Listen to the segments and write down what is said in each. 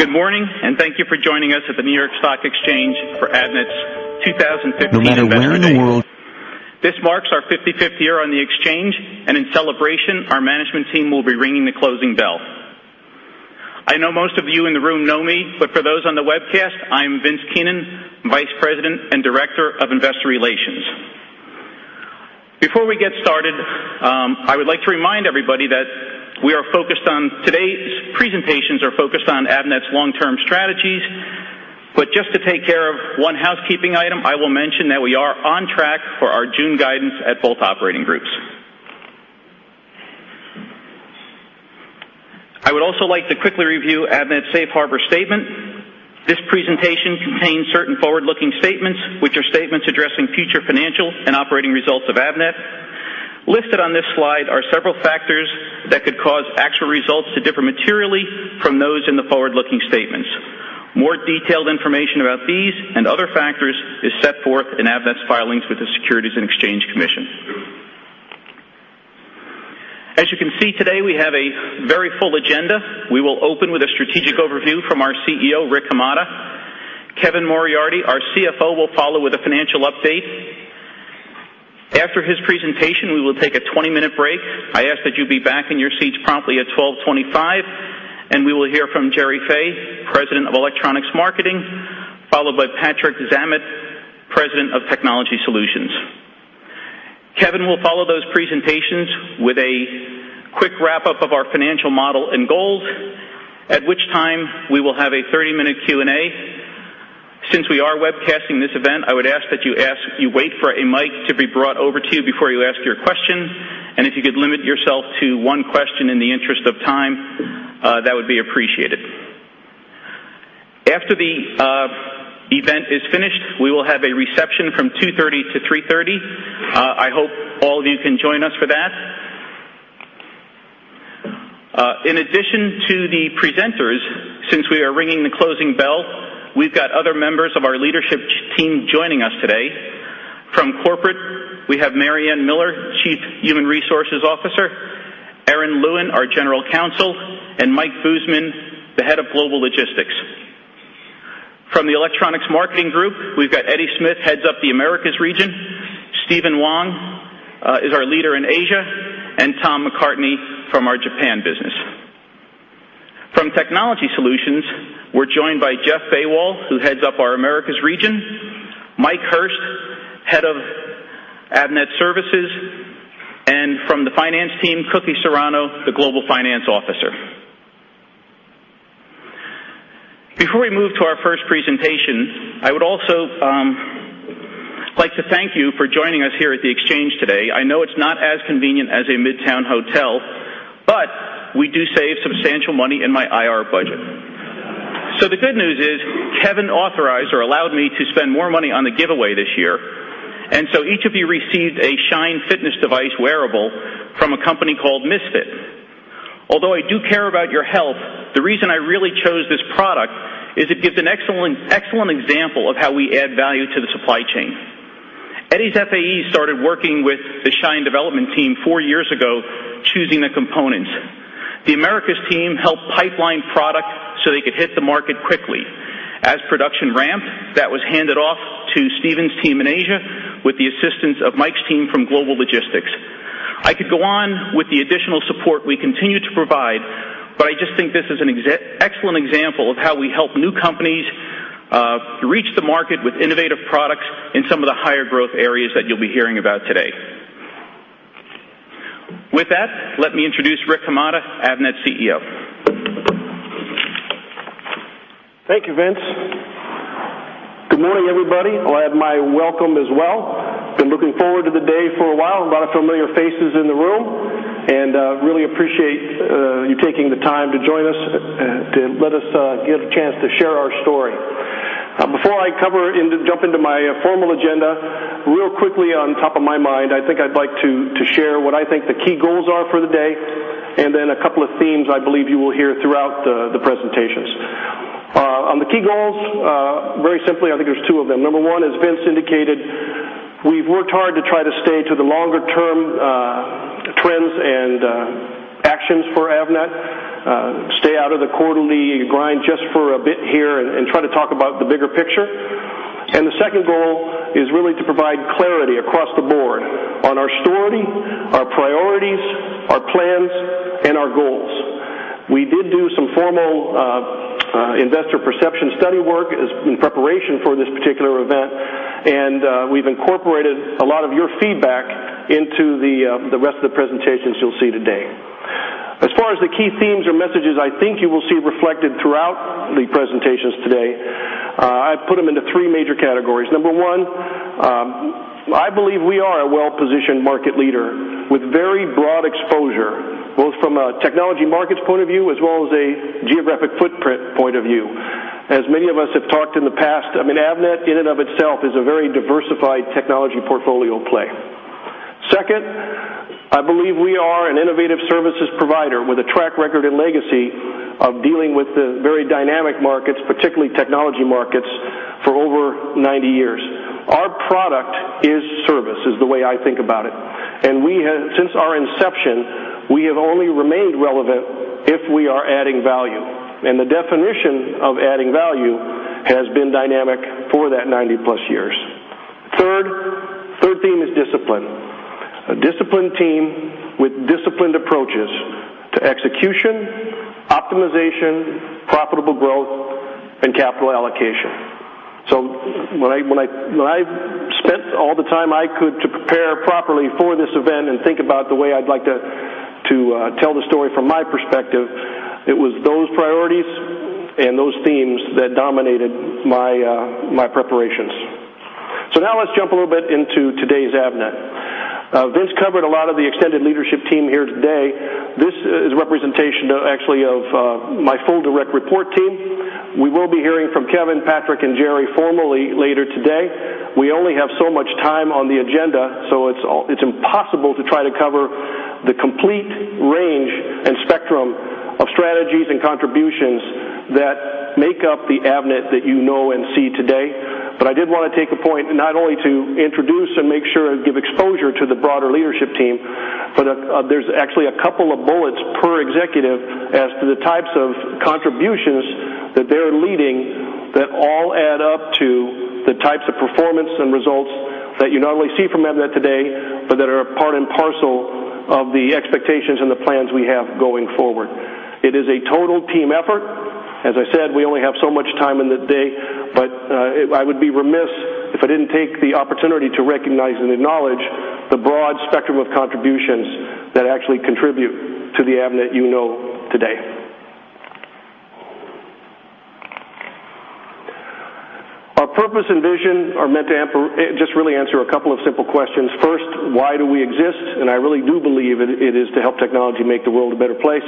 Good morning, and thank you for joining us at the New York Stock Exchange for Avnet's 2015. No matter where in the world. This marks our 55th year on the exchange, and in celebration, our management team will be ringing the closing bell. I know most of you in the room know me, but for those on the webcast, I'm Vince Keenan, Vice President and Director of Investor Relations. Before we get started, I would like to remind everybody that we are focused on today's presentations are focused on Avnet's long-term strategies, but just to take care of one housekeeping item, I will mention that we are on track for our June guidance at both operating groups. I would also like to quickly review Avnet's Safe Harbor Statement. This presentation contains certain forward-looking statements, which are statements addressing future financial and operating results of Avnet. Listed on this slide are several factors that could cause actual results to differ materially from those in the forward-looking statements. More detailed information about these and other factors is set forth in Avnet's filings with the Securities and Exchange Commission. As you can see today, we have a very full agenda. We will open with a strategic overview from our CEO, Rick Hamada. Kevin Moriarty, our CFO, will follow with a financial update. After his presentation, we will take a 20-minute break. I ask that you be back in your seats promptly at 12:25, and we will hear from Gerry Fay, President of Electronics Marketing, followed by Patrick Zammit, President of Technology Solutions. Kevin will follow those presentations with a quick wrap-up of our financial model and goals, at which time we will have a 30-minute Q&A. Since we are webcasting this event, I would ask that you wait for a mic to be brought over to you before you ask your question, and if you could limit yourself to one question in the interest of time, that would be appreciated. After the event is finished, we will have a reception from 2:30 P.M. to 3:30 P.M. I hope all of you can join us for that. In addition to the presenters, since we are ringing the closing bell, we've got other members of our leadership team joining us today. From corporate, we have MaryAnn Miller, Chief Human Resources Officer, Erin Lewin, our General Counsel, and Mike Buseman, the Head of Global Logistics. From the Electronics Marketing Group, we've got Ed Smith, heads up the Americas region, Stephen Wong is our leader in Asia, and Tom McCartney from our Japan business. From Technology Solutions, we're joined by Jeff Bawol, who heads up our Americas region, Mike Hurst, Head of Avnet Services, and from the finance team, Cookie Serrano, the Global Finance Officer. Before we move to our first presentation, I would also like to thank you for joining us here at the exchange today. I know it's not as convenient as a midtown hotel, but we do save substantial money in my IR budget. So the good news is Kevin authorized or allowed me to spend more money on the giveaway this year, and so each of you received a Shine fitness device wearable from a company called Misfit. Although I do care about your health, the reason I really chose this product is it gives an excellent example of how we add value to the Supply Chain. Eddie's FAE started working with the Shine development team four years ago, choosing the components. The Americas team helped pipeline product so they could hit the market quickly. As production ramped, that was handed off to Stephen's team in Asia with the assistance of Mike's team from Global Logistics. I could go on with the additional support we continue to provide, but I just think this is an excellent example of how we help new companies reach the market with innovative products in some of the higher growth areas that you'll be hearing about today. With that, let me introduce Rick Hamada, Avnet CEO. Thank you, Vince. Good morning, everybody. I'll add my welcome as well. I've been looking forward to the day for a while. A lot of familiar faces in the room, and I really appreciate you taking the time to join us to let us get a chance to share our story. Before I cover and jump into my formal agenda, real quickly on top of my mind, I think I'd like to share what I think the key goals are for the day, and then a couple of themes I believe you will hear throughout the presentations. On the key goals, very simply, I think there's two of them. Number one, as Vince indicated, we've worked hard to try to stay to the longer-term trends and actions for Avnet, stay out of the quarterly grind just for a bit here, and try to talk about the bigger picture. The second goal is really to provide clarity across the board on our story, our priorities, our plans, and our goals. We did do some formal investor perception study work in preparation for this particular event, and we've incorporated a lot of your feedback into the rest of the presentations you'll see today. As far as the key themes or messages I think you will see reflected throughout the presentations today, I put them into three major categories. Number one, I believe we are a well-positioned market leader with very broad exposure, both from a technology markets point of view as well as a geographic footprint point of view. As many of us have talked in the past, I mean, Avnet in and of itself is a very diversified technology portfolio play. Second, I believe we are an innovative services provider with a track record and legacy of dealing with the very dynamic markets, particularly technology markets, for over 90 years. Our product is service, is the way I think about it. And since our inception, we have only remained relevant if we are adding value, and the definition of adding value has been dynamic for that 90-plus years. Third, third theme is discipline. A disciplined team with disciplined approaches to execution, optimization, profitable growth, and capital allocation. So when I spent all the time I could to prepare properly for this event and think about the way I'd like to tell the story from my perspective, it was those priorities and those themes that dominated my preparations. So now let's jump a little bit into today's Avnet. Vince covered a lot of the extended leadership team here today. This is a representation, actually, of my full direct report team. We will be hearing from Kevin, Patrick, and Gerry formally later today. We only have so much time on the agenda, so it's impossible to try to cover the complete range and spectrum of strategies and contributions that make up the Avnet that you know and see today. But I did want to take a point not only to introduce and make sure and give exposure to the broader leadership team, but there's actually a couple of bullets per executive as to the types of contributions that they're leading that all add up to the types of performance and results that you not only see from Avnet today, but that are part and parcel of the expectations and the plans we have going forward. It is a total team effort. As I said, we only have so much time in the day, but I would be remiss if I didn't take the opportunity to recognize and acknowledge the broad spectrum of contributions that actually contribute to the Avnet you know today. Our purpose and vision are meant to just really answer a couple of simple questions. First, why do we exist? And I really do believe it is to help technology make the world a better place.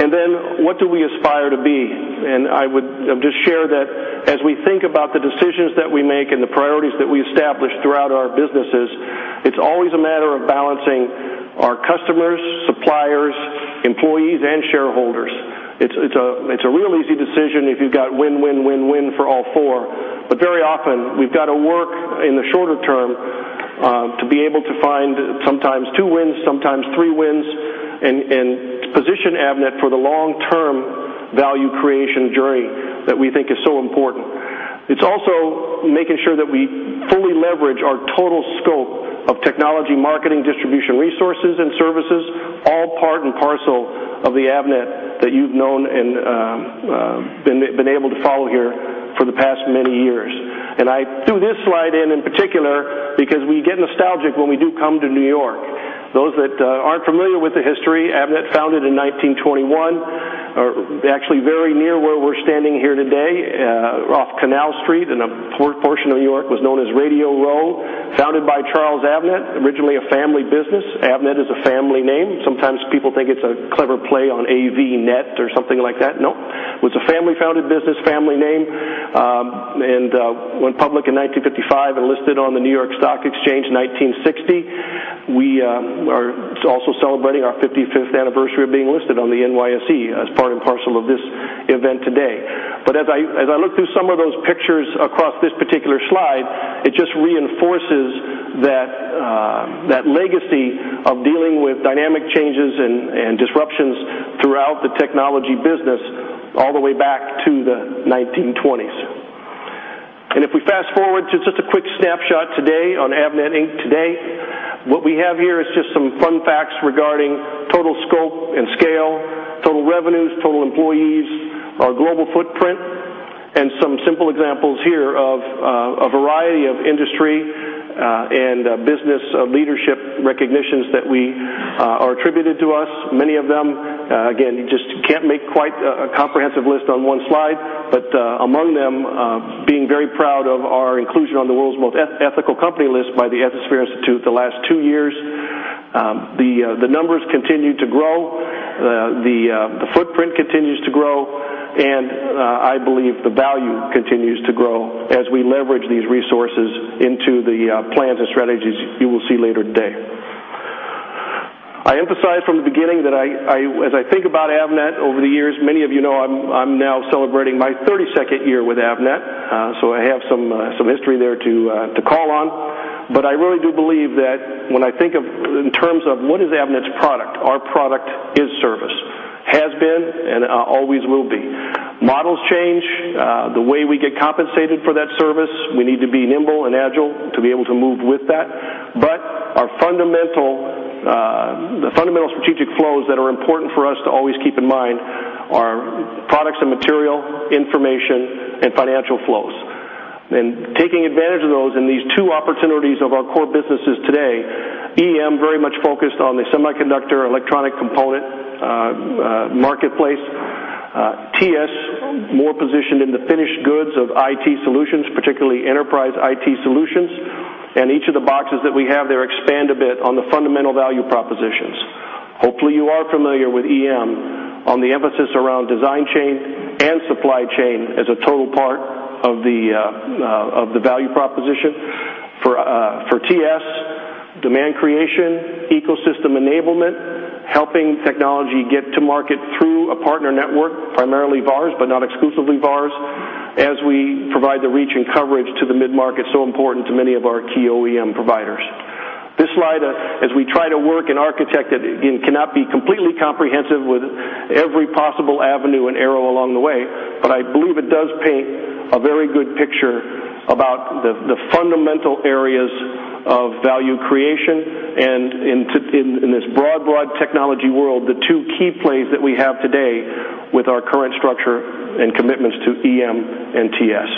And then, what do we aspire to be? And I would just share that as we think about the decisions that we make and the priorities that we establish throughout our businesses, it's always a matter of balancing our customers, suppliers, employees, and shareholders. It's a real easy decision if you've got win, win, win, win for all four, but very often we've got to work in the shorter term to be able to find sometimes two wins, sometimes three wins, and position Avnet for the long-term value creation journey that we think is so important. It's also making sure that we fully leverage our total scope of technology marketing, distribution resources, and services, all part and parcel of the Avnet that you've known and been able to follow here for the past many years. I threw this slide in in particular because we get nostalgic when we do come to New York. Those that aren't familiar with the history, Avnet founded in 1921, actually very near where we're standing here today, off Canal Street in a portion of New York was known as Radio Row, founded by Charles Avnet, originally a family business. Avnet is a family name. Sometimes people think it's a clever play on Avnet or something like that. Nope. It was a family-founded business, family name, and went public in 1955 and listed on the New York Stock Exchange in 1960. We are also celebrating our 55th anniversary of being listed on the NYSE as part and parcel of this event today. But as I look through some of those pictures across this particular slide, it just reinforces that legacy of dealing with dynamic changes and disruptions throughout the technology business all the way back to the 1920s. If we fast forward to just a quick snapshot today on Avnet, Inc. today, what we have here is just some fun facts regarding total scope and scale, total revenues, total employees, our global footprint, and some simple examples here of a variety of industry and business leadership recognitions that are attributed to us. Many of them, again, you just can't make quite a comprehensive list on one slide, but among them, being very proud of our inclusion on the world's most ethical company list by the Ethisphere Institute the last two years, the numbers continue to grow, the footprint continues to grow, and I believe the value continues to grow as we leverage these resources into the plans and strategies you will see later today. I emphasized from the beginning that as I think about Avnet over the years, many of you know I'm now celebrating my 32nd year with Avnet, so I have some history there to call on, but I really do believe that when I think in terms of what is Avnet's product, our product is service, has been and always will be. Models change. The way we get compensated for that service, we need to be nimble and agile to be able to move with that, but the fundamental strategic flows that are important for us to always keep in mind are products and material information and financial flows. Taking advantage of those in these two opportunities of our core businesses today, EM very much focused on the semiconductor electronic component marketplace, TS more positioned in the finished goods of IT solutions, particularly enterprise IT solutions, and each of the boxes that we have there expand a bit on the fundamental value propositions. Hopefully, you are familiar with EM on the emphasis around Design Chain and supply chain as a total part of the value proposition. For TS, demand creation, ecosystem enablement, helping technology get to market through a partner network, primarily VARs, but not exclusively VARs, as we provide the reach and coverage to the mid-market so important to many of our key OEM providers. This slide, as we try to work and architect it, again, cannot be completely comprehensive with every possible avenue and arrow along the way, but I believe it does paint a very good picture about the fundamental areas of value creation and in this broad, broad technology world, the two key plays that we have today with our current structure and commitments to EM and TS.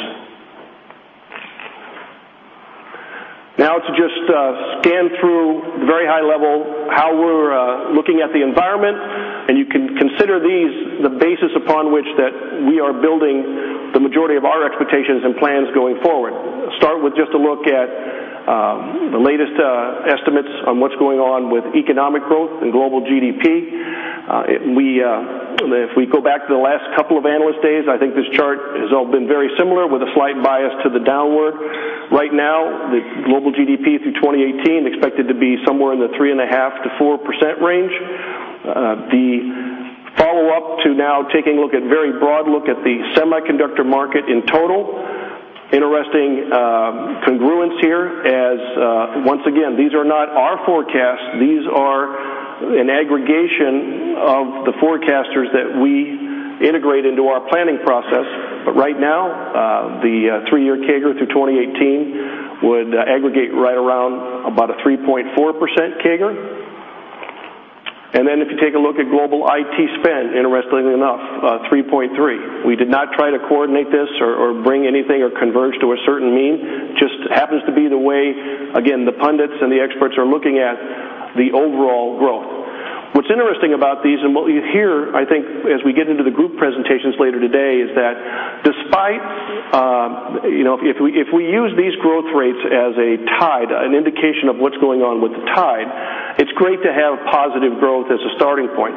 Now to just scan through at a very high level how we're looking at the environment, and you can consider these the basis upon which that we are building the majority of our expectations and plans going forward. Start with just a look at the latest estimates on what's going on with economic growth and global GDP. If we go back to the last couple of analyst days, I think this chart has all been very similar with a slight bias to the downward. Right now, the global GDP through 2018 is expected to be somewhere in the 3.5%-4% range. The follow-up to now taking a very broad look at the semiconductor market in total, interesting congruence here as once again, these are not our forecasts. These are an aggregation of the forecasters that we integrate into our planning process, but right now, the three-year CAGR through 2018 would aggregate right around about a 3.4% CAGR. And then if you take a look at global IT spend, interestingly enough, 3.3%. We did not try to coordinate this or bring anything or converge to a certain mean. It just happens to be the way, again, the pundits and the experts are looking at the overall growth. What's interesting about these and what you hear, I think, as we get into the group presentations later today is that despite if we use these growth rates as a tide, an indication of what's going on with the tide, it's great to have positive growth as a starting point.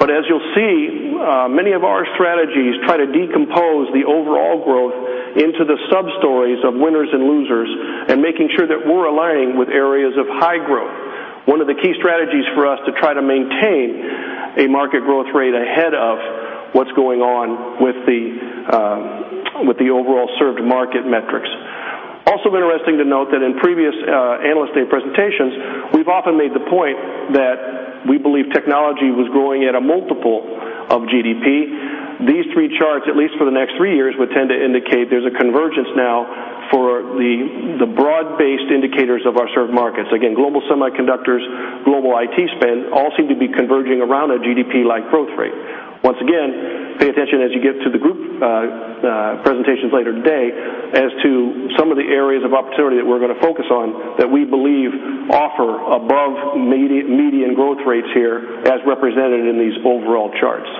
But as you'll see, many of our strategies try to decompose the overall growth into the sub-stories of winners and losers and making sure that we're aligning with areas of high growth. One of the key strategies for us to try to maintain a market growth rate ahead of what's going on with the overall served market metrics. Also interesting to note that in previous analyst day presentations, we've often made the point that we believe technology was growing at a multiple of GDP. These three charts, at least for the next 3 years, would tend to indicate there's a convergence now for the broad-based indicators of our served markets. Again, global semiconductors, global IT spend all seem to be converging around a GDP-like growth rate. Once again, pay attention as you get to the group presentations later today as to some of the areas of opportunity that we're going to focus on that we believe offer above median growth rates here as represented in these overall charts.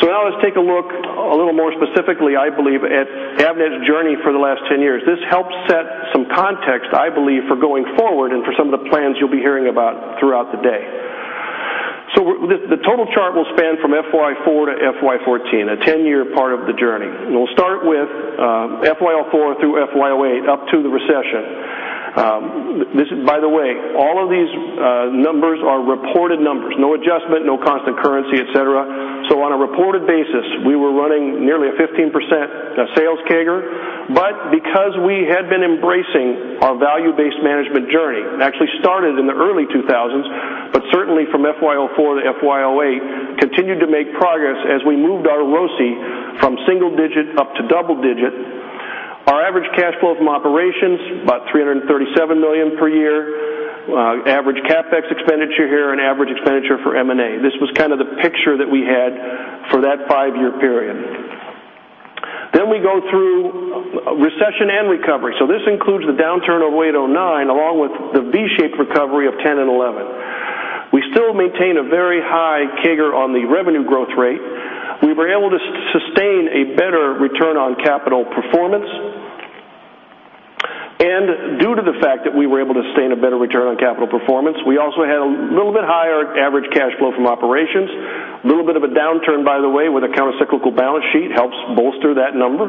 So now let's take a look a little more specifically, I believe, at Avnet's journey for the last 10 years. This helps set some context, I believe, for going forward and for some of the plans you'll be hearing about throughout the day. So the total chart will span from FY04 to FY14, a 10-year part of the journey. We'll start with FY '04 through FY '08 up to the recession. By the way, all of these numbers are reported numbers. No adjustment, no constant currency, etc. So on a reported basis, we were running nearly a 15% sales CAGR, but because we had been embracing our value-based management journey, actually started in the early 2000s, but certainly from FY '04 to FY '08, continued to make progress as we moved our ROCE from single digit up to double digit. Our average cash flow from operations, about $337 million per year, average CapEx expenditure here, and average expenditure for M&A. This was kind of the picture that we had for that five-year period. Then we go through recession and recovery. So this includes the downturn of 2008, 2009, along with the V-shaped recovery of 2010 and 2011. We still maintain a very high CAGR on the revenue growth rate. We were able to sustain a better return on capital performance. Due to the fact that we were able to sustain a better return on capital performance, we also had a little bit higher average cash flow from operations. A little bit of a downturn, by the way, with a countercyclical balance sheet helps bolster that number.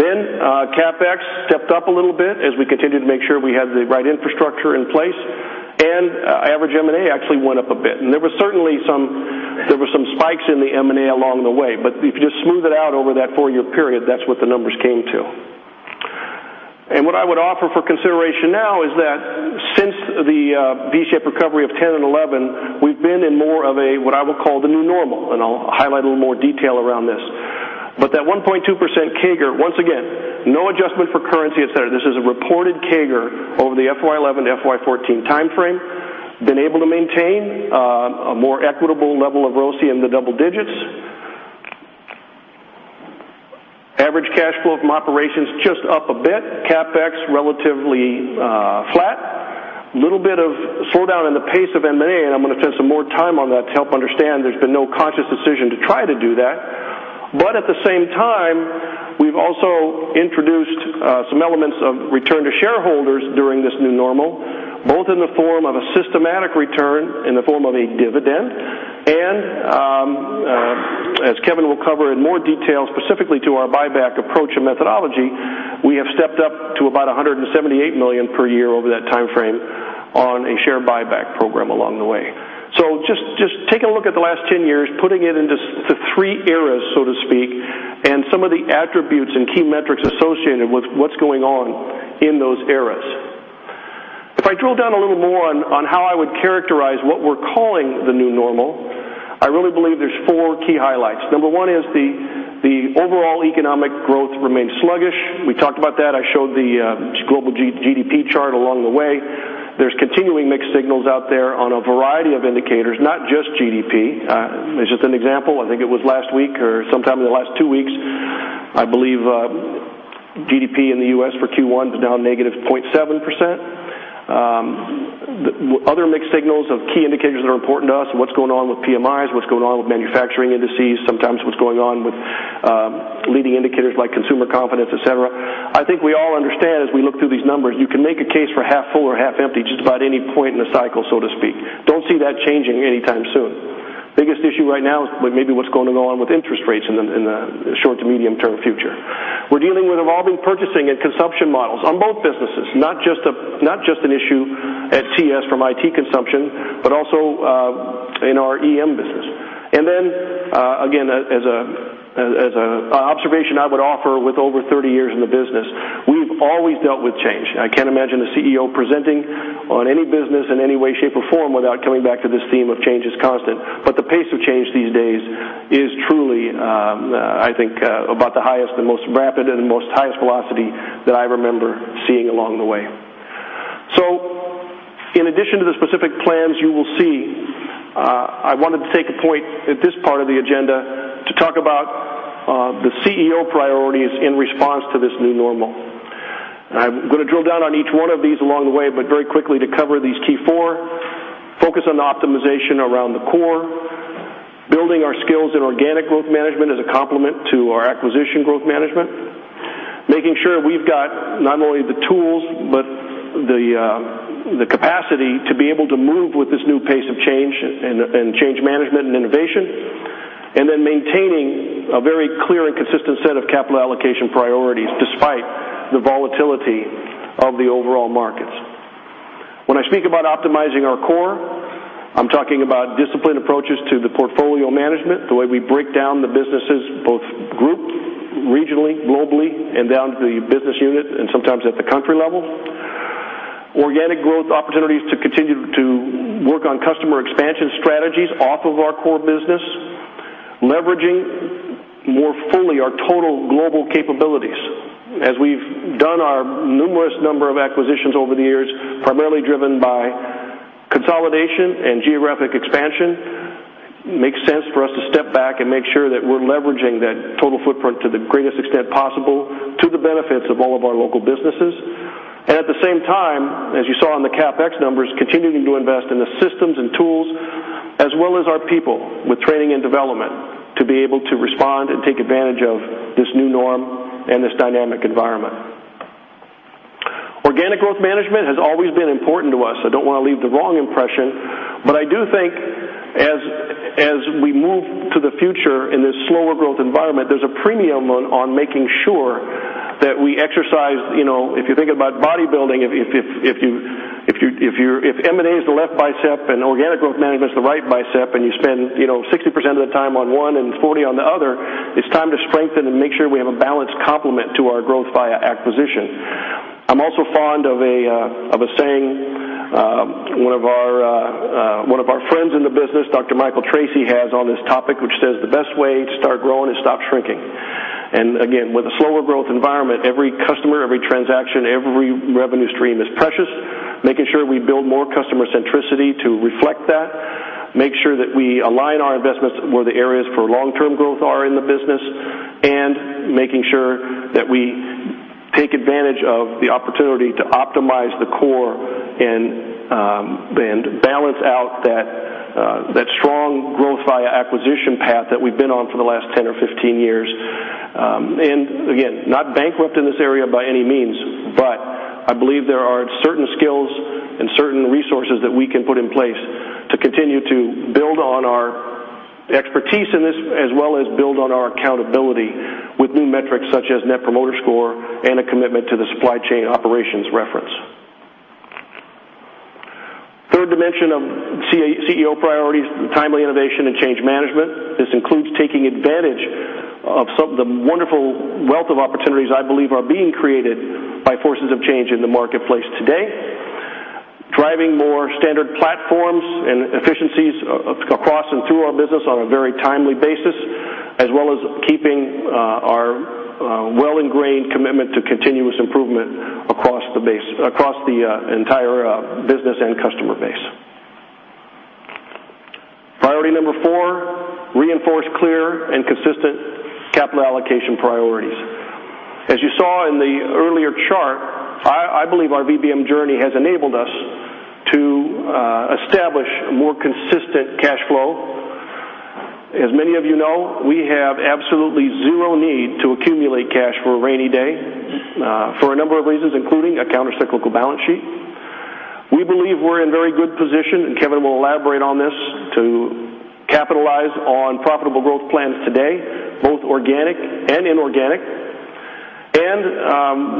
CapEx stepped up a little bit as we continued to make sure we had the right infrastructure in place, and average M&A actually went up a bit. There were certainly some spikes in the M&A along the way, but if you just smooth it out over that four-year period, that's what the numbers came to. What I would offer for consideration now is that since the V-shaped recovery of 2010 and 2011, we've been in more of a what I will call the new normal, and I'll highlight a little more detail around this. But that 1.2% CAGR, once again, no adjustment for currency, etc. This is a reported CAGR over the FY11 to FY14 timeframe, been able to maintain a more equitable level of ROCI in the double digits. Average cash flow from operations just up a bit. CapEx relatively flat. A little bit of slowdown in the pace of M&A, and I'm going to spend some more time on that to help understand there's been no conscious decision to try to do that. But at the same time, we've also introduced some elements of return to shareholders during this new normal, both in the form of a systematic return in the form of a dividend, and as Kevin will cover in more detail specifically to our buyback approach and methodology, we have stepped up to about $178 million per year over that timeframe on a share buyback program along the way. So just taking a look at the last 10 years, putting it into three eras, so to speak, and some of the attributes and key metrics associated with what's going on in those eras. If I drill down a little more on how I would characterize what we're calling the new normal, I really believe there's four key highlights. Number one is the overall economic growth remains sluggish. We talked about that. I showed the global GDP chart along the way. There's continuing mixed signals out there on a variety of indicators, not just GDP. This is an example. I think it was last week or sometime in the last two weeks. I believe GDP in the U.S. for Q1 is now negative 0.7%. Other mixed signals of key indicators that are important to us, what's going on with PMIs, what's going on with manufacturing indices, sometimes what's going on with leading indicators like consumer confidence, etc. I think we all understand as we look through these numbers, you can make a case for half full or half empty just about any point in the cycle, so to speak. Don't see that changing anytime soon. Biggest issue right now is maybe what's going on with interest rates in the short to medium-term future. We're dealing with evolving purchasing and consumption models on both businesses, not just an issue at TS from IT consumption, but also in our EM business. And then, again, as an observation I would offer with over 30 years in the business, we've always dealt with change. I can't imagine a CEO presenting on any business in any way, shape, or form without coming back to this theme of change is constant. But the pace of change these days is truly, I think, about the highest, the most rapid, and the most highest velocity that I remember seeing along the way. So in addition to the specific plans you will see, I wanted to take a point at this part of the agenda to talk about the CEO priorities in response to this new normal. I'm going to drill down on each one of these along the way, but very quickly to cover these key four, focus on the optimization around the core, building our skills in organic growth management as a complement to our acquisition growth management, making sure we've got not only the tools but the capacity to be able to move with this new pace of change and change management and innovation, and then maintaining a very clear and consistent set of capital allocation priorities despite the volatility of the overall markets. When I speak about optimizing our core, I'm talking about disciplined approaches to the portfolio management, the way we break down the businesses both group, regionally, globally, and down to the business unit and sometimes at the country level. Organic growth opportunities to continue to work on customer expansion strategies off of our core business, leveraging more fully our total global capabilities. As we've done our numerous number of acquisitions over the years, primarily driven by consolidation and geographic expansion, it makes sense for us to step back and make sure that we're leveraging that total footprint to the greatest extent possible to the benefits of all of our local businesses. At the same time, as you saw in the CapEx numbers, continuing to invest in the systems and tools as well as our people with training and development to be able to respond and take advantage of this new norm and this dynamic environment. Organic growth management has always been important to us. I don't want to leave the wrong impression, but I do think as we move to the future in this slower growth environment, there's a premium on making sure that we exercise. If you're thinking about bodybuilding, if M&A is the left bicep and organic growth management is the right bicep and you spend 60% of the time on one and 40% on the other, it's time to strengthen and make sure we have a balanced complement to our growth via acquisition. I'm also fond of a saying one of our friends in the business, Dr. Michael Treacy, has on this topic, which says, "The best way to start growing is to stop shrinking." And again, with a slower growth environment, every customer, every transaction, every revenue stream is precious. Making sure we build more customer centricity to reflect that, make sure that we align our investments where the areas for long-term growth are in the business, and making sure that we take advantage of the opportunity to optimize the core and balance out that strong growth via acquisition path that we've been on for the last 10 or 15 years. And again, not bankrupt in this area by any means, but I believe there are certain skills and certain resources that we can put in place to continue to build on our expertise in this as well as build on our accountability with new metrics such as Net Promoter Score and a commitment to the Supply Chain Operations Reference. Third dimension of CEO priorities, timely innovation and change management. This includes taking advantage of the wonderful wealth of opportunities I believe are being created by forces of change in the marketplace today, driving more standard platforms and efficiencies across and through our business on a very timely basis, as well as keeping our well-ingrained commitment to continuous improvement across the entire business and customer base. Priority number four, reinforce clear and consistent capital allocation priorities. As you saw in the earlier chart, I believe our VBM journey has enabled us to establish more consistent cash flow. As many of you know, we have absolutely zero need to accumulate cash for a rainy day for a number of reasons, including a countercyclical balance sheet. We believe we're in very good position, and Kevin will elaborate on this, to capitalize on profitable growth plans today, both organic and inorganic.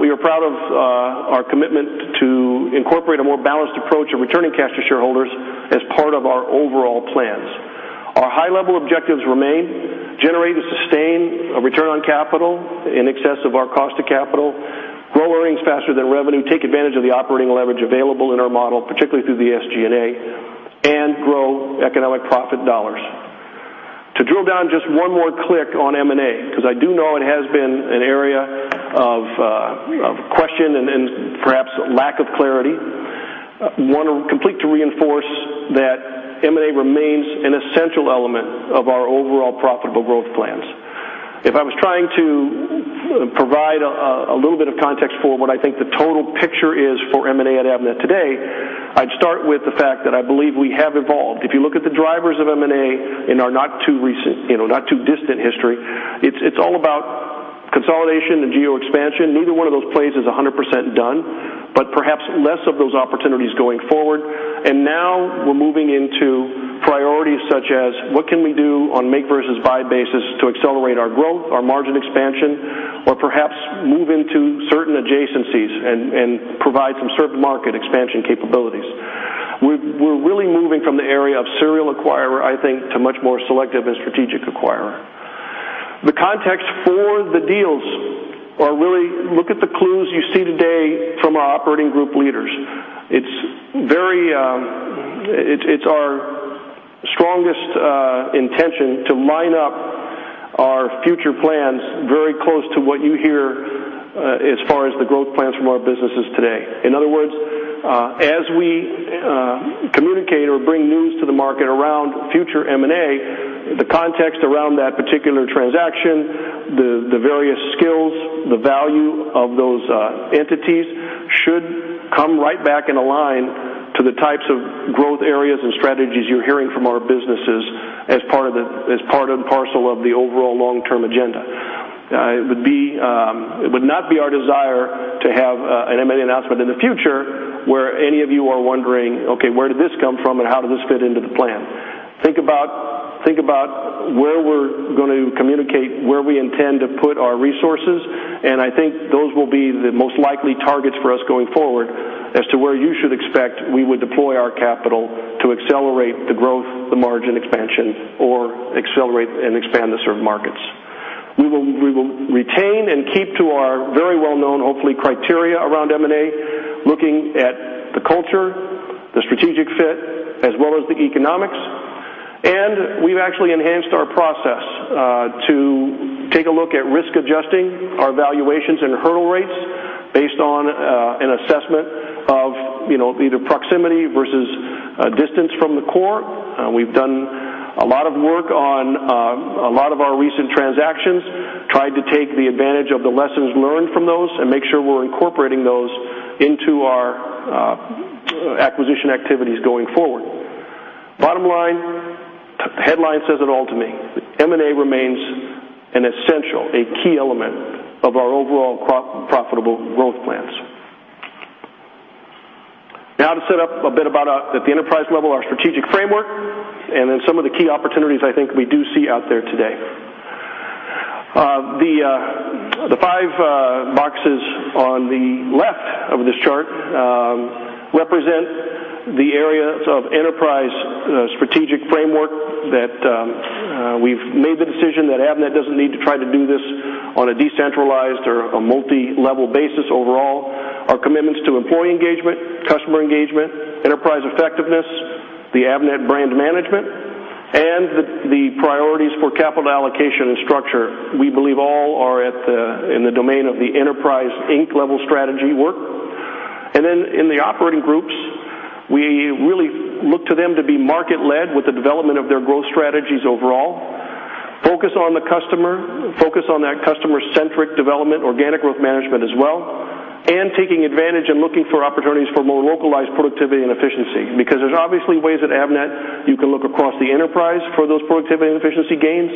We are proud of our commitment to incorporate a more balanced approach of returning cash to shareholders as part of our overall plans. Our high-level objectives remain: generate and sustain a return on capital in excess of our cost of capital, grow earnings faster than revenue, take advantage of the operating leverage available in our model, particularly through the SG&A, and grow economic profit dollars. To drill down just one more click on M&A, because I do know it has been an area of question and perhaps lack of clarity, I want to complete to reinforce that M&A remains an essential element of our overall profitable growth plans. If I was trying to provide a little bit of context for what I think the total picture is for M&A at Avnet today, I'd start with the fact that I believe we have evolved. If you look at the drivers of M&A in our not too distant history, it's all about consolidation and geoexpansion. Neither one of those plays is 100% done, but perhaps less of those opportunities going forward. Now we're moving into priorities such as what can we do on make versus buy basis to accelerate our growth, our margin expansion, or perhaps move into certain adjacencies and provide some certain market expansion capabilities. We're really moving from the area of serial acquirer, I think, to much more selective and strategic acquirer. The context for the deals are really look at the clues you see today from our operating group leaders. It's our strongest intention to line up our future plans very close to what you hear as far as the growth plans from our businesses today. In other words, as we communicate or bring news to the market around future M&A, the context around that particular transaction, the various skills, the value of those entities should come right back in line with the types of growth areas and strategies you're hearing from our businesses as part and parcel of the overall long-term agenda. It would not be our desire to have an M&A announcement in the future where any of you are wondering, "Okay, where did this come from and how does this fit into the plan?" Think about where we're going to communicate where we intend to put our resources, and I think those will be the most likely targets for us going forward as to where you should expect we would deploy our capital to accelerate the growth, the margin expansion, or accelerate and expand the certain markets. We will retain and keep to our very well-known, hopefully, criteria around M&A, looking at the culture, the strategic fit, as well as the economics. We've actually enhanced our process to take a look at risk-adjusting our valuations and hurdle rates based on an assessment of either proximity versus distance from the core. We've done a lot of work on a lot of our recent transactions, tried to take the advantage of the lessons learned from those and make sure we're incorporating those into our acquisition activities going forward. Bottom line, the headline says it all to me. M&A remains an essential, a key element of our overall profitable growth plans. Now to set up a bit about at the enterprise level, our strategic framework, and then some of the key opportunities I think we do see out there today. The five boxes on the left of this chart represent the areas of enterprise strategic framework that we've made the decision that Avnet doesn't need to try to do this on a decentralized or a multi-level basis overall. Our commitments to employee engagement, customer engagement, enterprise effectiveness, the Avnet brand management, and the priorities for capital allocation and structure we believe all are in the domain of the enterprise think level strategy work. Then in the operating groups, we really look to them to be market-led with the development of their growth strategies overall, focus on the customer, focus on that customer-centric development, organic growth management as well, and taking advantage and looking for opportunities for more localized productivity and efficiency. Because there's obviously ways at Avnet you can look across the enterprise for those productivity and efficiency gains,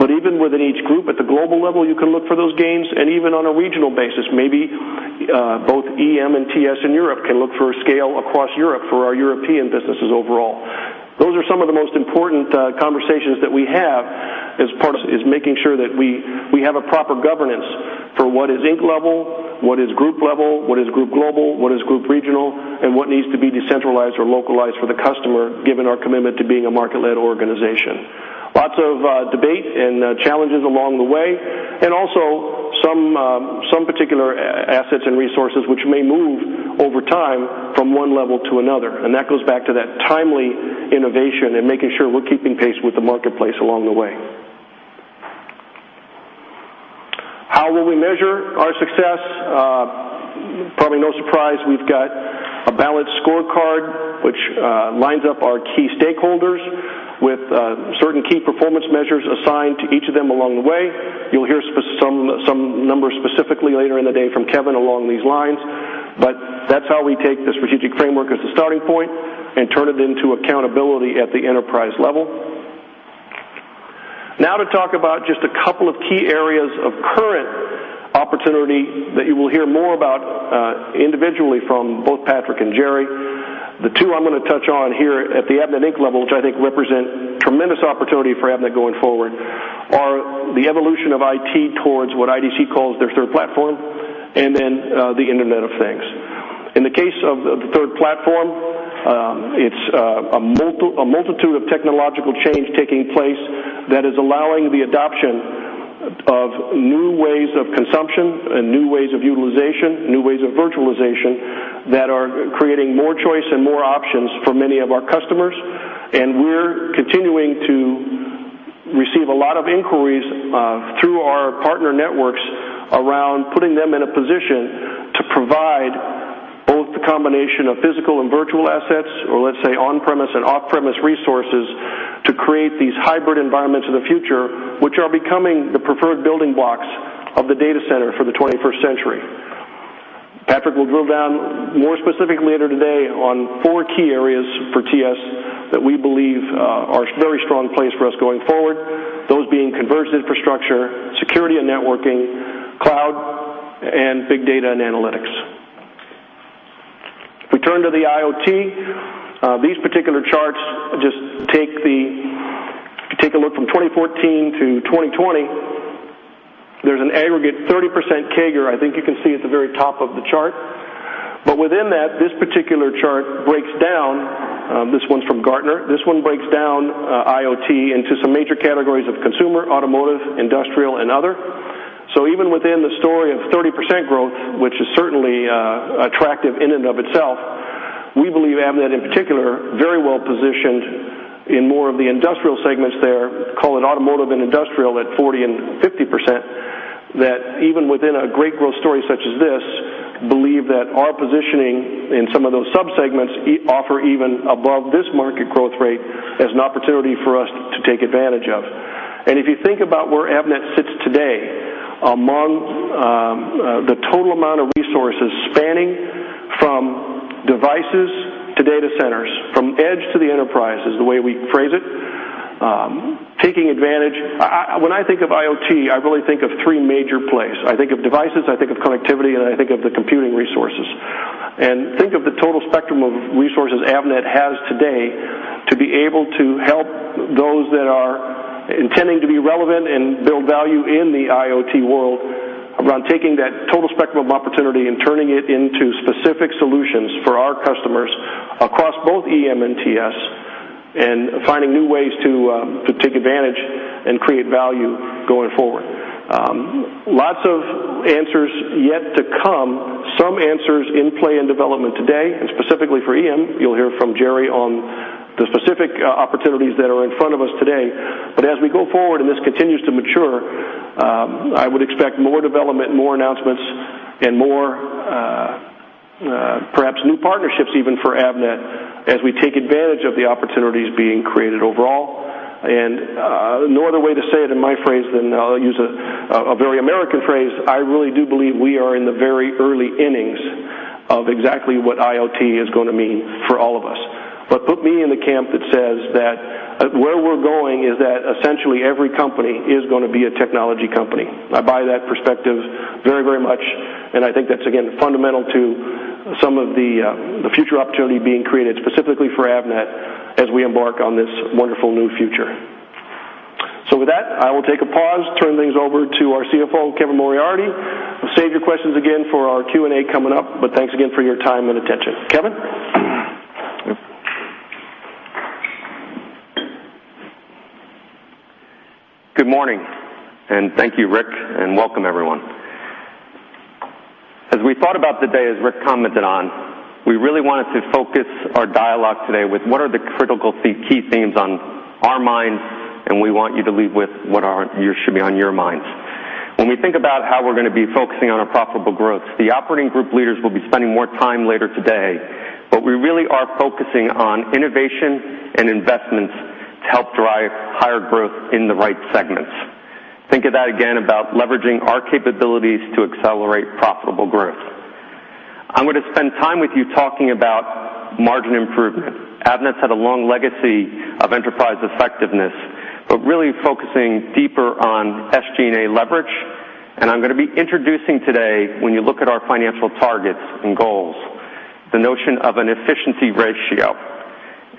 but even within each group at the global level, you can look for those gains. And even on a regional basis, maybe both EM and TS in Europe can look for a scale across Europe for our European businesses overall. Those are some of the most important conversations that we have as part is making sure that we have a proper governance for what is Inc. level, what is group level, what is group global, what is group regional, and what needs to be decentralized or localized for the customer, given our commitment to being a market-led organization. Lots of debate and challenges along the way, and also some particular assets and resources which may move over time from one level to another. That goes back to that timely innovation and making sure we're keeping pace with the marketplace along the way. How will we measure our success? Probably no surprise, we've got a balanced scorecard which lines up our key stakeholders with certain key performance measures assigned to each of them along the way. You'll hear some number specifically later in the day from Kevin along these lines, but that's how we take the strategic framework as a starting point and turn it into accountability at the enterprise level. Now to talk about just a couple of key areas of current opportunity that you will hear more about individually from both Patrick and Gerry. The two I'm going to touch on here at the Avnet Inc. level, which I think represent tremendous opportunity for Avnet going forward, are the evolution of IT towards what IDC calls their Third Platform, and then the Internet of Things. In the case of the Third Platform, it's a multitude of technological change taking place that is allowing the adoption of new ways of consumption and new ways of utilization, new ways of virtualization that are creating more choice and more options for many of our customers. We're continuing to receive a lot of inquiries through our partner networks around putting them in a position to provide both the combination of physical and virtual assets, or let's say on-premise and off-premise resources to create these hybrid environments of the future, which are becoming the preferred building blocks of the data center for the 21st century. Patrick will drill down more specifically later today on four key areas for TS that we believe are a very strong place for us going forward, those being converged infrastructure, security and networking, cloud, and big data and analytics. If we turn to the IoT, these particular charts just take a look from 2014 to 2020. There's an aggregate 30% CAGR, I think you can see at the very top of the chart. But within that, this particular chart breaks down this one's from Gartner. This one breaks down IoT into some major categories of consumer, automotive, industrial, and other. So even within the story of 30% growth, which is certainly attractive in and of itself, we believe Avnet in particular very well positioned in more of the industrial segments there, call it automotive and industrial at 40% and 50%, that even within a great growth story such as this, believe that our positioning in some of those subsegments offer even above this market growth rate as an opportunity for us to take advantage of. And if you think about where Avnet sits today among the total amount of resources spanning from devices to data centers, from edge to the enterprise is the way we phrase it, taking advantage when I think of IoT, I really think of three major plays. I think of devices, I think of connectivity, and I think of the computing resources. Think of the total spectrum of resources Avnet has today to be able to help those that are intending to be relevant and build value in the IoT world around taking that total spectrum of opportunity and turning it into specific solutions for our customers across both EM and TS and finding new ways to take advantage and create value going forward. Lots of answers yet to come, some answers in play and development today. Specifically for EM, you'll hear from Gerry on the specific opportunities that are in front of us today. But as we go forward and this continues to mature, I would expect more development, more announcements, and more perhaps new partnerships even for Avnet as we take advantage of the opportunities being created overall. No other way to say it in my phrase than I'll use a very American phrase. I really do believe we are in the very early innings of exactly what IoT is going to mean for all of us. But put me in the camp that says that where we're going is that essentially every company is going to be a technology company. I buy that perspective very, very much. And I think that's, again, fundamental to some of the future opportunity being created specifically for Avnet as we embark on this wonderful new future. So with that, I will take a pause, turn things over to our CFO, Kevin Moriarty. Save your questions again for our Q&A coming up, but thanks again for your time and attention. Kevin. Good morning, and thank you, Rick, and welcome everyone. As we thought about the day, as Rick commented on, we really wanted to focus our dialogue today with what are the critical key themes on our mind, and we want you to leave with what should be on your minds. When we think about how we're going to be focusing on our profitable growth, the operating group leaders will be spending more time later today, but we really are focusing on innovation and investments to help drive higher growth in the right segments. Think of that again about leveraging our capabilities to accelerate profitable growth. I'm going to spend time with you talking about margin improvement. Avnet's had a long legacy of enterprise effectiveness, but really focusing deeper on SG&A leverage. I'm going to be introducing today, when you look at our financial targets and goals, the notion of an efficiency ratio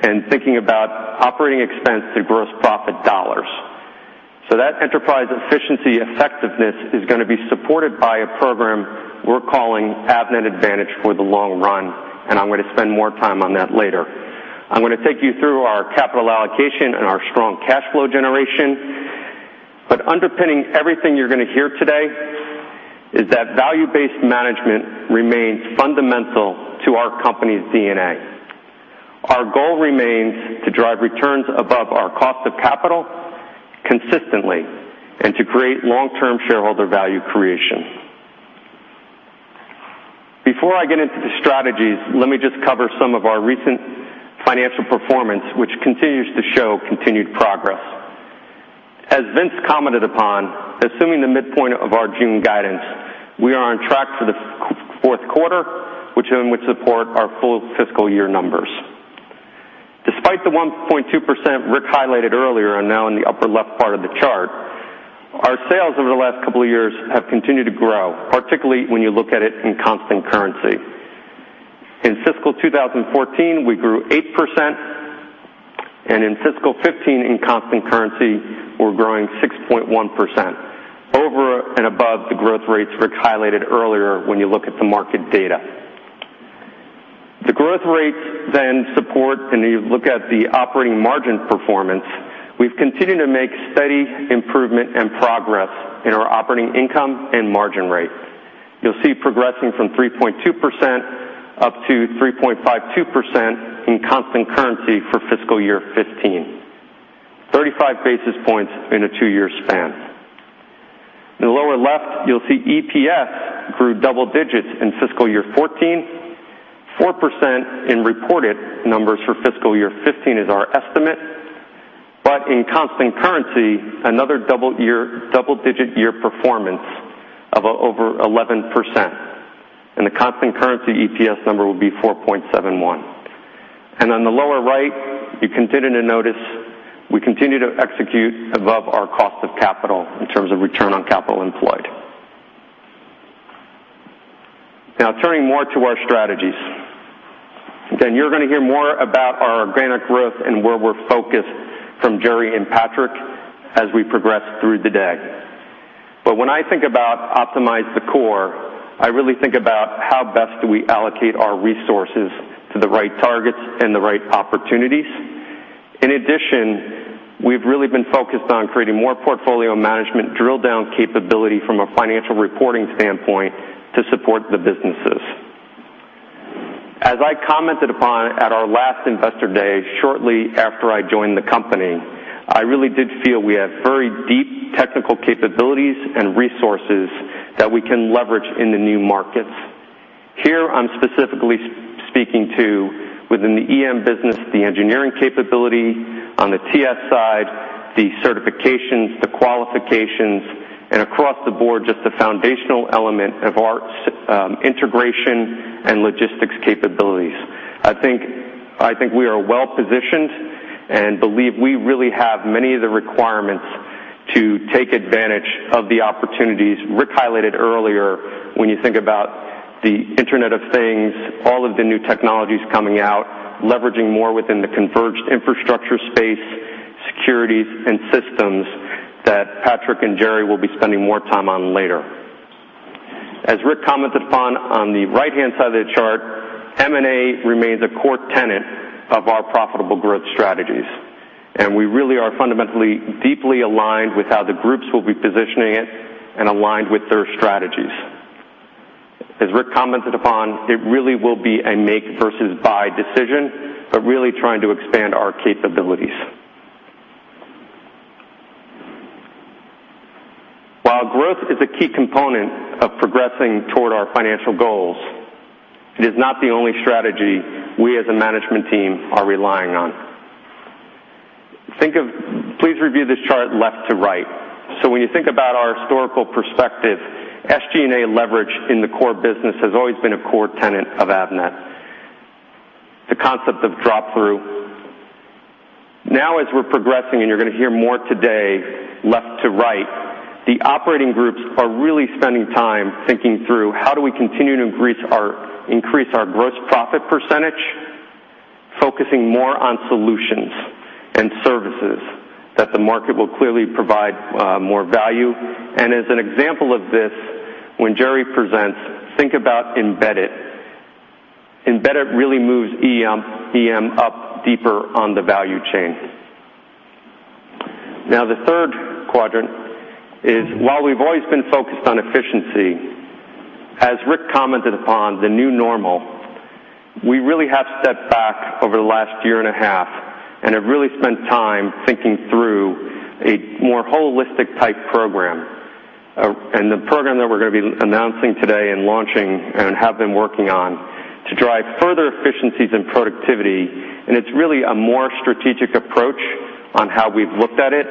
and thinking about operating expense to gross profit dollars. That enterprise efficiency effectiveness is going to be supported by a program we're calling Avnet Advantage for the Long Run, and I'm going to spend more time on that later. I'm going to take you through our capital allocation and our strong cash flow generation. Underpinning everything you're going to hear today is that value-based management remains fundamental to our company's DNA. Our goal remains to drive returns above our cost of capital consistently and to create long-term shareholder value creation. Before I get into the strategies, let me just cover some of our recent financial performance, which continues to show continued progress. As Vince commented upon, assuming the midpoint of our June guidance, we are on track for the fourth quarter, which would support our full fiscal year numbers. Despite the 1.2% Rick highlighted earlier and now in the upper left part of the chart, our sales over the last couple of years have continued to grow, particularly when you look at it in constant currency. In fiscal 2014, we grew 8%, and in fiscal 2015 in constant currency, we're growing 6.1% over and above the growth rates Rick highlighted earlier when you look at the market data. The growth rates then support, and you look at the operating margin performance, we've continued to make steady improvement and progress in our operating income and margin rate. You'll see progressing from 3.2% up to 3.52% in constant currency for fiscal year 2015, 35 basis points in a two-year span. In the lower left, you'll see EPS grew double digits in fiscal year 2014, 4% in reported numbers for fiscal year 2015 is our estimate, but in constant currency, another double digit year performance of over 11%. The constant currency EPS number will be 4.71. On the lower right, you continue to notice we continue to execute above our cost of capital in terms of return on capital employed. Now turning more to our strategies. Again, you're going to hear more about our organic growth and where we're focused from Gerry and Patrick as we progress through the day. But when I think about optimize the core, I really think about how best do we allocate our resources to the right targets and the right opportunities. In addition, we've really been focused on creating more portfolio management drill-down capability from a financial reporting standpoint to support the businesses. As I commented upon at our last investor day shortly after I joined the company, I really did feel we have very deep technical capabilities and resources that we can leverage in the new markets. Here, I'm specifically speaking to within the EM business, the engineering capability on the TS side, the certifications, the qualifications, and across the board, just the foundational element of our integration and logistics capabilities. I think we are well positioned and believe we really have many of the requirements to take advantage of the opportunities Rick highlighted earlier when you think about the Internet of Things, all of the new technologies coming out, leveraging more within the converged infrastructure space, securities, and systems that Patrick and Gerry will be spending more time on later. As Rick commented upon on the right-hand side of the chart, M&A remains a core tenet of our profitable growth strategies, and we really are fundamentally deeply aligned with how the groups will be positioning it and aligned with their strategies. As Rick commented upon, it really will be a make versus buy decision, but really trying to expand our capabilities. While growth is a key component of progressing toward our financial goals, it is not the only strategy we as a management team are relying on. Please review this chart left to right. So when you think about our historical perspective, SG&A leverage in the core business has always been a core tenet of Avnet. The concept of drop-through. Now, as we're progressing, and you're going to hear more today left to right, the operating groups are really spending time thinking through how do we continue to increase our gross profit percentage, focusing more on solutions and services that the market will clearly provide more value. And as an example of this, when Jerry presents, think about embedded. Embedded really moves EM up deeper on the value chain. Now, the third quadrant is, while we've always been focused on efficiency, as Rick commented upon the new normal, we really have stepped back over the last year and a half and have really spent time thinking through a more holistic type program. The program that we're going to be announcing today and launching and have been working on to drive further efficiencies and productivity, and it's really a more strategic approach on how we've looked at it,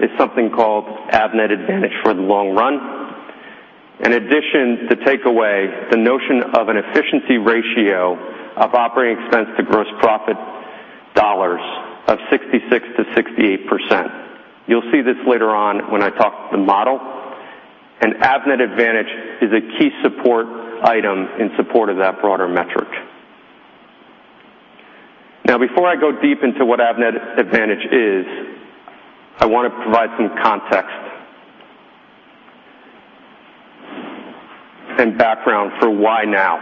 is something called Avnet Advantage for the long run. In addition, the takeaway, the notion of an efficiency ratio of operating expense to gross profit dollars of 66%-68%. You'll see this later on when I talk about the model. Avnet Advantage is a key support item in support of that broader metric. Now, before I go deep into what Avnet Advantage is, I want to provide some context and background for why now.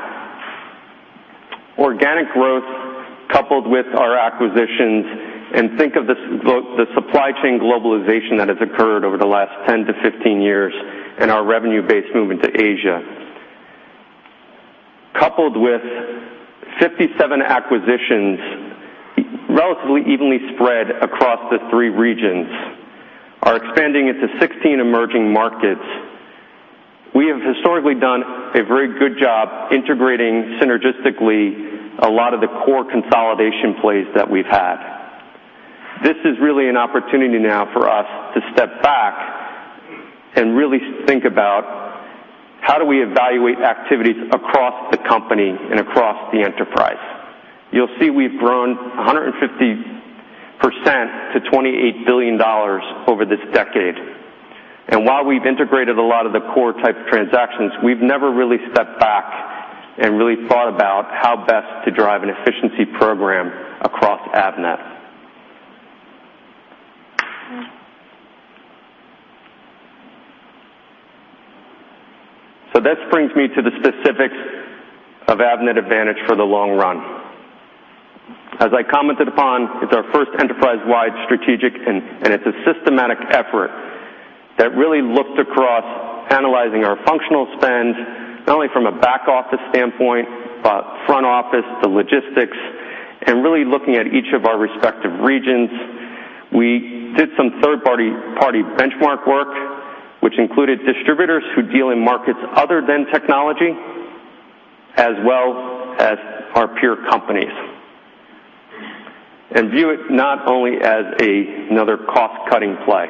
Organic growth coupled with our acquisitions and think of the supply chain globalization that has occurred over the last 10-15 years and our revenue-based movement to Asia, coupled with 57 acquisitions relatively evenly spread across the three regions, are expanding into 16 emerging markets. We have historically done a very good job integrating synergistically a lot of the core consolidation plays that we've had. This is really an opportunity now for us to step back and really think about how do we evaluate activities across the company and across the enterprise. You'll see we've grown 150% to $28 billion over this decade. While we've integrated a lot of the core type transactions, we've never really stepped back and really thought about how best to drive an efficiency program across Avnet. So that brings me to the specifics of Avnet Advantage for the long run. As I commented upon, it's our first enterprise-wide strategic, and it's a systematic effort that really looked across analyzing our functional spend, not only from a back office standpoint, but front office to logistics, and really looking at each of our respective regions. We did some third-party benchmark work, which included distributors who deal in markets other than technology, as well as our peer companies, and view it not only as another cost-cutting play.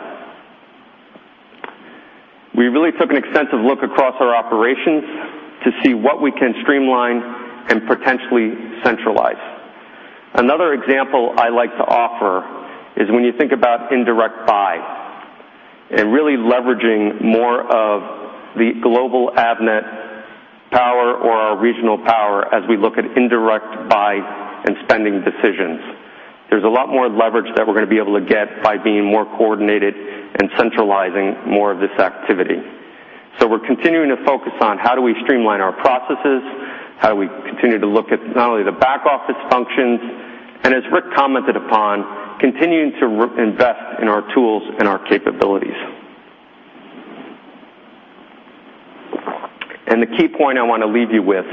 We really took an extensive look across our operations to see what we can streamline and potentially centralize. Another example I like to offer is when you think about indirect buy and really leveraging more of the global Avnet power or our regional power as we look at indirect buy and spending decisions. There's a lot more leverage that we're going to be able to get by being more coordinated and centralizing more of this activity. So we're continuing to focus on how do we streamline our processes, how do we continue to look at not only the back office functions, and as Rick commented upon, continuing to invest in our tools and our capabilities. And the key point I want to leave you with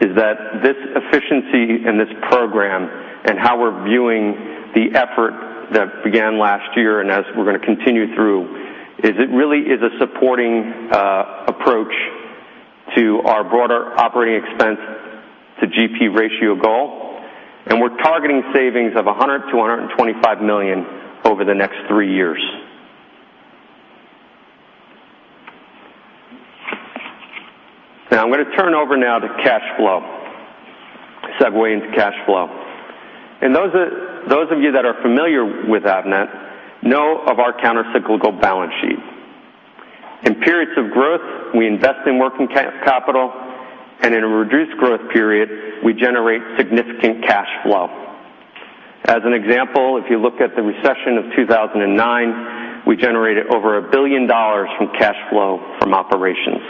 is that this efficiency and this program and how we're viewing the effort that began last year and as we're going to continue through is it really is a supporting approach to our broader operating expense to GP ratio goal, and we're targeting savings of $100 million-$125 million over the next three years. Now, I'm going to turn over now to cash flow, segue into cash flow. And those of you that are familiar with Avnet know of our countercyclical balance sheet. In periods of growth, we invest in working capital, and in a reduced growth period, we generate significant cash flow. As an example, if you look at the recession of 2009, we generated over $1 billion from cash flow from operations.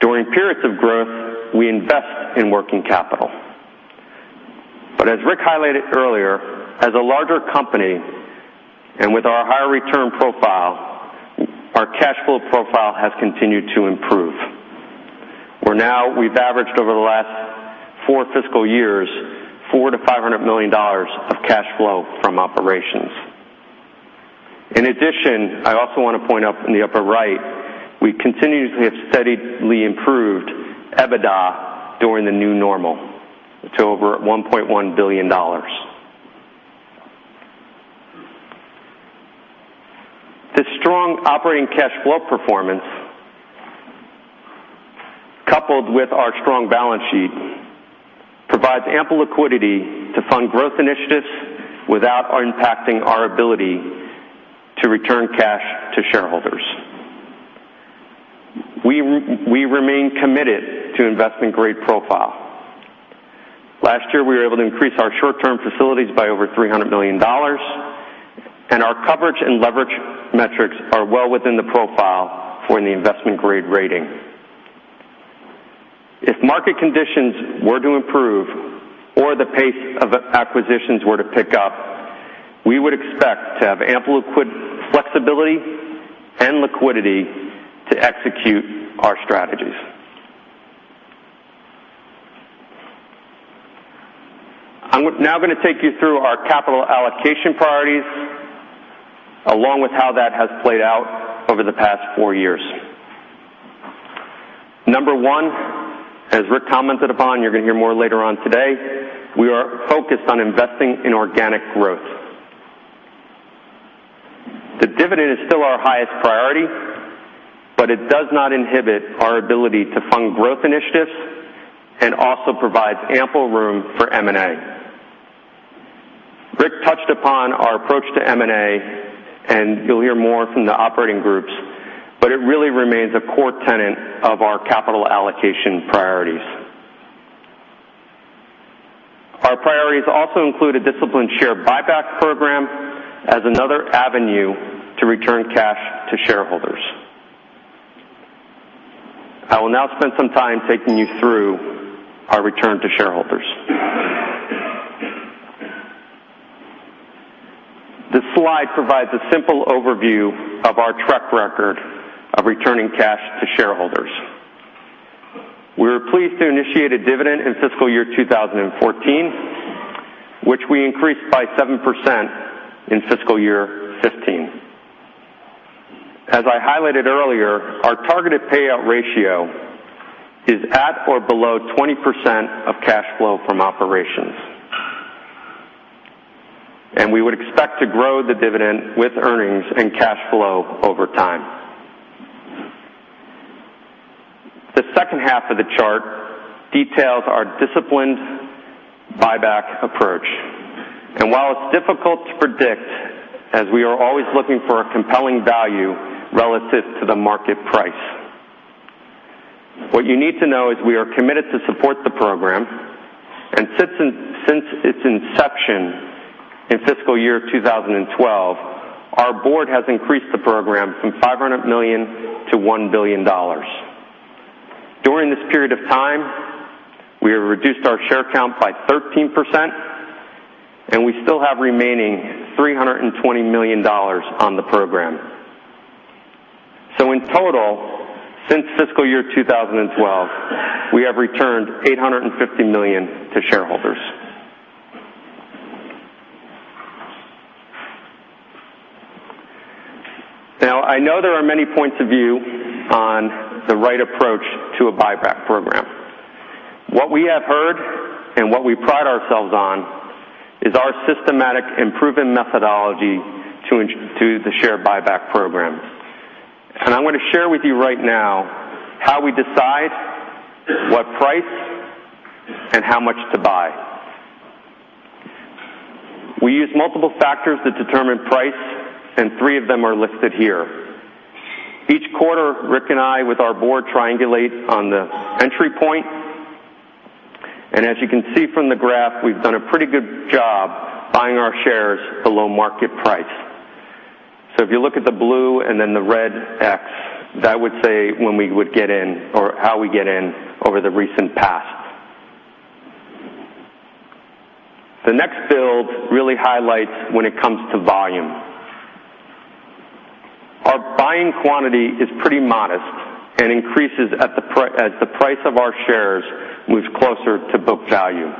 During periods of growth, we invest in working capital. But as Rick highlighted earlier, as a larger company and with our higher return profile, our cash flow profile has continued to improve. We've averaged over the last four fiscal years, $400 million-$500 million of cash flow from operations. In addition, I also want to point out in the upper right, we continuously have steadily improved EBITDA during the new normal to over $1.1 billion. This strong operating cash flow performance, coupled with our strong balance sheet, provides ample liquidity to fund growth initiatives without impacting our ability to return cash to shareholders. We remain committed to investment-grade profile. Last year, we were able to increase our short-term facilities by over $300 million, and our coverage and leverage metrics are well within the profile for the investment-grade rating. If market conditions were to improve or the pace of acquisitions were to pick up, we would expect to have ample flexibility and liquidity to execute our strategies. I'm now going to take you through our capital allocation priorities, along with how that has played out over the past four years. Number one, as Rick commented upon, you're going to hear more later on today, we are focused on investing in organic growth. The dividend is still our highest priority, but it does not inhibit our ability to fund growth initiatives and also provides ample room for M&A. Rick touched upon our approach to M&A, and you'll hear more from the operating groups, but it really remains a core tenet of our capital allocation priorities. Our priorities also include a disciplined share buyback program as another avenue to return cash to shareholders. I will now spend some time taking you through our return to shareholders. This slide provides a simple overview of our track record of returning cash to shareholders. We were pleased to initiate a dividend in fiscal year 2014, which we increased by 7% in fiscal year 2015. As I highlighted earlier, our targeted payout ratio is at or below 20% of cash flow from operations, and we would expect to grow the dividend with earnings and cash flow over time. The second half of the chart details our disciplined buyback approach. While it's difficult to predict, as we are always looking for a compelling value relative to the market price, what you need to know is we are committed to support the program. Since its inception in fiscal year 2012, our board has increased the program from $500 million to $1 billion. During this period of time, we have reduced our share count by 13%, and we still have remaining $320 million on the program. In total, since fiscal year 2012, we have returned $850 million to shareholders. Now, I know there are many points of view on the right approach to a buyback program. What we have heard and what we pride ourselves on is our systematic and proven methodology to the share buyback program. I'm going to share with you right now how we decide what price and how much to buy. We use multiple factors to determine price, and three of them are listed here. Each quarter, Rick and I with our board triangulate on the entry point. As you can see from the graph, we've done a pretty good job buying our shares below market price. So if you look at the blue and then the red X, that would say when we would get in or how we get in over the recent past. The next build really highlights when it comes to volume. Our buying quantity is pretty modest and increases as the price of our shares moves closer to book value.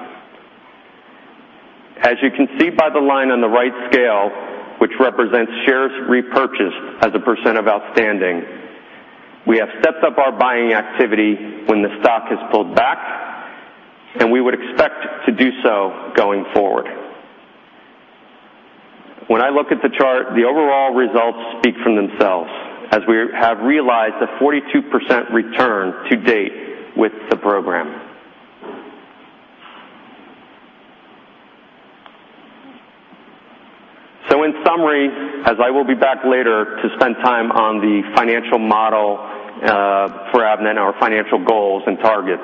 As you can see by the line on the right scale, which represents shares repurchased as a % of outstanding, we have stepped up our buying activity when the stock has pulled back, and we would expect to do so going forward. When I look at the chart, the overall results speak for themselves as we have realized a 42% return to date with the program. So in summary, as I will be back later to spend time on the financial model for Avnet and our financial goals and targets,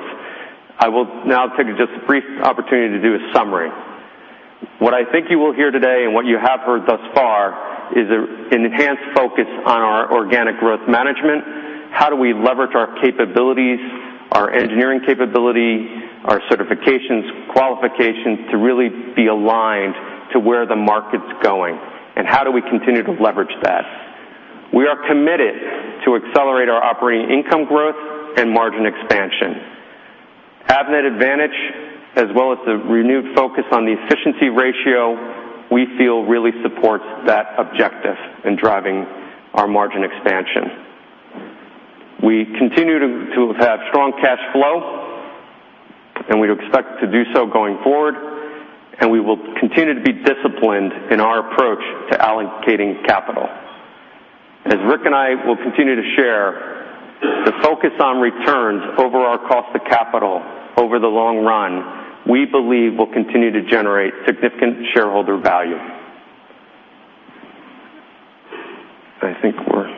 I will now take just a brief opportunity to do a summary. What I think you will hear today and what you have heard thus far is an enhanced focus on our organic growth management. How do we leverage our capabilities, our engineering capability, our certifications, qualifications to really be aligned to where the market's going, and how do we continue to leverage that? We are committed to accelerate our operating income growth and margin expansion. Avnet Advantage, as well as the renewed focus on the efficiency ratio, we feel really supports that objective in driving our margin expansion. We continue to have strong cash flow, and we expect to do so going forward, and we will continue to be disciplined in our approach to allocating capital. As Rick and I will continue to share, the focus on returns over our cost of capital over the long run, we believe will continue to generate significant shareholder value. I think we're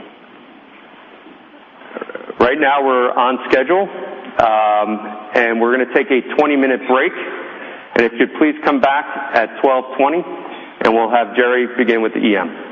right now we're on schedule, and we're going to take a 20-minute break. And if you'd please come back at 12:20, and we'll have Gerry begin with the EM.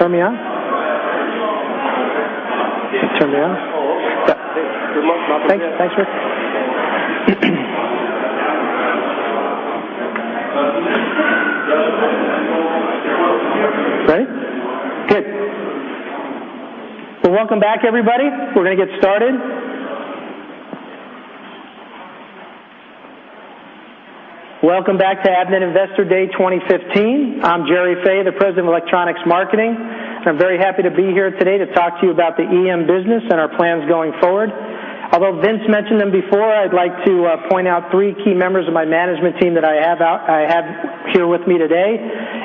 Ready? Good. Well, welcome back, everybody. We're going to get started. Welcome back to Avnet Investor Day 2015. I'm Gerry Fay, the President of Electronics Marketing, and I'm very happy to be here today to talk to you about the EM business and our plans going forward. Although Vince mentioned them before, I'd like to point out three key members of my management team that I have here with me today: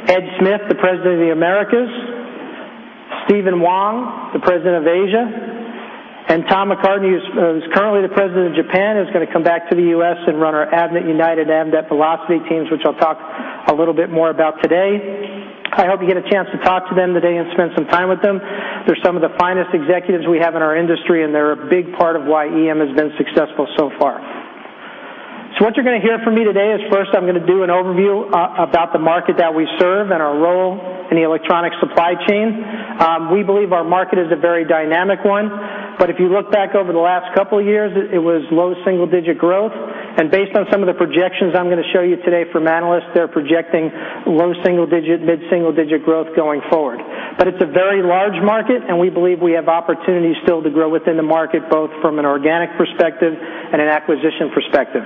Ed Smith, the President of the Americas, Stephen Wong, the President of Asia, and Tom McCartney, who's currently the President of Japan, who's going to come back to the U.S. and run our Avnet United and Avnet Velocity teams, which I'll talk a little bit more about today. I hope you get a chance to talk to them today and spend some time with them. They're some of the finest executives we have in our industry, and they're a big part of why EM has been successful so far. So what you're going to hear from me today is, first, I'm going to do an overview about the market that we serve and our role in the electronics supply chain. We believe our market is a very dynamic one, but if you look back over the last couple of years, it was low single-digit growth. Based on some of the projections I'm going to show you today from analysts, they're projecting low single-digit, mid-single-digit growth going forward. It's a very large market, and we believe we have opportunities still to grow within the market, both from an organic perspective and an acquisition perspective.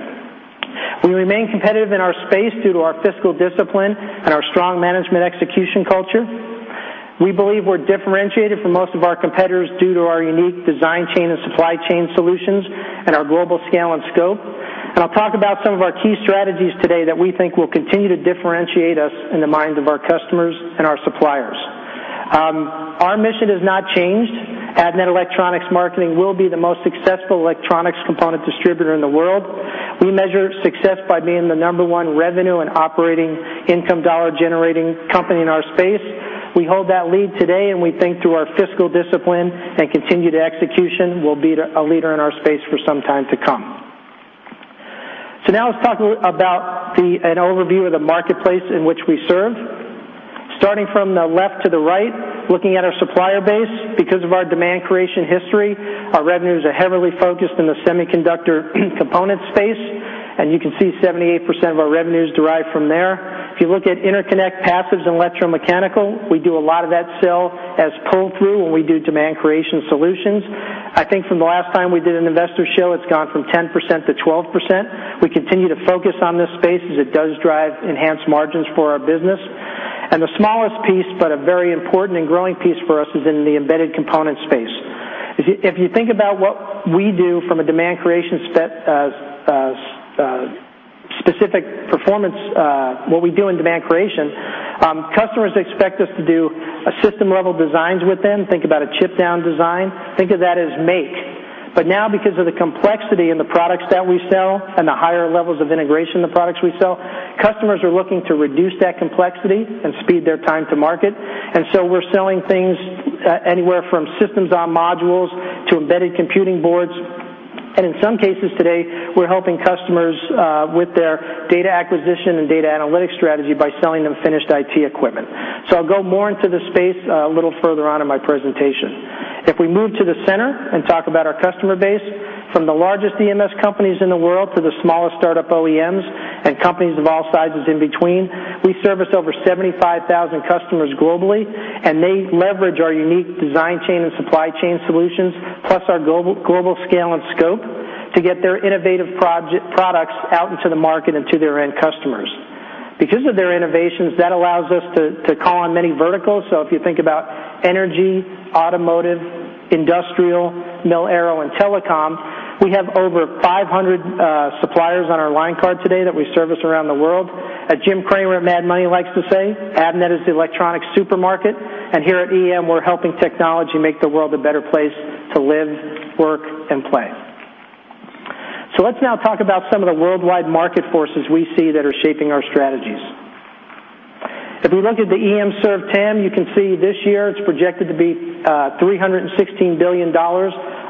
We remain competitive in our space due to our fiscal discipline and our strong management execution culture. We believe we're differentiated from most of our competitors due to our unique design chain and supply chain solutions and our global scale and scope. I'll talk about some of our key strategies today that we think will continue to differentiate us in the minds of our customers and our suppliers. Our mission has not changed. Avnet Electronics Marketing will be the most successful electronics component distributor in the world. We measure success by being the number one revenue and operating income dollar-generating company in our space. We hold that lead today, and we think through our fiscal discipline and continued execution, we'll be a leader in our space for some time to come. So now let's talk about an overview of the marketplace in which we serve. Starting from the left to the right, looking at our supplier base, because of our demand creation history, our revenues are heavily focused in the semiconductor component space, and you can see 78% of our revenues derive from there. If you look at interconnect, passives, and electromechanical, we do a lot of that sell as pull-through when we do demand creation solutions. I think from the last time we did an investor show, it's gone from 10%-12%. We continue to focus on this space as it does drive enhanced margins for our business. And the smallest piece, but a very important and growing piece for us, is in the embedded component space. If you think about what we do from a demand creation specific performance, what we do in demand creation, customers expect us to do system-level designs with them. Think about a chip-down design. Think of that as make. But now, because of the complexity in the products that we sell and the higher levels of integration in the products we sell, customers are looking to reduce that complexity and speed their time to market. And so we're selling things anywhere from systems on modules to embedded computing boards. In some cases today, we're helping customers with their data acquisition and data analytics strategy by selling them finished IT equipment. So I'll go more into the space a little further on in my presentation. If we move to the center and talk about our customer base, from the largest EMS companies in the world to the smallest startup OEMs and companies of all sizes in between, we service over 75,000 customers globally, and they leverage our unique design chain and supply chain solutions, plus our global scale and scope to get their innovative products out into the market and to their end customers. Because of their innovations, that allows us to call on many verticals. So if you think about energy, automotive, industrial, mil, aero, and telecom, we have over 500 suppliers on our line card today that we service around the world. As Jim Cramer at Mad Money likes to say, "Avnet is the electronics supermarket." And here at EM, we're helping technology make the world a better place to live, work, and play. So let's now talk about some of the worldwide market forces we see that are shaping our strategies. If we look at the EM Served TAM, you can see this year it's projected to be $316 billion,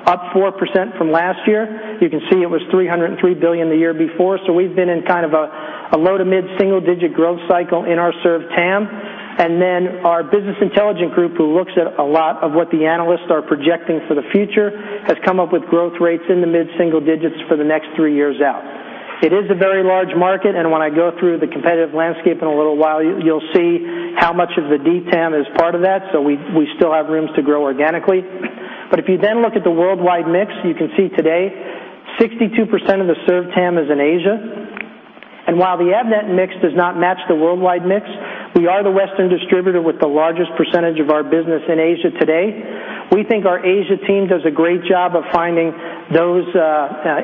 up 4% from last year. You can see it was $303 billion the year before. So we've been in kind of a low- to mid-single-digit growth cycle in our Served TAM. And then our business intelligence group, who looks at a lot of what the analysts are projecting for the future, has come up with growth rates in the mid-single digits for the next three years out. It is a very large market, and when I go through the competitive landscape in a little while, you'll see how much of the DTAM is part of that. So we still have room to grow organically. But if you then look at the worldwide mix, you can see today 62% of the Served TAM is in Asia. And while the Avnet mix does not match the worldwide mix, we are the Western distributor with the largest percentage of our business in Asia today. We think our Asia team does a great job of finding those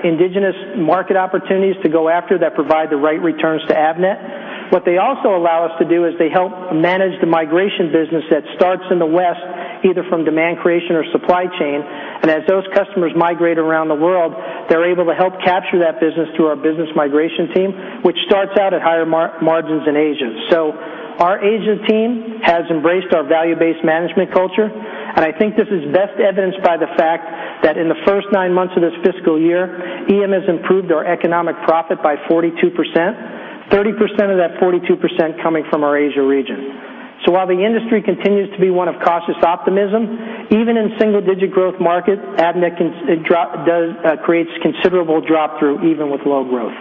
indigenous market opportunities to go after that provide the right returns to Avnet. What they also allow us to do is they help manage the migration business that starts in the West, either from demand creation or supply chain. As those customers migrate around the world, they're able to help capture that business through our business migration team, which starts out at higher margins in Asia. Our Asia team has embraced our Value-Based Management culture, and I think this is best evidenced by the fact that in the first nine months of this fiscal year, EM has improved our economic profit by 42%, 30% of that 42% coming from our Asia region. While the industry continues to be one of cautious optimism, even in single-digit growth markets, Avnet creates considerable drop-through even with low growth.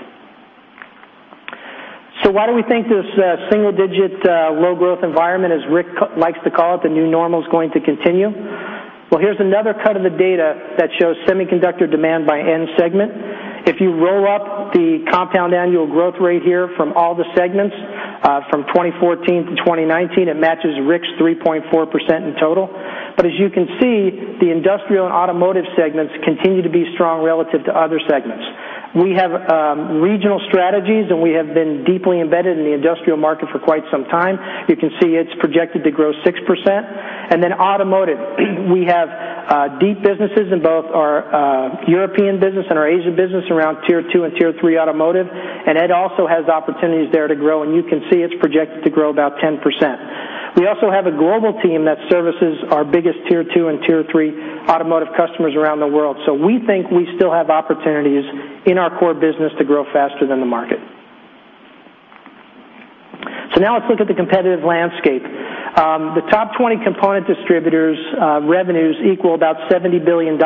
Why do we think this single-digit low growth environment, as Rick likes to call it, the new normal is going to continue? Well, here's another cut of the data that shows semiconductor demand by end segment. If you roll up the compound annual growth rate here from all the segments from 2014 to 2019, it matches Rick's 3.4% in total. As you can see, the industrial and automotive segments continue to be strong relative to other segments. We have regional strategies, and we have been deeply embedded in the industrial market for quite some time. You can see it's projected to grow 6%. Then automotive, we have deep businesses in both our European business and our Asia business around tier two and tier three automotive. It also has opportunities there to grow, and you can see it's projected to grow about 10%. We also have a global team that services our biggest tier two and tier three automotive customers around the world. We think we still have opportunities in our core business to grow faster than the market. So now let's look at the competitive landscape. The top 20 component distributors' revenues equal about $70 billion.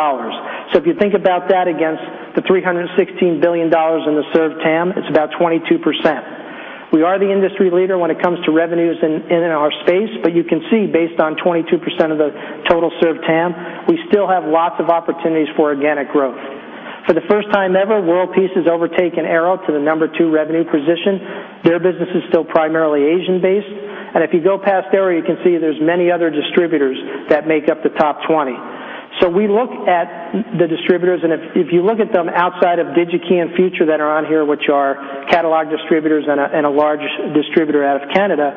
So if you think about that against the $316 billion in the Served TAM, it's about 22%. We are the industry leader when it comes to revenues in our space, but you can see based on 22% of the total Served TAM, we still have lots of opportunities for organic growth. For the first time ever, World Peace has overtaken Arrow to the number two revenue position. Their business is still primarily Asian-based. And if you go past Arrow, you can see there's many other distributors that make up the top 20. So we look at the distributors, and if you look at them outside of Digi-Key and Future that are on here, which are catalog distributors and a large distributor out of Canada,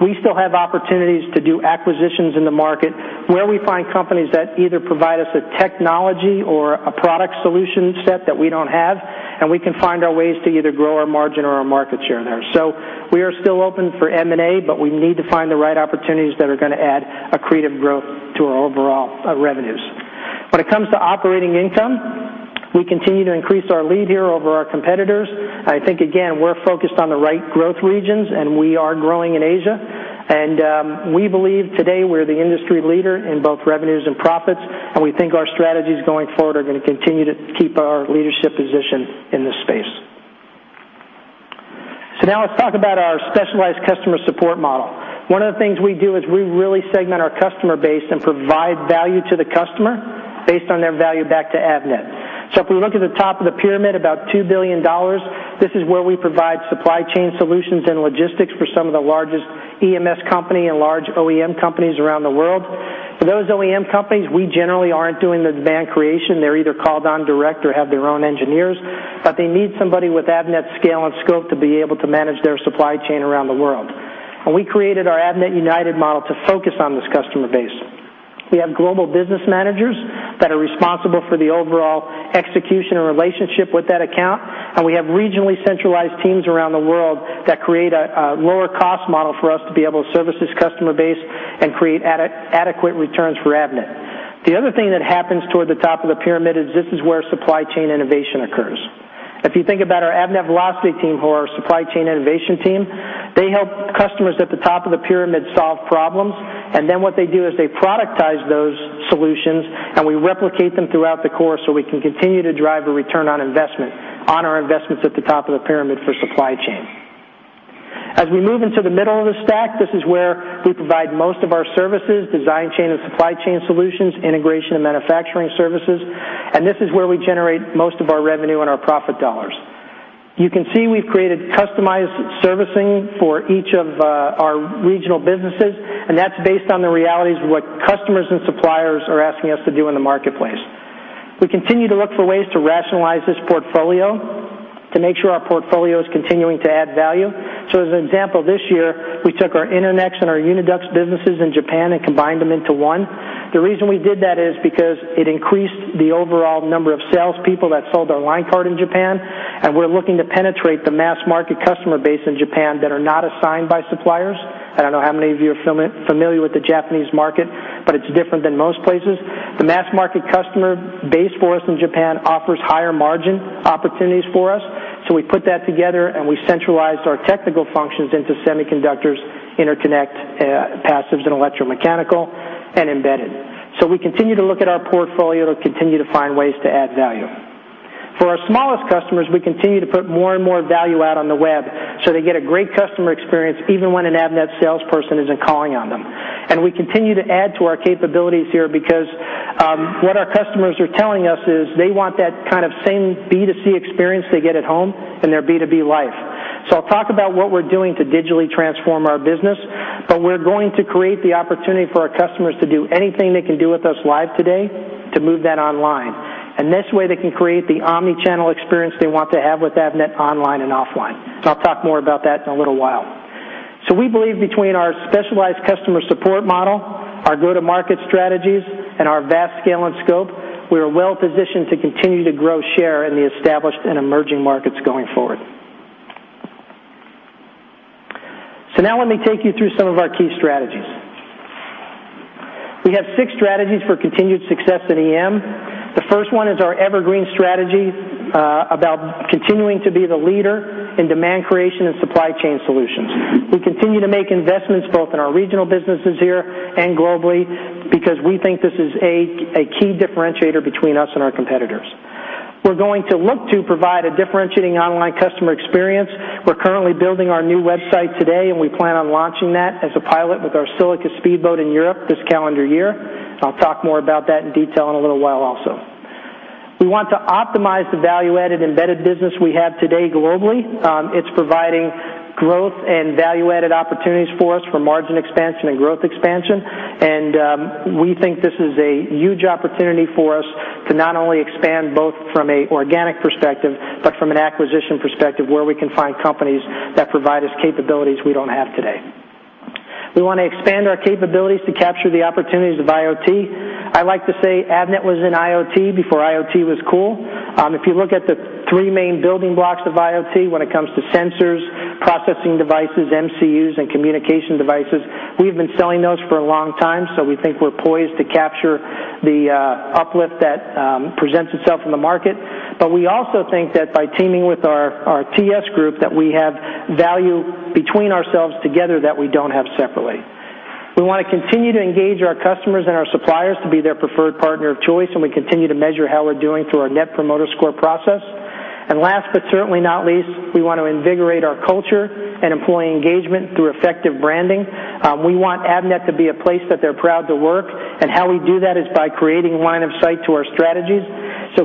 we still have opportunities to do acquisitions in the market where we find companies that either provide us a technology or a product solution set that we don't have, and we can find our ways to either grow our margin or our market share there. So we are still open for M&A, but we need to find the right opportunities that are going to add accretive growth to our overall revenues. When it comes to operating income, we continue to increase our lead here over our competitors. I think, again, we're focused on the right growth regions, and we are growing in Asia. We believe today we're the industry leader in both revenues and profits, and we think our strategies going forward are going to continue to keep our leadership position in this space. So now let's talk about our specialized customer support model. One of the things we do is we really segment our customer base and provide value to the customer based on their value back to Avnet. So if we look at the top of the pyramid, about $2 billion, this is where we provide supply chain solutions and logistics for some of the largest EMS companies and large OEM companies around the world. For those OEM companies, we generally aren't doing the demand creation. They're either called on direct or have their own engineers, but they need somebody with Avnet scale and scope to be able to manage their supply chain around the world. We created our Avnet United model to focus on this customer base. We have global business managers that are responsible for the overall execution and relationship with that account, and we have regionally centralized teams around the world that create a lower-cost model for us to be able to service this customer base and create adequate returns for Avnet. The other thing that happens toward the top of the pyramid is this is where supply chain innovation occurs. If you think about our Avnet Velocity team or our supply chain innovation team, they help customers at the top of the pyramid solve problems, and then what they do is they productize those solutions, and we replicate them throughout the core so we can continue to drive a return on investment on our investments at the top of the pyramid for supply chain. As we move into the middle of the stack, this is where we provide most of our services, Design Chain and supply chain solutions, integration and manufacturing services, and this is where we generate most of our revenue and our profit dollars. You can see we've created customized servicing for each of our regional businesses, and that's based on the realities of what customers and suppliers are asking us to do in the marketplace. We continue to look for ways to rationalize this portfolio to make sure our portfolio is continuing to add value. So as an example, this year, we took our Internix and our Unidux businesses in Japan and combined them into one. The reason we did that is because it increased the overall number of salespeople that sold our line card in Japan, and we're looking to penetrate the mass market customer base in Japan that are not assigned by suppliers. I don't know how many of you are familiar with the Japanese market, but it's different than most places. The mass market customer base for us in Japan offers higher margin opportunities for us, so we put that together and we centralized our technical functions into semiconductors, interconnect, passives, and electromechanical, and embedded. So we continue to look at our portfolio to continue to find ways to add value. For our smallest customers, we continue to put more and more value out on the web so they get a great customer experience even when an Avnet salesperson isn't calling on them. We continue to add to our capabilities here because what our customers are telling us is they want that kind of same B2C experience they get at home in their B2B life. I'll talk about what we're doing to digitally transform our business, but we're going to create the opportunity for our customers to do anything they can do with us live today to move that online. This way, they can create the omnichannel experience they want to have with Avnet online and offline. I'll talk more about that in a little while. We believe between our specialized customer support model, our go-to-market strategies, and our vast scale and scope, we are well-positioned to continue to grow share in the established and emerging markets going forward. Now let me take you through some of our key strategies. We have six strategies for continued success in EM. The first one is our evergreen strategy about continuing to be the leader in demand creation and supply chain solutions. We continue to make investments both in our regional businesses here and globally because we think this is a key differentiator between us and our competitors. We're going to look to provide a differentiating online customer experience. We're currently building our new website today, and we plan on launching that as a pilot with our Silica Speedboat in Europe this calendar year. I'll talk more about that in detail in a little while also. We want to optimize the value-added embedded business we have today globally. It's providing growth and value-added opportunities for us for margin expansion and growth expansion, and we think this is a huge opportunity for us to not only expand both from an organic perspective but from an acquisition perspective where we can find companies that provide us capabilities we don't have today. We want to expand our capabilities to capture the opportunities of IoT. I like to say Avnet was in IoT before IoT was cool. If you look at the three main building blocks of IoT when it comes to sensors, processing devices, MCUs, and communication devices, we've been selling those for a long time, so we think we're poised to capture the uplift that presents itself in the market. But we also think that by teaming with our TS group, that we have value between ourselves together that we don't have separately. We want to continue to engage our customers and our suppliers to be their preferred partner of choice, and we continue to measure how we're doing through our Net Promoter Score process. Last but certainly not least, we want to invigorate our culture and employee engagement through effective branding. We want Avnet to be a place that they're proud to work, and how we do that is by creating line of sight to our strategies.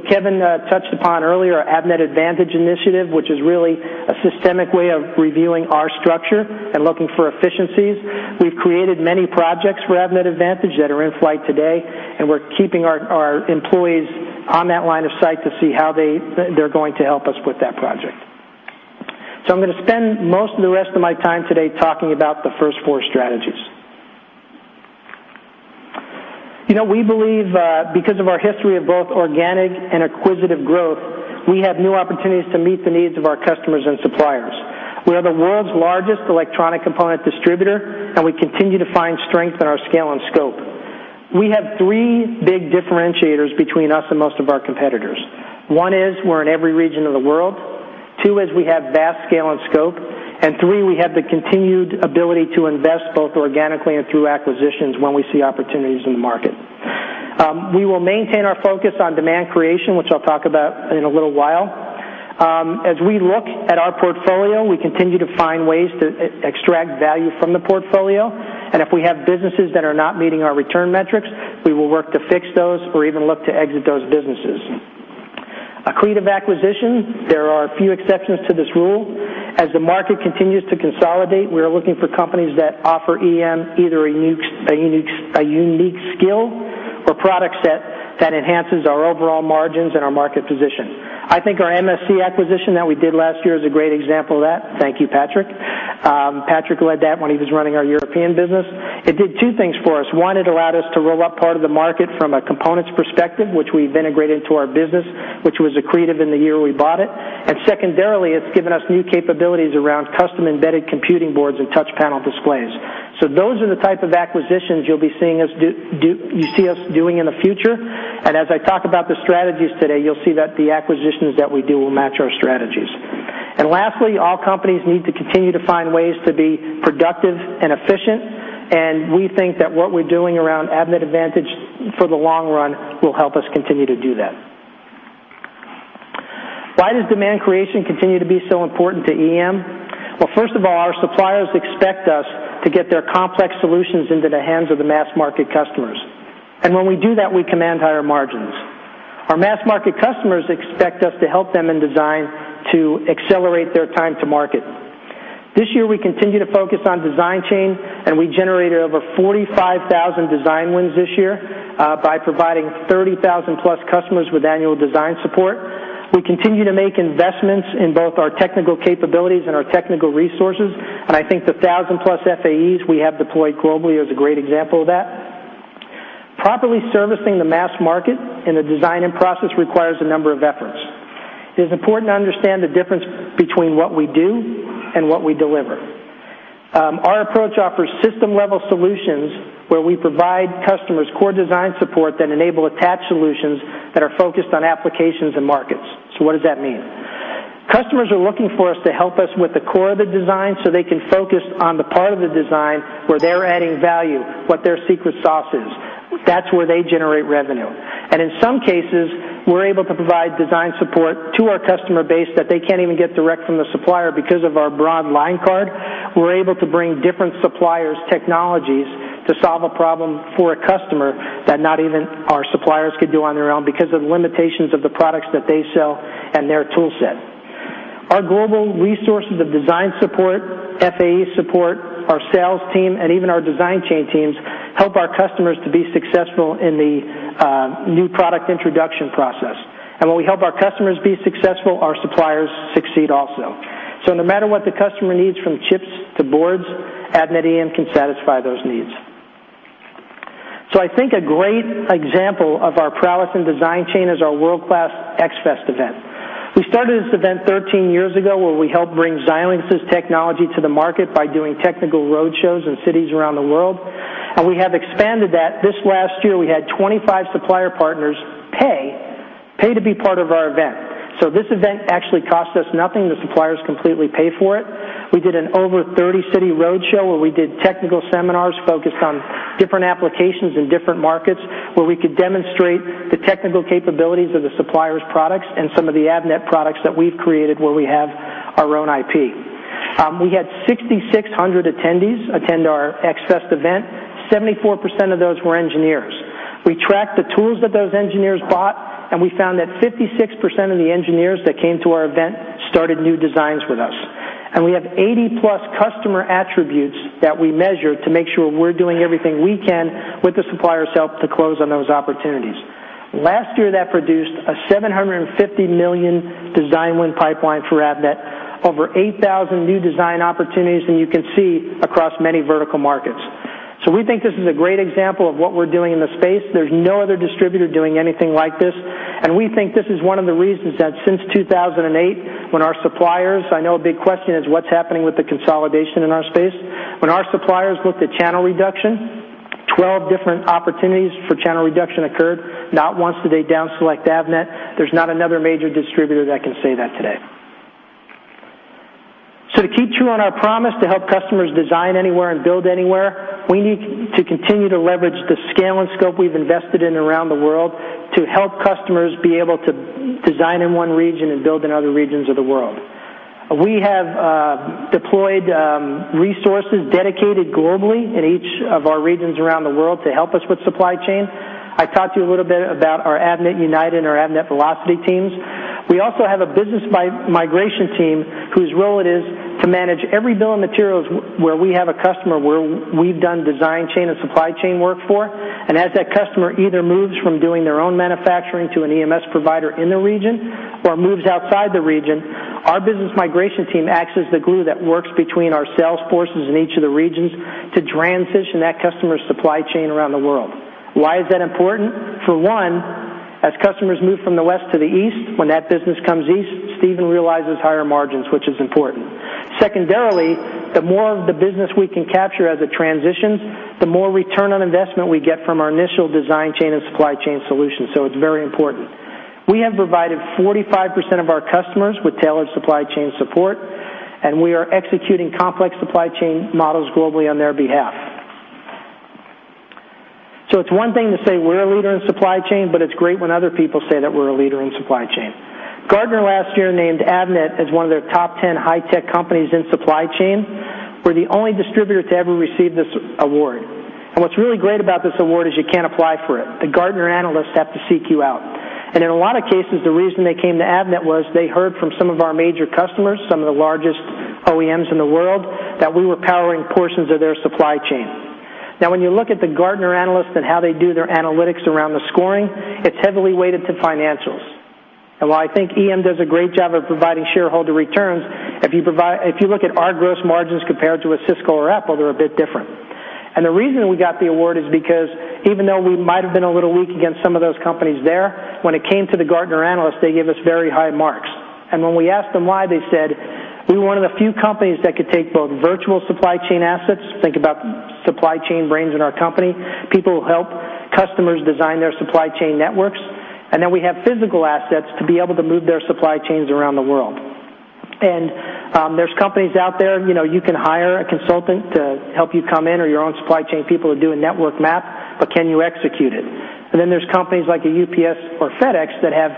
Kevin touched upon earlier our Avnet Advantage initiative, which is really a systemic way of reviewing our structure and looking for efficiencies. We've created many projects for Avnet Advantage that are in flight today, and we're keeping our employees on that line of sight to see how they're going to help us with that project. So I'm going to spend most of the rest of my time today talking about the first four strategies. We believe because of our history of both organic and acquisitive growth, we have new opportunities to meet the needs of our customers and suppliers. We are the world's largest electronic component distributor, and we continue to find strength in our scale and scope. We have three big differentiators between us and most of our competitors. One is we're in every region of the world. Two is we have vast scale and scope. And three, we have the continued ability to invest both organically and through acquisitions when we see opportunities in the market. We will maintain our focus on demand creation, which I'll talk about in a little while. As we look at our portfolio, we continue to find ways to extract value from the portfolio, and if we have businesses that are not meeting our return metrics, we will work to fix those or even look to exit those businesses. A creative acquisition, there are a few exceptions to this rule. As the market continues to consolidate, we are looking for companies that offer EM either a unique skill or products that enhances our overall margins and our market position. I think our MSC acquisition that we did last year is a great example of that. Thank you, Patrick. Patrick led that when he was running our European business. It did two things for us. One, it allowed us to roll up part of the market from a components perspective, which we've integrated into our business, which was a creative in the year we bought it. Secondarily, it's given us new capabilities around custom embedded computing boards and touch panel displays. Those are the type of acquisitions you'll be seeing us doing in the future. As I talk about the strategies today, you'll see that the acquisitions that we do will match our strategies. Lastly, all companies need to continue to find ways to be productive and efficient, and we think that what we're doing around Avnet Advantage for the long run will help us continue to do that. Why does demand creation continue to be so important to EM? Well, first of all, our suppliers expect us to get their complex solutions into the hands of the mass market customers. When we do that, we command higher margins. Our mass market customers expect us to help them in design to accelerate their time to market. This year, we continue to focus on Design Chain, and we generated over 45,000 design wins this year by providing 30,000-plus customers with annual design support. We continue to make investments in both our technical capabilities and our technical resources, and I think the 1,000-plus FAEs we have deployed globally is a great example of that. Properly servicing the mass market in the design and process requires a number of efforts. It is important to understand the difference between what we do and what we deliver. Our approach offers system-level solutions where we provide customers core design support that enable attached solutions that are focused on applications and markets. So what does that mean? Customers are looking for us to help us with the core of the design so they can focus on the part of the design where they're adding value, what their secret sauce is. That's where they generate revenue. In some cases, we're able to provide design support to our customer base that they can't even get direct from the supplier because of our broad line card. We're able to bring different suppliers' technologies to solve a problem for a customer that not even our suppliers could do on their own because of the limitations of the products that they sell and their toolset. Our global resources of design support, FAE support, our sales team, and even our design chain teams help our customers to be successful in the new product introduction process. When we help our customers be successful, our suppliers succeed also. No matter what the customer needs from chips to boards, Avnet EM can satisfy those needs. I think a great example of our prowess in design chain is our world-class X-Fest event. We started this event 13 years ago where we helped bring Xilinx's technology to the market by doing technical roadshows in cities around the world, and we have expanded that. This last year, we had 25 supplier partners pay to be part of our event. So this event actually cost us nothing. The suppliers completely pay for it. We did an over 30-city roadshow where we did technical seminars focused on different applications in different markets where we could demonstrate the technical capabilities of the supplier's products and some of the Avnet products that we've created where we have our own IP. We had 6,600 attendees attend our X-fest event. 74% of those were engineers. We tracked the tools that those engineers bought, and we found that 56% of the engineers that came to our event started new designs with us. And we have 80+ customer attributes that we measure to make sure we're doing everything we can with the supplier's help to close on those opportunities. Last year, that produced a $750 million design win pipeline for Avnet, over 8,000 new design opportunities, and you can see across many vertical markets. So we think this is a great example of what we're doing in the space. There's no other distributor doing anything like this, and we think this is one of the reasons that since 2008, when our suppliers, I know a big question is what's happening with the consolidation in our space, when our suppliers looked at channel reduction, 12 different opportunities for channel reduction occurred. Not once did they downselect Avnet. There's not another major distributor that can say that today. So to keep true on our promise to help customers design anywhere and build anywhere, we need to continue to leverage the scale and scope we've invested in around the world to help customers be able to design in one region and build in other regions of the world. We have deployed resources dedicated globally in each of our regions around the world to help us with supply chain. I talked to you a little bit about our Avnet United and our Avnet Velocity teams. We also have a business migration team whose role it is to manage every bill of materials where we have a customer where we've done design chain and supply chain work for. As that customer either moves from doing their own manufacturing to an EMS provider in the region or moves outside the region, our business migration team acts as the glue that works between our sales forces in each of the regions to transition that customer's supply chain around the world. Why is that important? For one, as customers move from the west to the east, when that business comes east, Stephen realizes higher margins, which is important. Secondarily, the more of the business we can capture as it transitions, the more return on investment we get from our initial design chain and supply chain solutions. So it's very important. We have provided 45% of our customers with tailored supply chain support, and we are executing complex supply chain models globally on their behalf. So it's one thing to say we're a leader in supply chain, but it's great when other people say that we're a leader in supply chain. Gartner last year named Avnet as one of their top 10 high-tech companies in supply chain. We're the only distributor to ever receive this award. What's really great about this award is you can't apply for it. The Gartner analysts have to seek you out. In a lot of cases, the reason they came to Avnet was they heard from some of our major customers, some of the largest OEMs in the world, that we were powering portions of their supply chain. Now, when you look at the Gartner analysts and how they do their analytics around the scoring, it's heavily weighted to financials. While I think EM does a great job of providing shareholder returns, if you look at our gross margins compared to a Cisco or Apple, they're a bit different. The reason we got the award is because even though we might have been a little weak against some of those companies there, when it came to the Gartner analysts, they gave us very high marks. And when we asked them why, they said, "We're one of the few companies that could take both virtual supply chain assets, think about supply chain brains in our company, people who help customers design their supply chain networks, and then we have physical assets to be able to move their supply chains around the world." And there's companies out there you can hire a consultant to help you come in or your own supply chain people to do a network map, but can you execute it? And then there's companies like a UPS or FedEx that have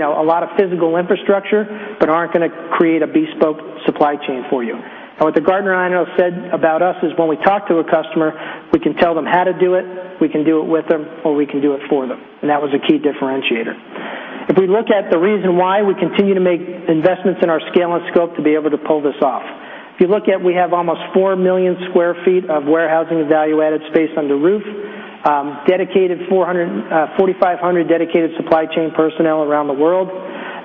a lot of physical infrastructure but aren't going to create a bespoke supply chain for you. And what the Gartner analyst said about us is when we talk to a customer, we can tell them how to do it, we can do it with them, or we can do it for them. That was a key differentiator. If we look at the reason why we continue to make investments in our scale and scope to be able to pull this off. If you look at, we have almost 4 million sq ft of warehousing value-added space under roof, 4,500 dedicated supply chain personnel around the world.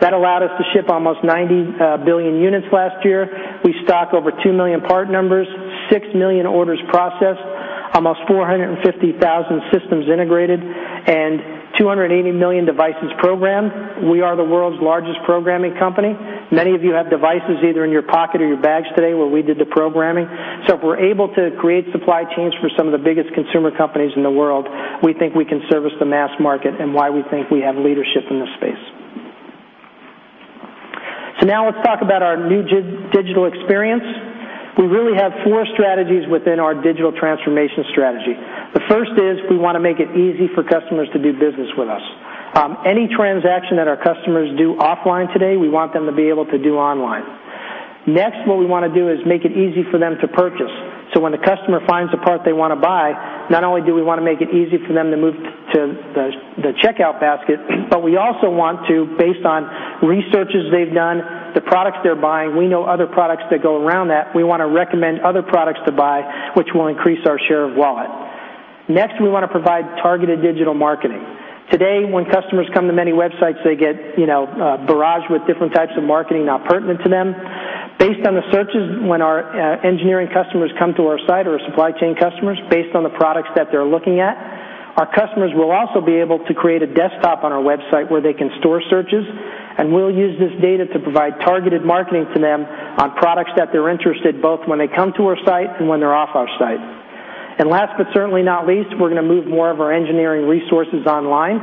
That allowed us to ship almost 90 billion units last year. We stock over 2 million part numbers, 6 million orders processed, almost 450,000 systems integrated, and 280 million devices programmed. We are the world's largest programming company. Many of you have devices either in your pocket or your bags today where we did the programming. So if we're able to create supply chains for some of the biggest consumer companies in the world, we think we can service the mass market and why we think we have leadership in this space. So now let's talk about our new digital experience. We really have four strategies within our digital transformation strategy. The first is we want to make it easy for customers to do business with us. Any transaction that our customers do offline today, we want them to be able to do online. Next, what we want to do is make it easy for them to purchase. So when the customer finds a part they want to buy, not only do we want to make it easy for them to move to the checkout basket, but we also want to, based on researches they've done, the products they're buying, we know other products that go around that, we want to recommend other products to buy, which will increase our share of wallet. Next, we want to provide targeted digital marketing. Today, when customers come to many websites, they get barraged with different types of marketing not pertinent to them. Based on the searches, when our engineering customers come to our site or our supply chain customers, based on the products that they're looking at, our customers will also be able to create a desktop on our website where they can store searches, and we'll use this data to provide targeted marketing to them on products that they're interested in both when they come to our site and when they're off our site. And last but certainly not least, we're going to move more of our engineering resources online.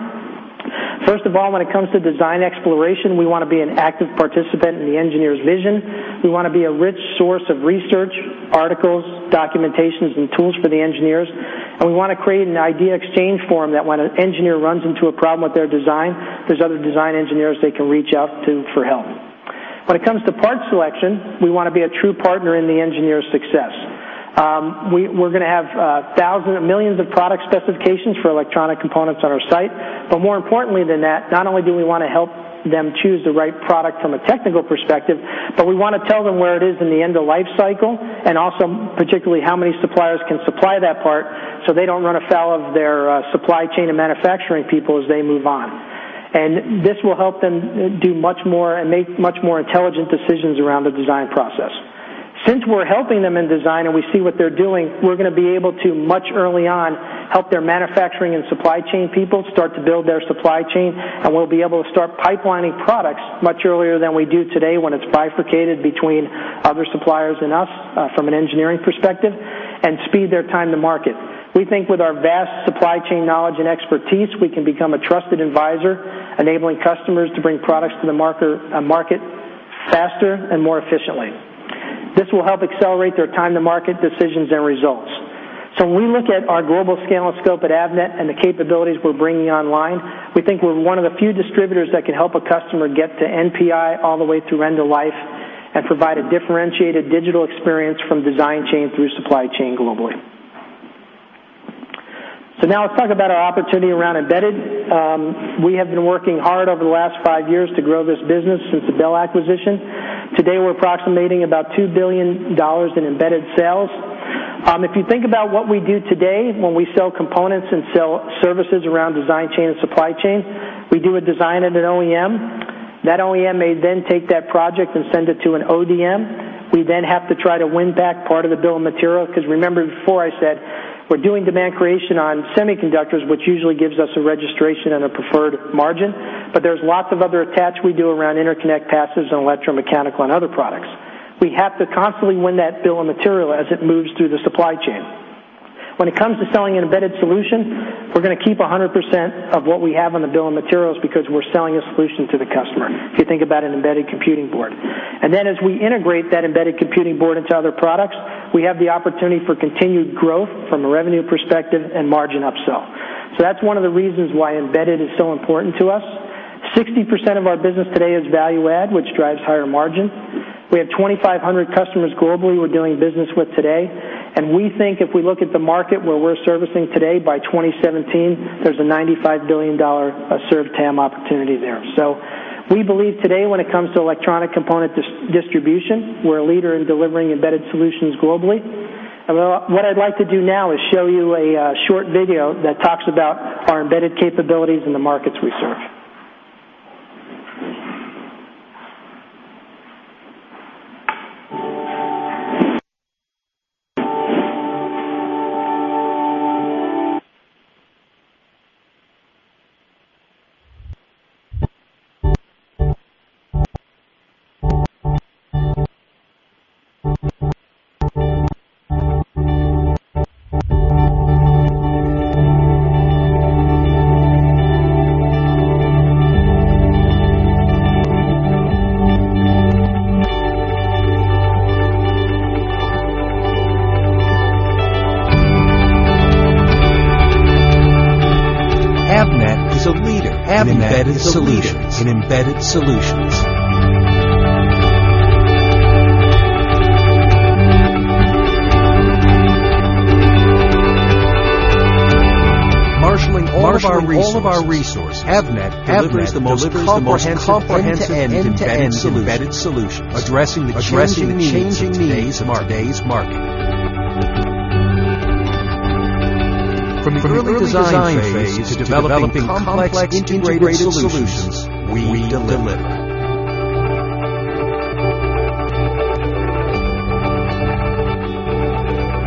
First of all, when it comes to design exploration, we want to be an active participant in the engineer's vision. We want to be a rich source of research, articles, documentations, and tools for the engineers. We want to create an idea exchange forum that when an engineer runs into a problem with their design, there's other design engineers they can reach out to for help. When it comes to part selection, we want to be a true partner in the engineer's success. We're going to have millions of product specifications for electronic components on our site. But more importantly than that, not only do we want to help them choose the right product from a technical perspective, but we want to tell them where it is in the end of life cycle and also particularly how many suppliers can supply that part so they don't run afoul of their supply chain and manufacturing people as they move on. This will help them do much more and make much more intelligent decisions around the design process. Since we're helping them in design and we see what they're doing, we're going to be able to, much early on, help their manufacturing and supply chain people start to build their supply chain, and we'll be able to start pipelining products much earlier than we do today when it's bifurcated between other suppliers and us from an engineering perspective and speed their time to market. We think with our vast supply chain knowledge and expertise, we can become a trusted advisor, enabling customers to bring products to the market faster and more efficiently. This will help accelerate their time-to-market decisions and results. So when we look at our global scale and scope at Avnet and the capabilities we're bringing online, we think we're one of the few distributors that can help a customer get to NPI all the way through end of life and provide a differentiated digital experience from design chain through supply chain globally. So now let's talk about our opportunity around embedded. We have been working hard over the last five years to grow this business since the Bell acquisition. Today, we're approximating about $2 billion in embedded sales. If you think about what we do today when we sell components and sell services around design chain and supply chain, we do a design at an OEM. That OEM may then take that project and send it to an ODM. We then have to try to win back part of the bill of material because remember before I said we're doing demand creation on semiconductors, which usually gives us a registration and a preferred margin, but there's lots of other attach we do around interconnect passives and electromechanical and other products. We have to constantly win that bill of material as it moves through the supply chain. When it comes to selling an embedded solution, we're going to keep 100% of what we have on the bill of materials because we're selling a solution to the customer. If you think about an embedded computing board. And then as we integrate that embedded computing board into other products, we have the opportunity for continued growth from a revenue perspective and margin upsell. So that's one of the reasons why embedded is so important to us. 60% of our business today is value-add, which drives higher margin. We have 2,500 customers globally we're doing business with today, and we think if we look at the market where we're servicing today, by 2017, there's a $95 billion Served TAM opportunity there. So we believe today when it comes to electronic component distribution, we're a leader in delivering embedded solutions globally. What I'd like to do now is show you a short video that talks about our embedded capabilities and the markets we serve. Avnet is a leader in embedded solutions. Marshaling all of our resources, Avnet delivers the most comprehensive and embedded solutions, addressing the changing needs of our day's market. From the early design phase to developing complex integrated solutions, we deliver.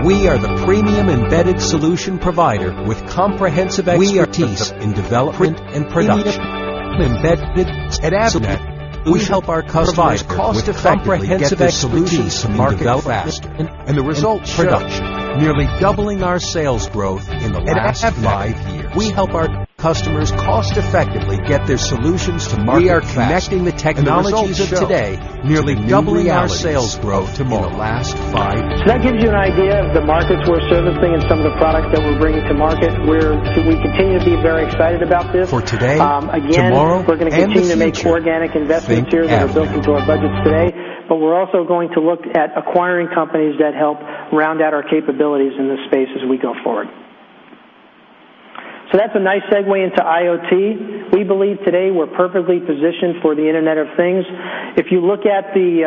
We are the premium embedded solution provider with comprehensive expertise in development and production. At Avnet, we help our customers provide cost-effective solutions to market fast and to production, nearly doubling our sales growth in the last five years. We help our customers cost-effectively get their solutions to market fast. We are connecting the technologies of today, nearly doubling our sales growth in the last five years. So that gives you an idea of the markets we're servicing and some of the products that we're bringing to market. We continue to be very excited about this. For today, tomorrow, we're going to continue to make organic investments here that are built into our budgets today, but we're also going to look at acquiring companies that help round out our capabilities in this space as we go forward. So that's a nice segue into IoT. We believe today we're perfectly positioned for the Internet of Things. If you look at the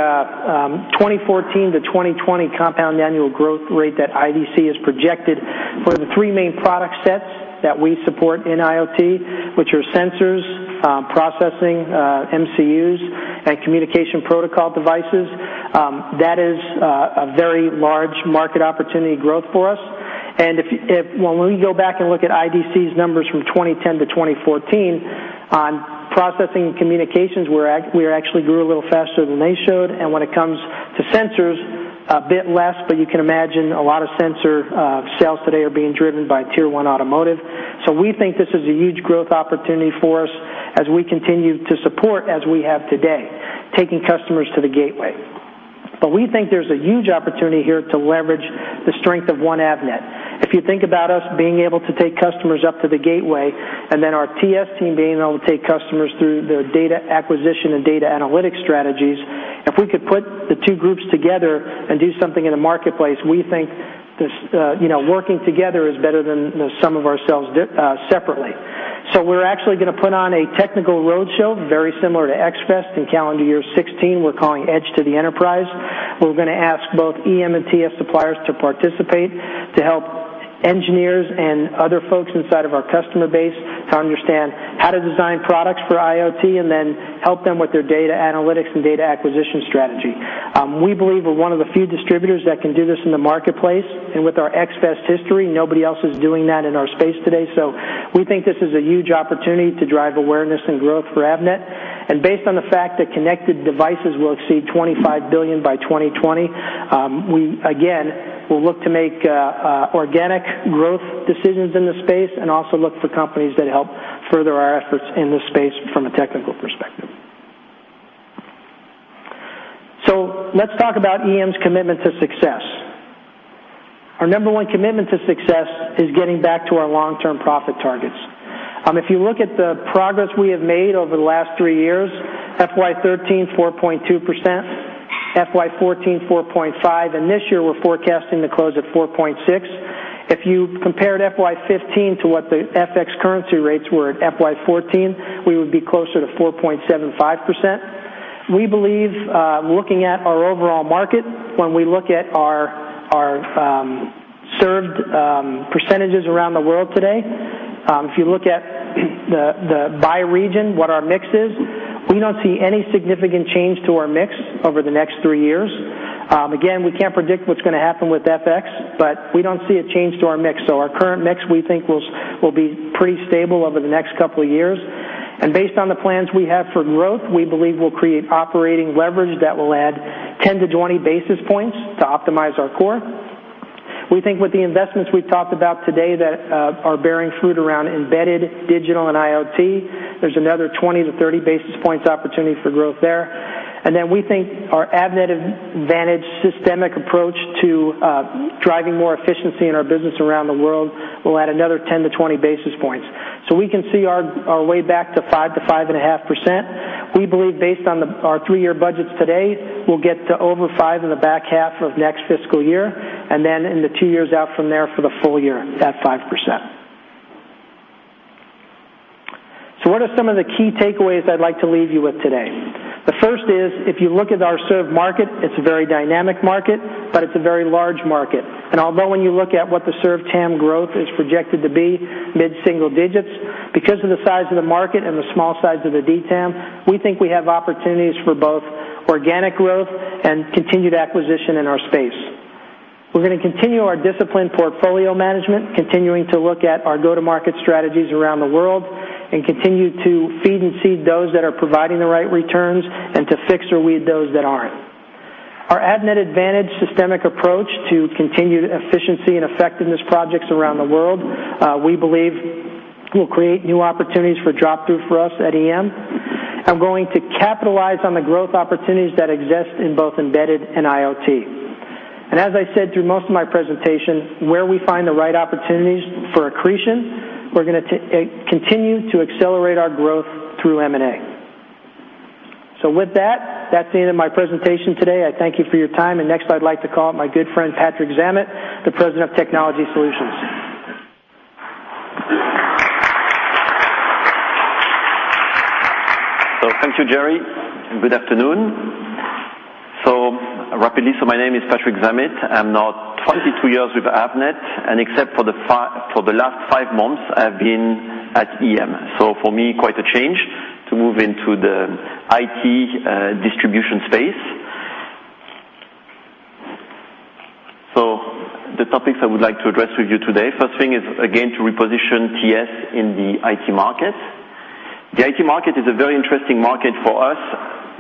2014-2020 compound annual growth rate that IDC has projected for the three main product sets that we support in IoT, which are sensors, processing, MCUs, and communication protocol devices, that is a very large market opportunity growth for us. And when we go back and look at IDC's numbers from 2010 to 2014, on processing and communications, we actually grew a little faster than they showed, and when it comes to sensors, a bit less, but you can imagine a lot of sensor sales today are being driven by tier one automotive. So we think this is a huge growth opportunity for us as we continue to support as we have today, taking customers to the gateway. But we think there's a huge opportunity here to leverage the strength of one Avnet. If you think about us being able to take customers up to the gateway and then our TS team being able to take customers through their data acquisition and data analytics strategies, if we could put the two groups together and do something in a marketplace, we think working together is better than some of ourselves separately. So we're actually going to put on a technical roadshow very similar to X-fest in calendar year 2016. We're calling Edge to the Enterprise. We're going to ask both EM and TS suppliers to participate to help engineers and other folks inside of our customer base to understand how to design products for IoT and then help them with their data analytics and data acquisition strategy. We believe we're one of the few distributors that can do this in the marketplace, and with our X-fest history, nobody else is doing that in our space today. So we think this is a huge opportunity to drive awareness and growth for Avnet. And based on the fact that connected devices will exceed 25 billion by 2020, we again will look to make organic growth decisions in the space and also look for companies that help further our efforts in this space from a technical perspective. So let's talk about EM's commitment to success. Our number one commitment to success is getting back to our long-term profit targets. If you look at the progress we have made over the last three years, FY13, 4.2%; FY14, 4.5%; and this year we're forecasting to close at 4.6%. If you compared FY15 to what the FX currency rates were at FY14, we would be closer to 4.75%. We believe, looking at our overall market, when we look at our served percentages around the world today, if you look at the buy region, what our mix is, we don't see any significant change to our mix over the next three years. Again, we can't predict what's going to happen with FX, but we don't see a change to our mix. So our current mix, we think, will be pretty stable over the next couple of years. And based on the plans we have for growth, we believe we'll create operating leverage that will add 10-20 basis points to optimize our core. We think with the investments we've talked about today that are bearing fruit around embedded, digital, and IoT, there's another 20-30 basis points opportunity for growth there. Then we think our Avnet Advantage systematic approach to driving more efficiency in our business around the world will add another 10-20 basis points. So we can see our way back to 5%-5.5%. We believe, based on our three-year budgets today, we'll get to over 5% in the back half of next fiscal year and then in the two years out from there for the full year at 5%. So what are some of the key takeaways I'd like to leave you with today? The first is, if you look at our served market, it's a very dynamic market, but it's a very large market. And although when you look at what the served TAM growth is projected to be, mid-single digits, because of the size of the market and the small size of the DTAM, we think we have opportunities for both organic growth and continued acquisition in our space. We're going to continue our disciplined portfolio management, continuing to look at our go-to-market strategies around the world, and continue to feed and seed those that are providing the right returns and to fix or weed those that aren't. Our Avnet Advantage systematic approach to continued efficiency and effectiveness projects around the world, we believe, will create new opportunities for drop-through for us at EM. I'm going to capitalize on the growth opportunities that exist in both embedded and IoT. As I said through most of my presentation, where we find the right opportunities for accretion, we're going to continue to accelerate our growth through M&A. So with that, that's the end of my presentation today. I thank you for your time. And next, I'd like to call up my good friend Patrick Zammit, the president of Technology Solutions. So thank you, Gerry. Good afternoon. So rapidly, so my name is Patrick Zammit. I'm now 22 years with Avnet, and except for the last 5 months, I've been at EM. So for me, quite a change to move into the IT distribution space. So the topics I would like to address with you today, first thing is, again, to reposition TS in the IT market. The IT market is a very interesting market for us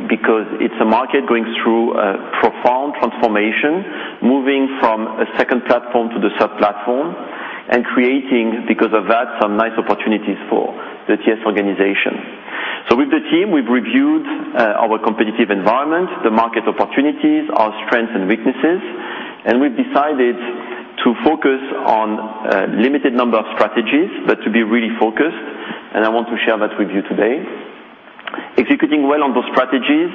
because it's a market going through a profound transformation, moving from a Second Platform to the Third platform and creating, because of that, some nice opportunities for the TS organization. So with the team, we've reviewed our competitive environment, the market opportunities, our strengths and weaknesses, and we've decided to focus on a limited number of strategies, but to be really focused, and I want to share that with you today. Executing well on those strategies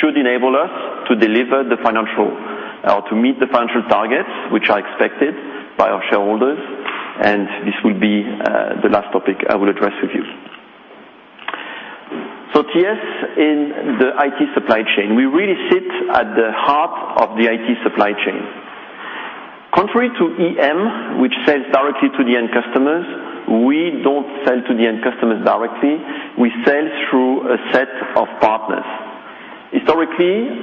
should enable us to deliver the financial or to meet the financial targets, which are expected by our shareholders, and this will be the last topic I will address with you. So TS in the IT supply chain, we really sit at the heart of the IT supply chain. Contrary to EM, which sells directly to the end customers, we don't sell to the end customers directly. We sell through a set of partners. Historically,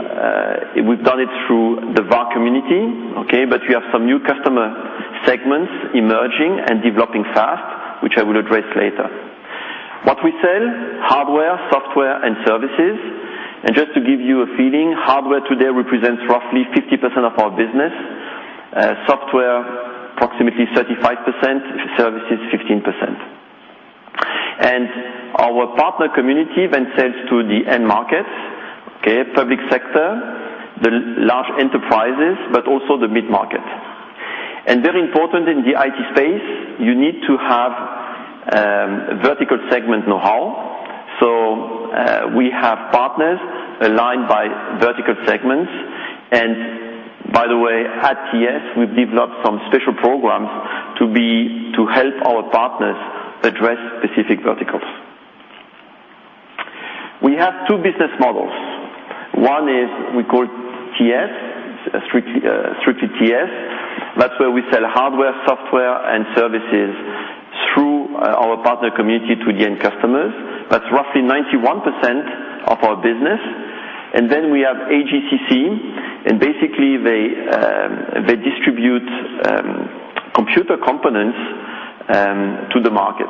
we've done it through the VAR community, okay, but we have some new customer segments emerging and developing fast, which I will address later. What we sell? Hardware, software, and services. Just to give you a feeling, hardware today represents roughly 50% of our business, software approximately 35%, services 15%. Our partner community then sells to the end markets, okay, public sector, the large enterprises, but also the mid-market. Very important in the IT space, you need to have vertical segment know-how. So we have partners aligned by vertical segments. By the way, at TS, we've developed some special programs to help our partners address specific verticals. We have two business models. One is we call TS, strictly TS. That's where we sell hardware, software, and services through our partner community to the end customers. That's roughly 91% of our business. And then we have AGCC, and basically, they distribute computer components to the market.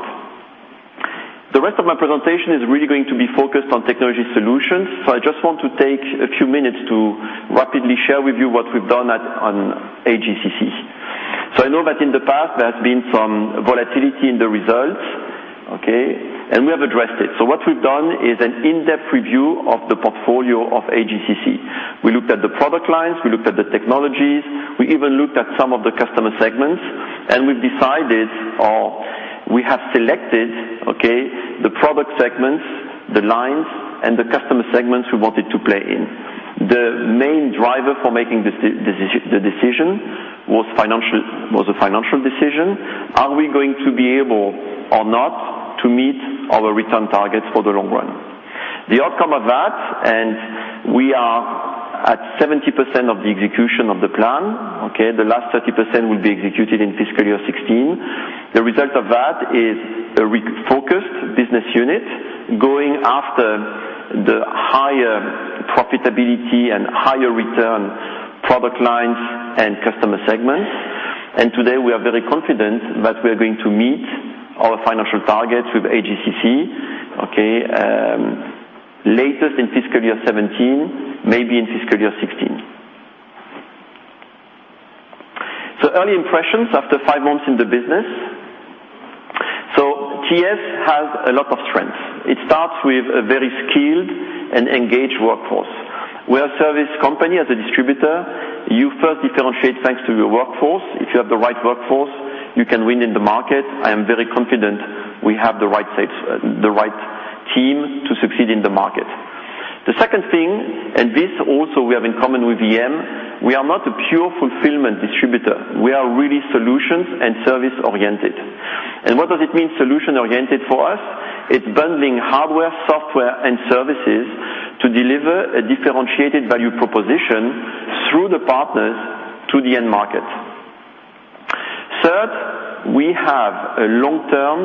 The rest of my presentation is really going to be focused on technology solutions. So I just want to take a few minutes to rapidly share with you what we've done on AGCC. So I know that in the past, there has been some volatility in the results, okay, and we have addressed it. So what we've done is an in-depth review of the portfolio of AGCC. We looked at the product lines, we looked at the technologies, we even looked at some of the customer segments, and we've decided or we have selected, okay, the product segments, the lines, and the customer segments we wanted to play in. The main driver for making the decision was a financial decision. Are we going to be able or not to meet our return targets for the long run? The outcome of that, and we are at 70% of the execution of the plan, okay, the last 30% will be executed in fiscal year 2016. The result of that is a focused business unit going after the higher profitability and higher return product lines and customer segments. Today, we are very confident that we are going to meet our financial targets with AGCC, okay, latest in fiscal year 2017, maybe in fiscal year 2016. Early impressions after five months in the business. TS has a lot of strengths. It starts with a very skilled and engaged workforce. We're a service company as a distributor. You first differentiate thanks to your workforce. If you have the right workforce, you can win in the market. I am very confident we have the right team to succeed in the market. The second thing, and this also we have in common with EM, we are not a pure fulfillment distributor. We are really solutions and service-oriented. And what does it mean solution-oriented for us? It's bundling hardware, software, and services to deliver a differentiated value proposition through the partners to the end market. Third, we have a long-term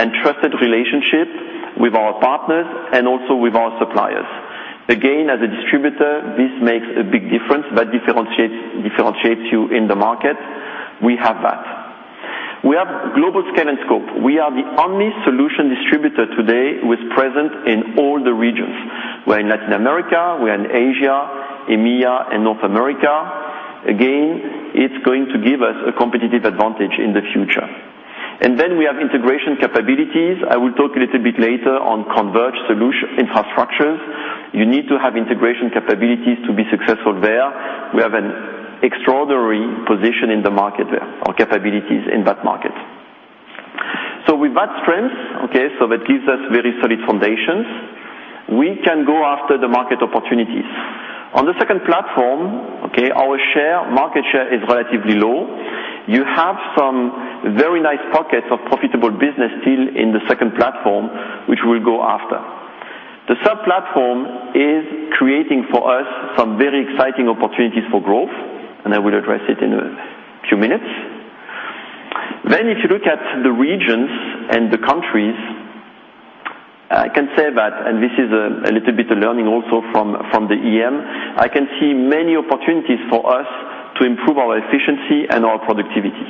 and trusted relationship with our partners and also with our suppliers. Again, as a distributor, this makes a big difference that differentiates you in the market. We have that. We have global scale and scope. We are the only solution distributor today who is present in all the regions. We're in Latin America, we're in Asia, EMEA, and North America. Again, it's going to give us a competitive advantage in the future. And then we have integration capabilities. I will talk a little bit later on converged infrastructures. You need to have integration capabilities to be successful there. We have an extraordinary position in the market there, our capabilities in that market. So with that strength, okay, so that gives us very solid foundations. We can go after the market opportunities. On the second platform, okay, our market share is relatively low. You have some very nice pockets of profitable business still in the second platform, which we'll go after. The third platform is creating for us some very exciting opportunities for growth, and I will address it in a few minutes. Then if you look at the regions and the countries, I can say that, and this is a little bit of learning also from the EM, I can see many opportunities for us to improve our efficiency and our productivity.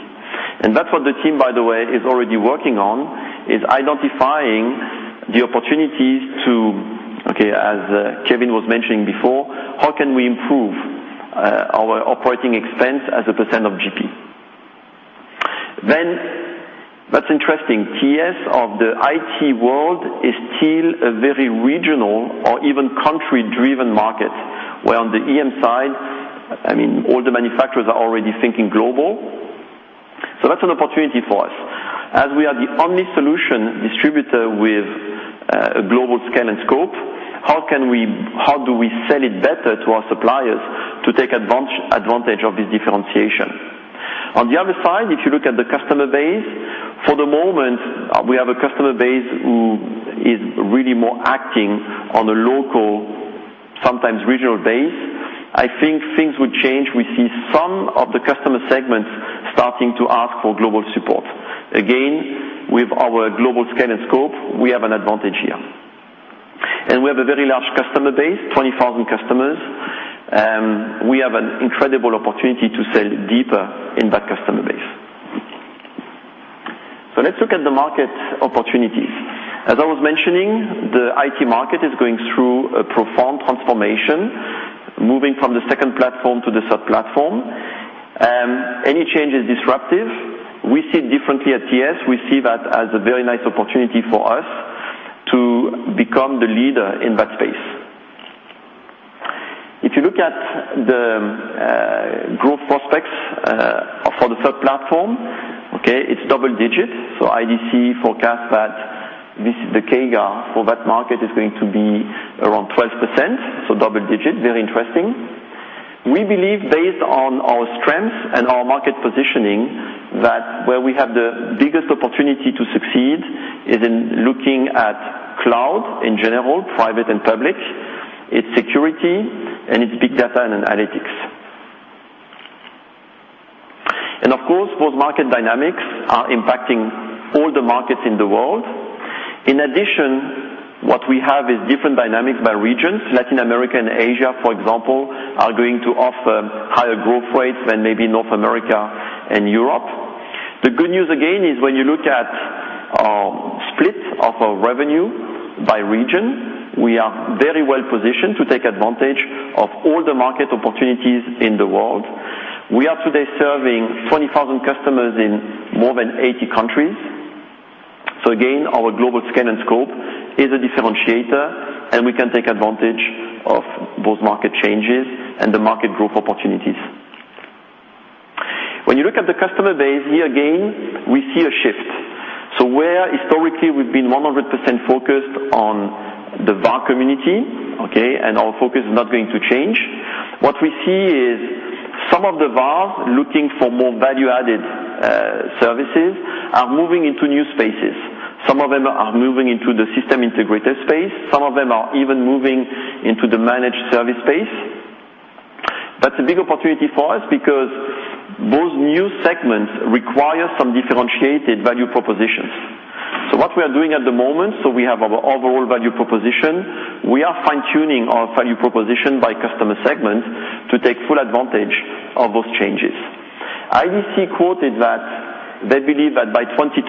And that's what the team, by the way, is already working on, is identifying the opportunities to, okay, as Kevin was mentioning before, how can we improve our operating expense as a percent of GP? Then that's interesting. TS of the IT world is still a very regional or even country-driven market, where on the EM side, I mean, all the manufacturers are already thinking global. So that's an opportunity for us. As we are the only solution distributor with a global scale and scope, how do we sell it better to our suppliers to take advantage of this differentiation? On the other side, if you look at the customer base, for the moment, we have a customer base who is really more acting on a local, sometimes regional base. I think things would change. We see some of the customer segments starting to ask for global support. Again, with our global scale and scope, we have an advantage here. And we have a very large customer base, 20,000 customers. We have an incredible opportunity to sell deeper in that customer base. So let's look at the market opportunities. As I was mentioning, the IT market is going through a profound transformation, moving from the second platform to the third platform. Any change is disruptive. We see it differently at TS. We see that as a very nice opportunity for us to become the leader in that space. If you look at the growth prospects for the Third Platform, okay, it's double-digit. So IDC forecast that the CAGR for that market is going to be around 12%, so double-digit, very interesting. We believe, based on our strengths and our market positioning, that where we have the biggest opportunity to succeed is in looking at cloud in general, private and public, its security, and its big data and analytics. And of course, those market dynamics are impacting all the markets in the world. In addition, what we have is different dynamics by regions. Latin America and Asia, for example, are going to offer higher growth rates than maybe North America and Europe. The good news, again, is when you look at our split of our revenue by region, we are very well positioned to take advantage of all the market opportunities in the world. We are today serving 20,000 customers in more than 80 countries. So again, our global scale and scope is a differentiator, and we can take advantage of those market changes and the market growth opportunities. When you look at the customer base here, again, we see a shift. So where historically we've been 100% focused on the VAR community, okay, and our focus is not going to change, what we see is some of the VARs looking for more value-added services are moving into new spaces. Some of them are moving into the system integrator space. Some of them are even moving into the managed service space. That's a big opportunity for us because those new segments require some differentiated value propositions. So what we are doing at the moment, so we have our overall value proposition. We are fine-tuning our value proposition by customer segments to take full advantage of those changes. IDC quoted that they believe that by 2020,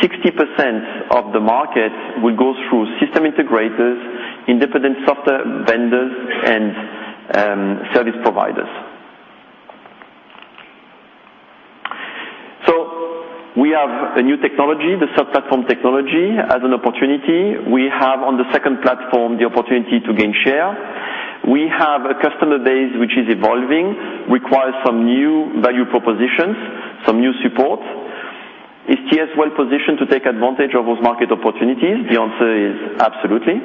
60% of the market will go through system integrators, independent software vendors, and service providers. So we have a new technology, the Third Platform technology, as an opportunity. We have, on the second platform, the opportunity to gain share. We have a customer base which is evolving, requires some new value propositions, some new support. Is TS well positioned to take advantage of those market opportunities? The answer is absolutely.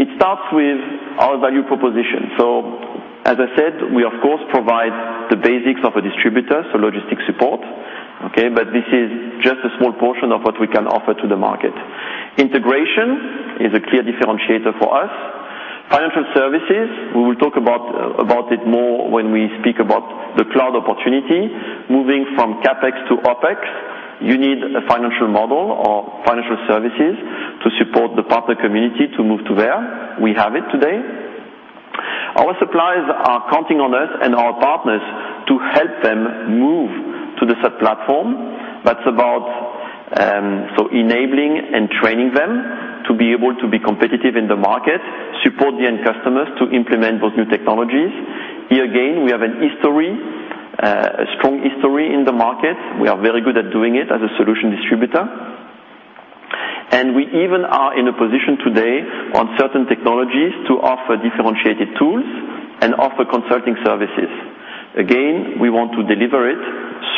It starts with our value proposition. So as I said, we, of course, provide the basics of a distributor, so logistics support, okay, but this is just a small portion of what we can offer to the market. Integration is a clear differentiator for us. Financial services, we will talk about it more when we speak about the cloud opportunity. Moving from CapEx to OpEx, you need a financial model or financial services to support the partner community to move to there. We have it today. Our suppliers are counting on us and our partners to help them move to the third platform. That's about enabling and training them to be able to be competitive in the market, support the end customers to implement those new technologies. Here again, we have a strong history in the market. We are very good at doing it as a solution distributor. And we even are in a position today on certain technologies to offer differentiated tools and offer consulting services. Again, we want to deliver it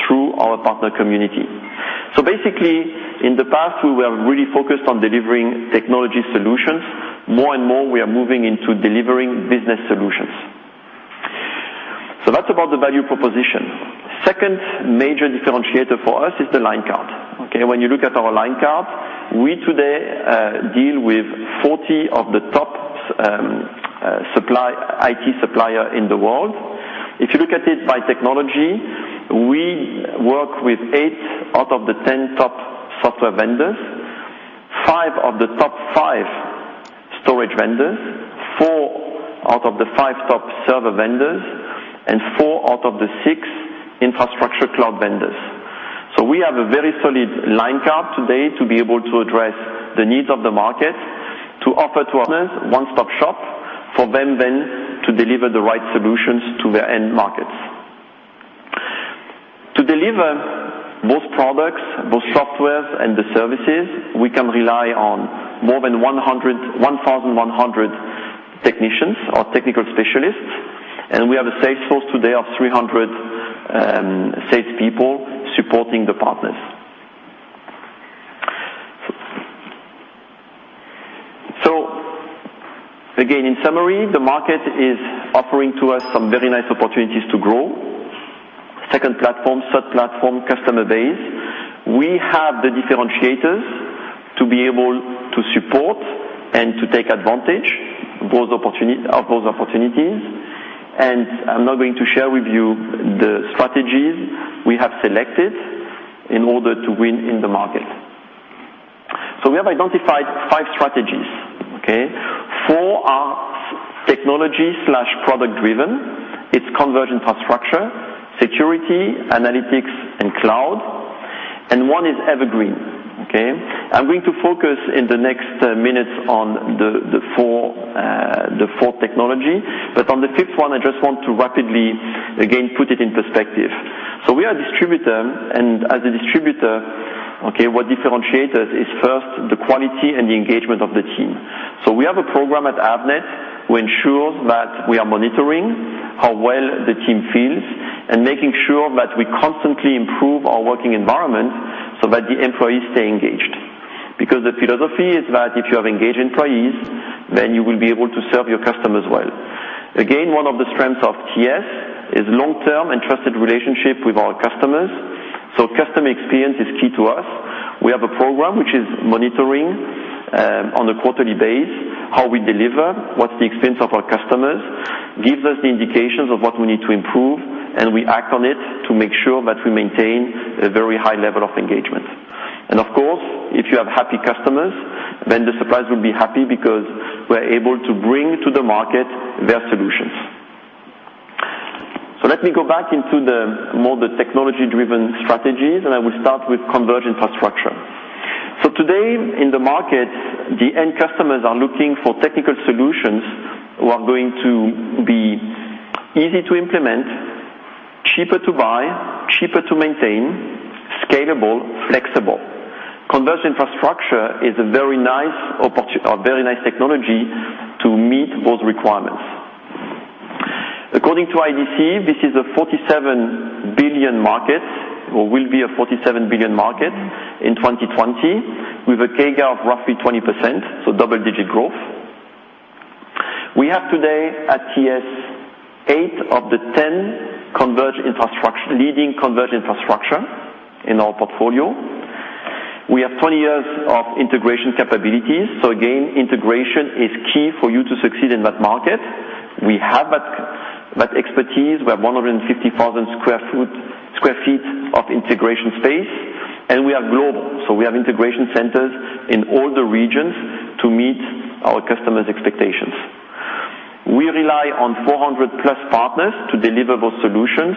through our partner community. So basically, in the past, we were really focused on delivering technology solutions. More and more, we are moving into delivering business solutions. So that's about the value proposition. Second major differentiator for us is the line card. Okay, when you look at our line card, we today deal with 40 of the top IT suppliers in the world. If you look at it by technology, we work with 8 out of the 10 top software vendors, 5 out of the top 5 storage vendors, 4 out of the 5 top server vendors, and 4 out of the 6 infrastructure cloud vendors. So we have a very solid line card today to be able to address the needs of the market, to offer to partners one-stop shop for them then to deliver the right solutions to their end markets. To deliver those products, those software, and the services, we can rely on more than 1,100 technicians or technical specialists, and we have a sales force today of 300 salespeople supporting the partners. So again, in summary, the market is offering to us some very nice opportunities to grow. Second Platform, Third Platform, customer base. We have the differentiators to be able to support and to take advantage of those opportunities. I'm not going to share with you the strategies we have selected in order to win in the market. So we have identified five strategies. Okay, four are technology/product-driven. It's converged infrastructure, security, analytics, and cloud. And one is evergreen. Okay, I'm going to focus in the next minutes on the four technologies. But on the fifth one, I just want to rapidly, again, put it in perspective. So we are a distributor, and as a distributor, okay, what differentiates us is first the quality and the engagement of the team. So we have a program at Avnet who ensures that we are monitoring how well the team feels and making sure that we constantly improve our working environment so that the employees stay engaged. Because the philosophy is that if you have engaged employees, then you will be able to serve your customers well. Again, one of the strengths of TS is long-term and trusted relationships with our customers. So customer experience is key to us. We have a program which is monitoring on a quarterly basis how we deliver, what's the experience of our customers, gives us the indications of what we need to improve, and we act on it to make sure that we maintain a very high level of engagement. Of course, if you have happy customers, then the suppliers will be happy because we're able to bring to the market their solutions. Let me go back into more the technology-driven strategies, and I will start with converged infrastructure. Today, in the market, the end customers are looking for technical solutions who are going to be easy to implement, cheaper to buy, cheaper to maintain, scalable, flexible. Converged infrastructure is a very nice technology to meet those requirements. According to IDC, this is a $47 billion market or will be a $47 billion market in 2020 with a CAGR of roughly 20%, so double-digit growth. We have today at TS 8 of the 10 leading converged infrastructure in our portfolio. We have 20 years of integration capabilities. Again, integration is key for you to succeed in that market. We have that expertise. We have 150,000 sq ft of integration space, and we are global. So we have integration centers in all the regions to meet our customers' expectations. We rely on 400+ partners to deliver those solutions.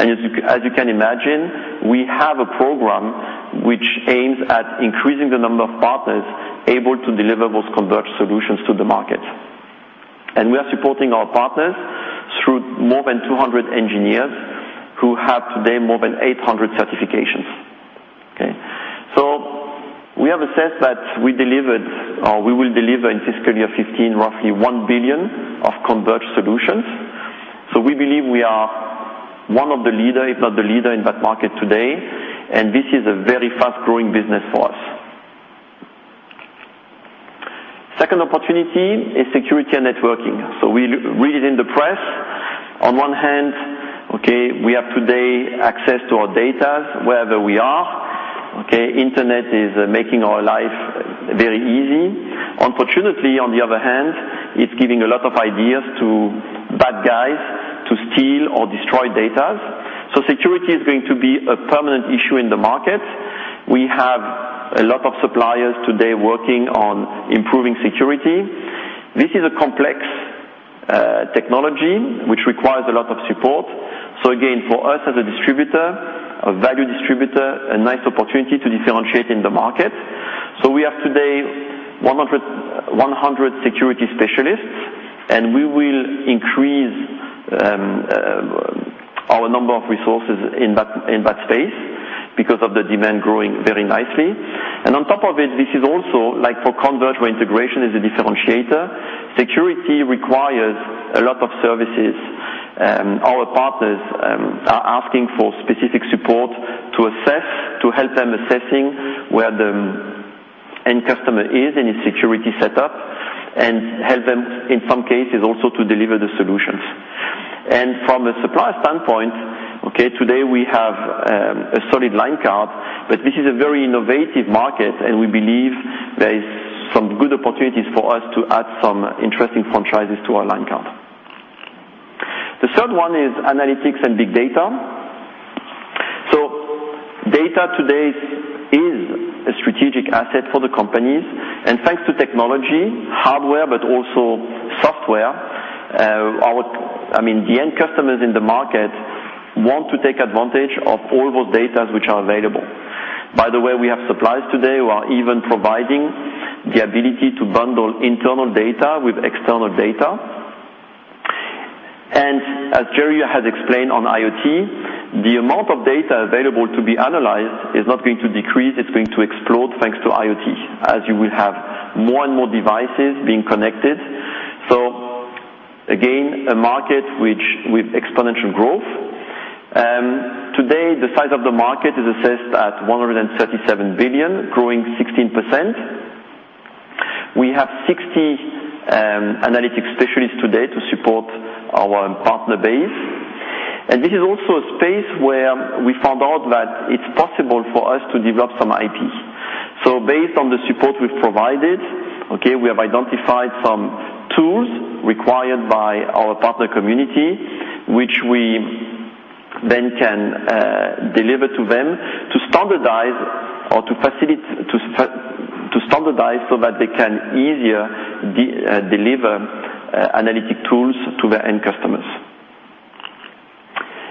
And as you can imagine, we have a program which aims at increasing the number of partners able to deliver those converged solutions to the market. And we are supporting our partners through more than 200 engineers who have today more than 800 certifications. Okay, so we have a sense that we delivered or we will deliver in fiscal year 2015 roughly $1 billion of converged solutions. So we believe we are one of the leaders, if not the leader, in that market today. And this is a very fast-growing business for us. Second opportunity is security and networking. So we read it in the press. On one hand, okay, we have today access to our data wherever we are. Okay, internet is making our life very easy. Unfortunately, on the other hand, it's giving a lot of ideas to bad guys to steal or destroy data. So security is going to be a permanent issue in the market. We have a lot of suppliers today working on improving security. This is a complex technology which requires a lot of support. So again, for us as a distributor, a value distributor, a nice opportunity to differentiate in the market. So we have today 100 security specialists, and we will increase our number of resources in that space because of the demand growing very nicely. And on top of it, this is also like for converged where integration is a differentiator. Security requires a lot of services. Our partners are asking for specific support to help them assess where the end customer is in his security setup and help them in some cases also to deliver the solutions. From a supplier standpoint, okay, today we have a solid line card, but this is a very innovative market, and we believe there are some good opportunities for us to add some interesting franchises to our line card. The third one is analytics and big data. Data today is a strategic asset for the companies. Thanks to technology, hardware, but also software, I mean, the end customers in the market want to take advantage of all those data which are available. By the way, we have suppliers today who are even providing the ability to bundle internal data with external data. And as Gerry has explained on IoT, the amount of data available to be analyzed is not going to decrease. It's going to explode thanks to IoT, as you will have more and more devices being connected. So again, a market with exponential growth. Today, the size of the market is assessed at $137 billion, growing 16%. We have 60 analytics specialists today to support our partner base. And this is also a space where we found out that it's possible for us to develop some IP. So based on the support we've provided, okay, we have identified some tools required by our partner community, which we then can deliver to them to standardize or to standardize so that they can easier deliver analytic tools to their end customers.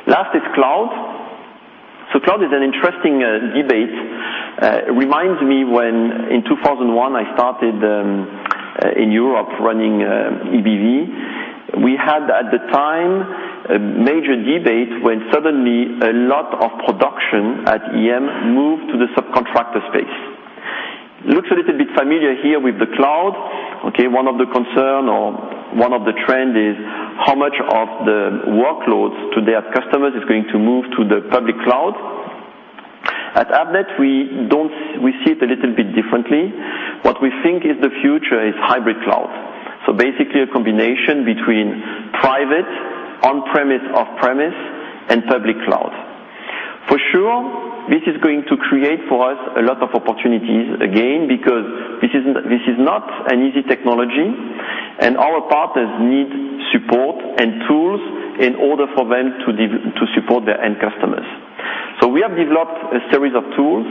Last is cloud. So cloud is an interesting debate. It reminds me when in 2001 I started in Europe running EBV. We had at the time a major debate when suddenly a lot of production at EM moved to the subcontractor space. Looks a little bit familiar here with the cloud. Okay, one of the concerns or one of the trends is how much of the workloads today at customers is going to move to the public cloud. At Avnet, we see it a little bit differently. What we think is the future is hybrid cloud. So basically a combination between private, on-premise, off-premise, and public cloud. For sure, this is going to create for us a lot of opportunities again because this is not an easy technology, and our partners need support and tools in order for them to support their end customers. So we have developed a series of tools,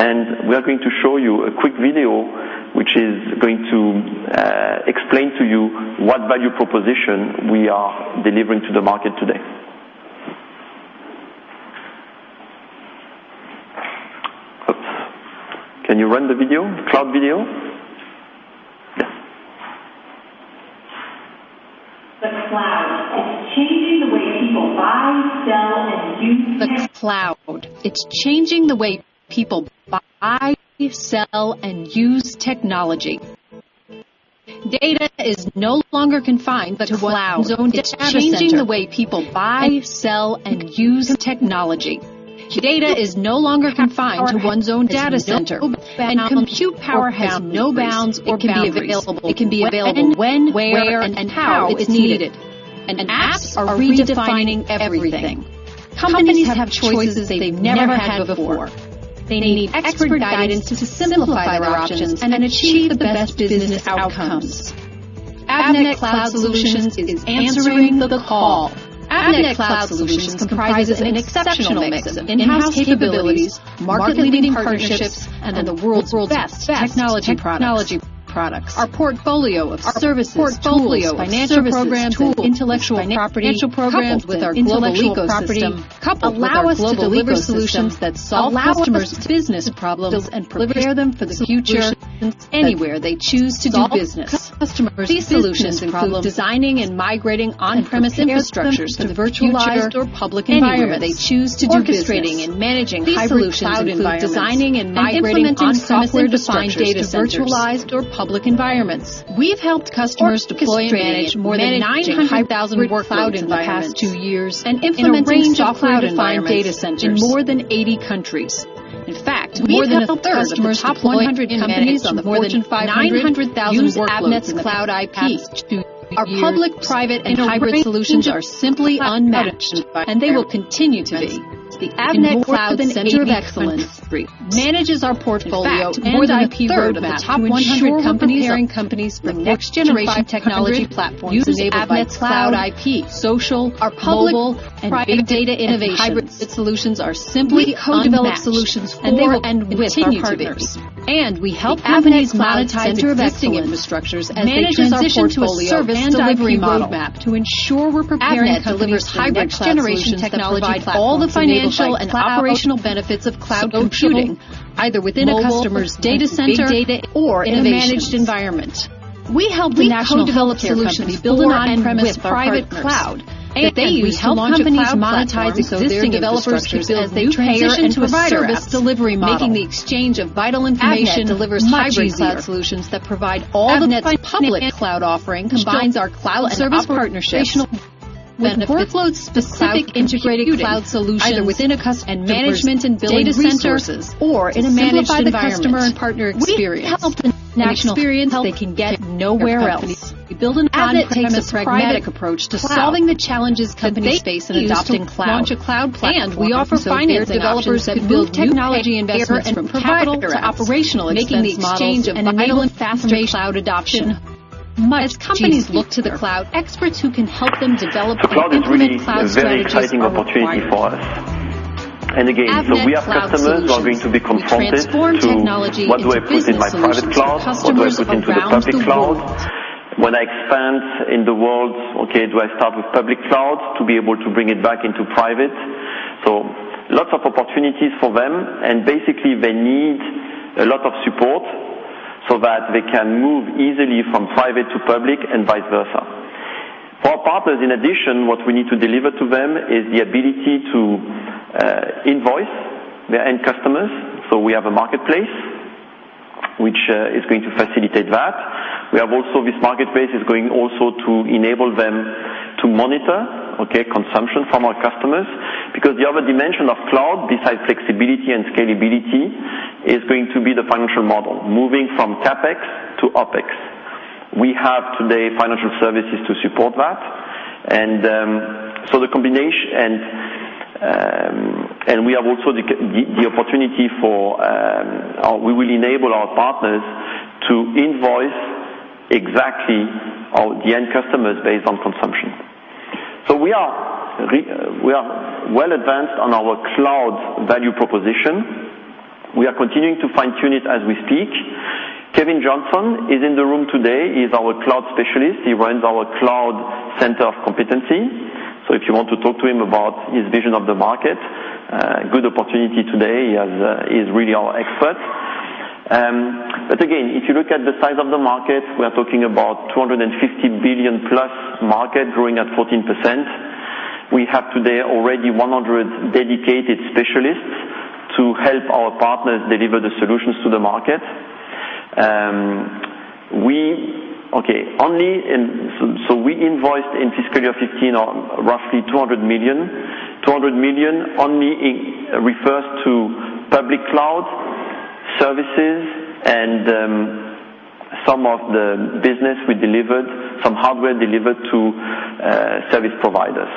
and we are going to show you a quick video which is going to explain to you what value proposition we are delivering to the market today. Can you run the video? Cloud video? Yes. The cloud is changing the way people buy, sell, and use the cloud. It's changing the way people buy, sell, and use technology. Data is no longer confined to one zone data center. It's changing the way people buy, sell, and use technology. Data is no longer confined to one zone data center. And compute power has no bounds. It can be available when and where and how it's needed. And apps are redefining everything. Companies have choices they've never had before. They need expert guidance to simplify their options and achieve the best business outcomes. Avnet Cloud Solutions is answering the call. Avnet Cloud Solutions comprises an exceptional mix of in-house capabilities, market-leading partnerships, and the world's best technology products. Our portfolio of services, portfolio of financial programs, intellectual property programs with our intellectual property allow us to deliver solutions that solve customers' business problems and prepare them for the future anywhere they choose to do business. These solutions involve designing and migrating on-premise infrastructures to the virtual or public environment they choose to do business. They are integrating and managing high-volume cloud environments, designing and migrating on-premise or defined data centers to virtualized or public environments. We've helped customers deploy and manage more than 900,000 workloads in the past two years and implemented software-defined data centers in more than 80 countries. In fact, more than a third of customers' top 100 companies on the Fortune 500 have 900,000 Avnet Cloud IPs. Our public, private, and hybrid solutions are simply unmatched, and they will continue to be. The Avnet Cloud Center of Competency manages our portfolio with more than a third of the top 100 companies and companies for next-generation technology platforms. Using Avnet Cloud IP, social, public, and big data innovation, hybrid solutions are simply co-developed solutions and will continue to exist. We help companies monetize their existing infrastructures and transition to a service delivery roadmap to ensure we're preparing to deliver hybrid cloud technology for all the financial and operational benefits of cloud computing, either within a customer's data center or in a managed environment. We help the national development solutions build an on-premise private cloud. We help companies monetize existing developers as they transition to a service delivery model, making the exchange of vital information and delivers hybrid cloud solutions that provide all the public cloud offering combines our cloud and service partnership. When the workload-specific integrated cloud solution is within a customer's management and building data centers or in a managed environment, customer and partner experience, we help the national experience they can get nowhere else. We build an Avnet-based private cloud approach to solving the challenges companies face in adopting cloud. We offer finance developers that build technology investment from capital to operational, making the exchange of enabling faster cloud adoption. As companies look to the cloud, experts who can help them develop and implement cloud strategies are a great opportunity for us. And again, so we have customers who are going to be confronted to what do I put in my private cloud? What do I put into the public cloud? When I expand in the world, okay, do I start with public cloud to be able to bring it back into private? So lots of opportunities for them, and basically they need a lot of support so that they can move easily from private to public and vice versa. For our partners, in addition, what we need to deliver to them is the ability to invoice their end customers. So we have a marketplace which is going to facilitate that. We have also this marketplace is going also to enable them to monitor, okay, consumption from our customers because the other dimension of cloud, besides flexibility and scalability, is going to be the financial model moving from CapEx to OpEx. We have today financial services to support that. So the combination, and we have also the opportunity for we will enable our partners to invoice exactly the end customers based on consumption. So we are well advanced on our cloud value proposition. We are continuing to fine-tune it as we speak. Kevin Johnson is in the room today. He is our cloud specialist. He runs our cloud center of competency. So if you want to talk to him about his vision of the market, good opportunity today. He is really our expert. But again, if you look at the size of the market, we are talking about $250 billion-plus market growing at 14%. We have today already 100 dedicated specialists to help our partners deliver the solutions to the market. Okay, only in so we invoiced in fiscal year 2015 roughly $200 million. $200 million only refers to public cloud services and some of the business we delivered, some hardware delivered to service providers.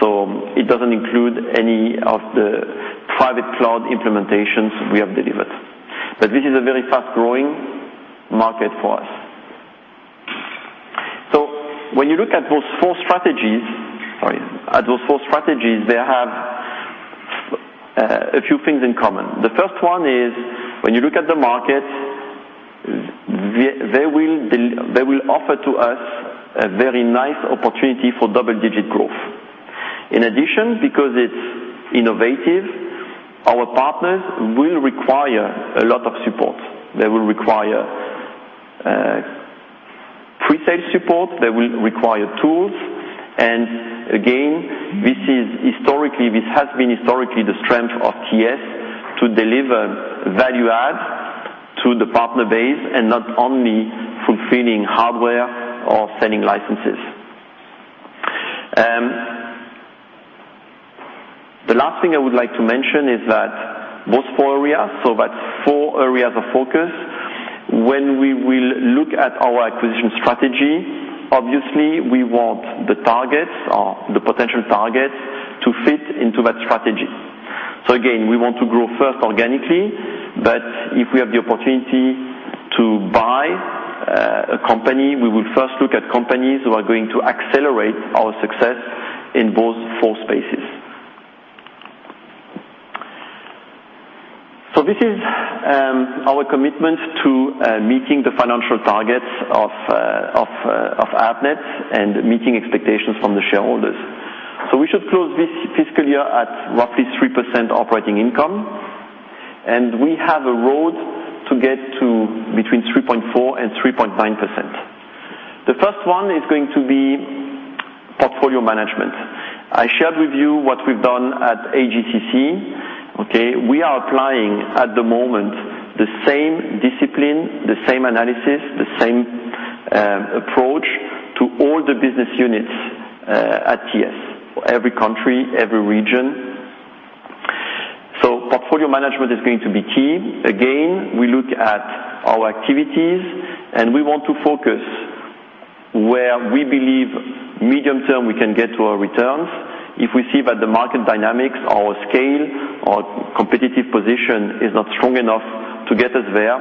So it doesn't include any of the private cloud implementations we have delivered. But this is a very fast-growing market for us. So when you look at those four strategies, sorry, at those four strategies, they have a few things in common. The first one is when you look at the market, they will offer to us a very nice opportunity for double-digit growth. In addition, because it's innovative, our partners will require a lot of support. They will require presale support. They will require tools. And again, this is historically this has been historically the strength of TS to deliver value-add to the partner base and not only fulfilling hardware or selling licenses. The last thing I would like to mention is that both four areas, so that's four areas of focus. When we will look at our acquisition strategy, obviously we want the targets or the potential targets to fit into that strategy. So again, we want to grow first organically, but if we have the opportunity to buy a company, we will first look at companies who are going to accelerate our success in both four spaces. So this is our commitment to meeting the financial targets of Avnet and meeting expectations from the shareholders. So we should close this fiscal year at roughly 3% operating income, and we have a road to get to between 3.4%-3.9%. The first one is going to be portfolio management. I shared with you what we've done at AGCC. Okay, we are applying at the moment the same discipline, the same analysis, the same approach to all the business units at TS, every country, every region. So portfolio management is going to be key. Again, we look at our activities, and we want to focus where we believe medium-term we can get to our returns. If we see that the market dynamics, our scale, our competitive position is not strong enough to get us there,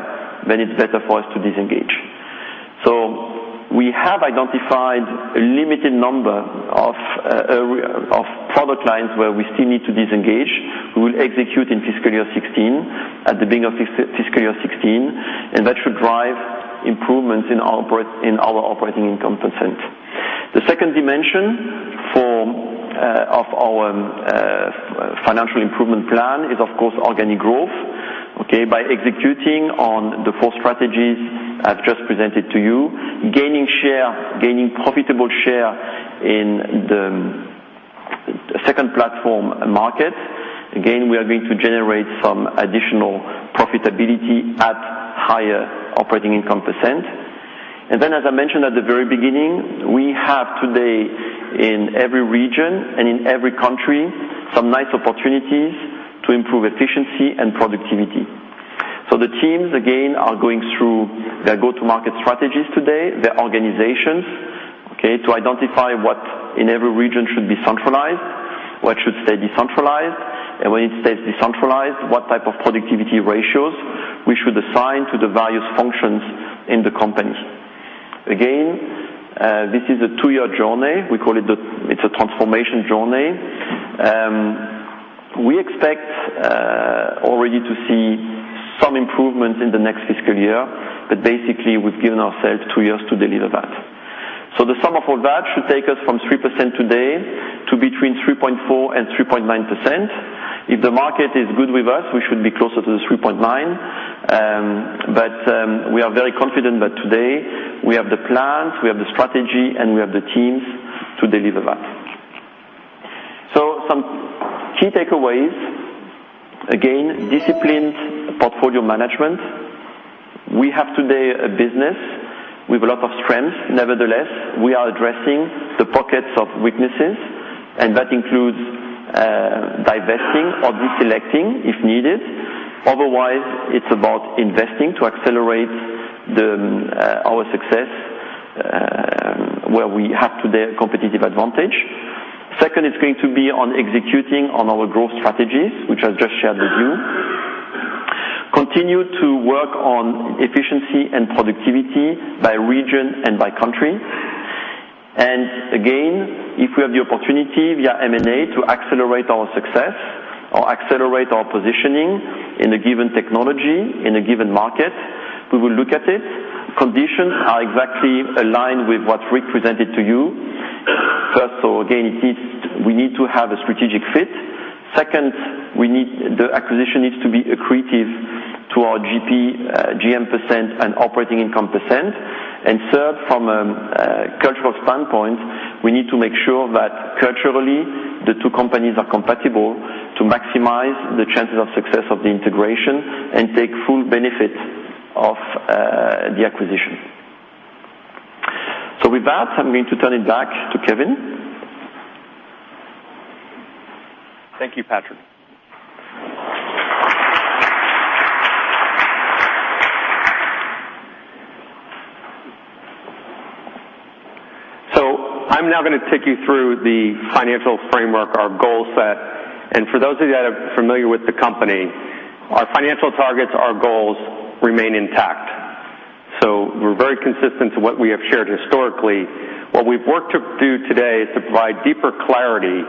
then it's better for us to disengage. So we have identified a limited number of product lines where we still need to disengage. We will execute in fiscal year 2016, at the beginning of fiscal year 2016, and that should drive improvements in our operating income percent. The second dimension of our financial improvement plan is, of course, organic growth. Okay, by executing on the four strategies I've just presented to you, gaining share, gaining profitable share in the second platform market. Again, we are going to generate some additional profitability at higher operating income %. And then, as I mentioned at the very beginning, we have today in every region and in every country some nice opportunities to improve efficiency and productivity. So the teams, again, are going through their go-to-market strategies today, their organizations, okay, to identify what in every region should be centralized, what should stay decentralized, and when it stays decentralized, what type of productivity ratios we should assign to the various functions in the company. Again, this is a two-year journey. We call it a transformation journey. We expect already to see some improvements in the next fiscal year, but basically we've given ourselves two years to deliver that. So the sum of all that should take us from 3% today to between 3.4%-3.9%. If the market is good with us, we should be closer to the 3.9%. But we are very confident that today we have the plans, we have the strategy, and we have the teams to deliver that. So some key takeaways. Again, disciplined portfolio management. We have today a business with a lot of strengths. Nevertheless, we are addressing the pockets of weaknesses, and that includes divesting or deselecting if needed. Otherwise, it's about investing to accelerate our success where we have today a competitive advantage. Second, it's going to be on executing on our growth strategies, which I've just shared with you. Continue to work on efficiency and productivity by region and by country. And again, if we have the opportunity via M&A to accelerate our success or accelerate our positioning in a given technology, in a given market, we will look at it. Conditions are exactly aligned with what Rick presented to you. First, so again, we need to have a strategic fit. Second, the acquisition needs to be accretive to our GP GM percent and operating income percent. And third, from a cultural standpoint, we need to make sure that culturally the two companies are compatible to maximize the chances of success of the integration and take full benefit of the acquisition. So with that, I'm going to turn it back to Kevin. Thank you, Patrick. So I'm now going to take you through the financial framework, our goal set. And for those of you that are familiar with the company, our financial targets, our goals remain intact. So we're very consistent to what we have shared historically. What we've worked to do today is to provide deeper clarity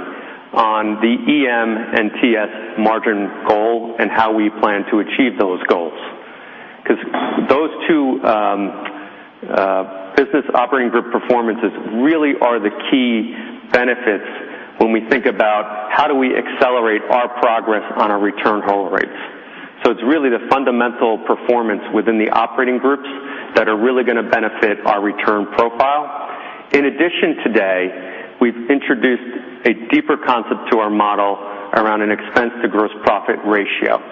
on the EM and TS margin goal and how we plan to achieve those goals. Because those two business operating group performances really are the key benefits when we think about how do we accelerate our progress on our return hold rates. So it's really the fundamental performance within the operating groups that are really going to benefit our return profile. In addition, today, we've introduced a deeper concept to our model around an expense-to-gross profit ratio.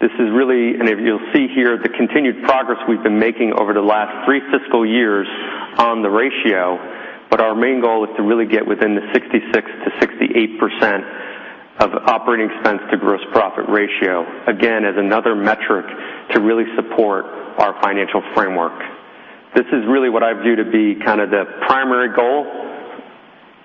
This is really, and you'll see here the continued progress we've been making over the last three fiscal years on the ratio, but our main goal is to really get within the 66%-68% of operating expense-to-gross profit ratio, again, as another metric to really support our financial framework. This is really what I view to be kind of the primary goal.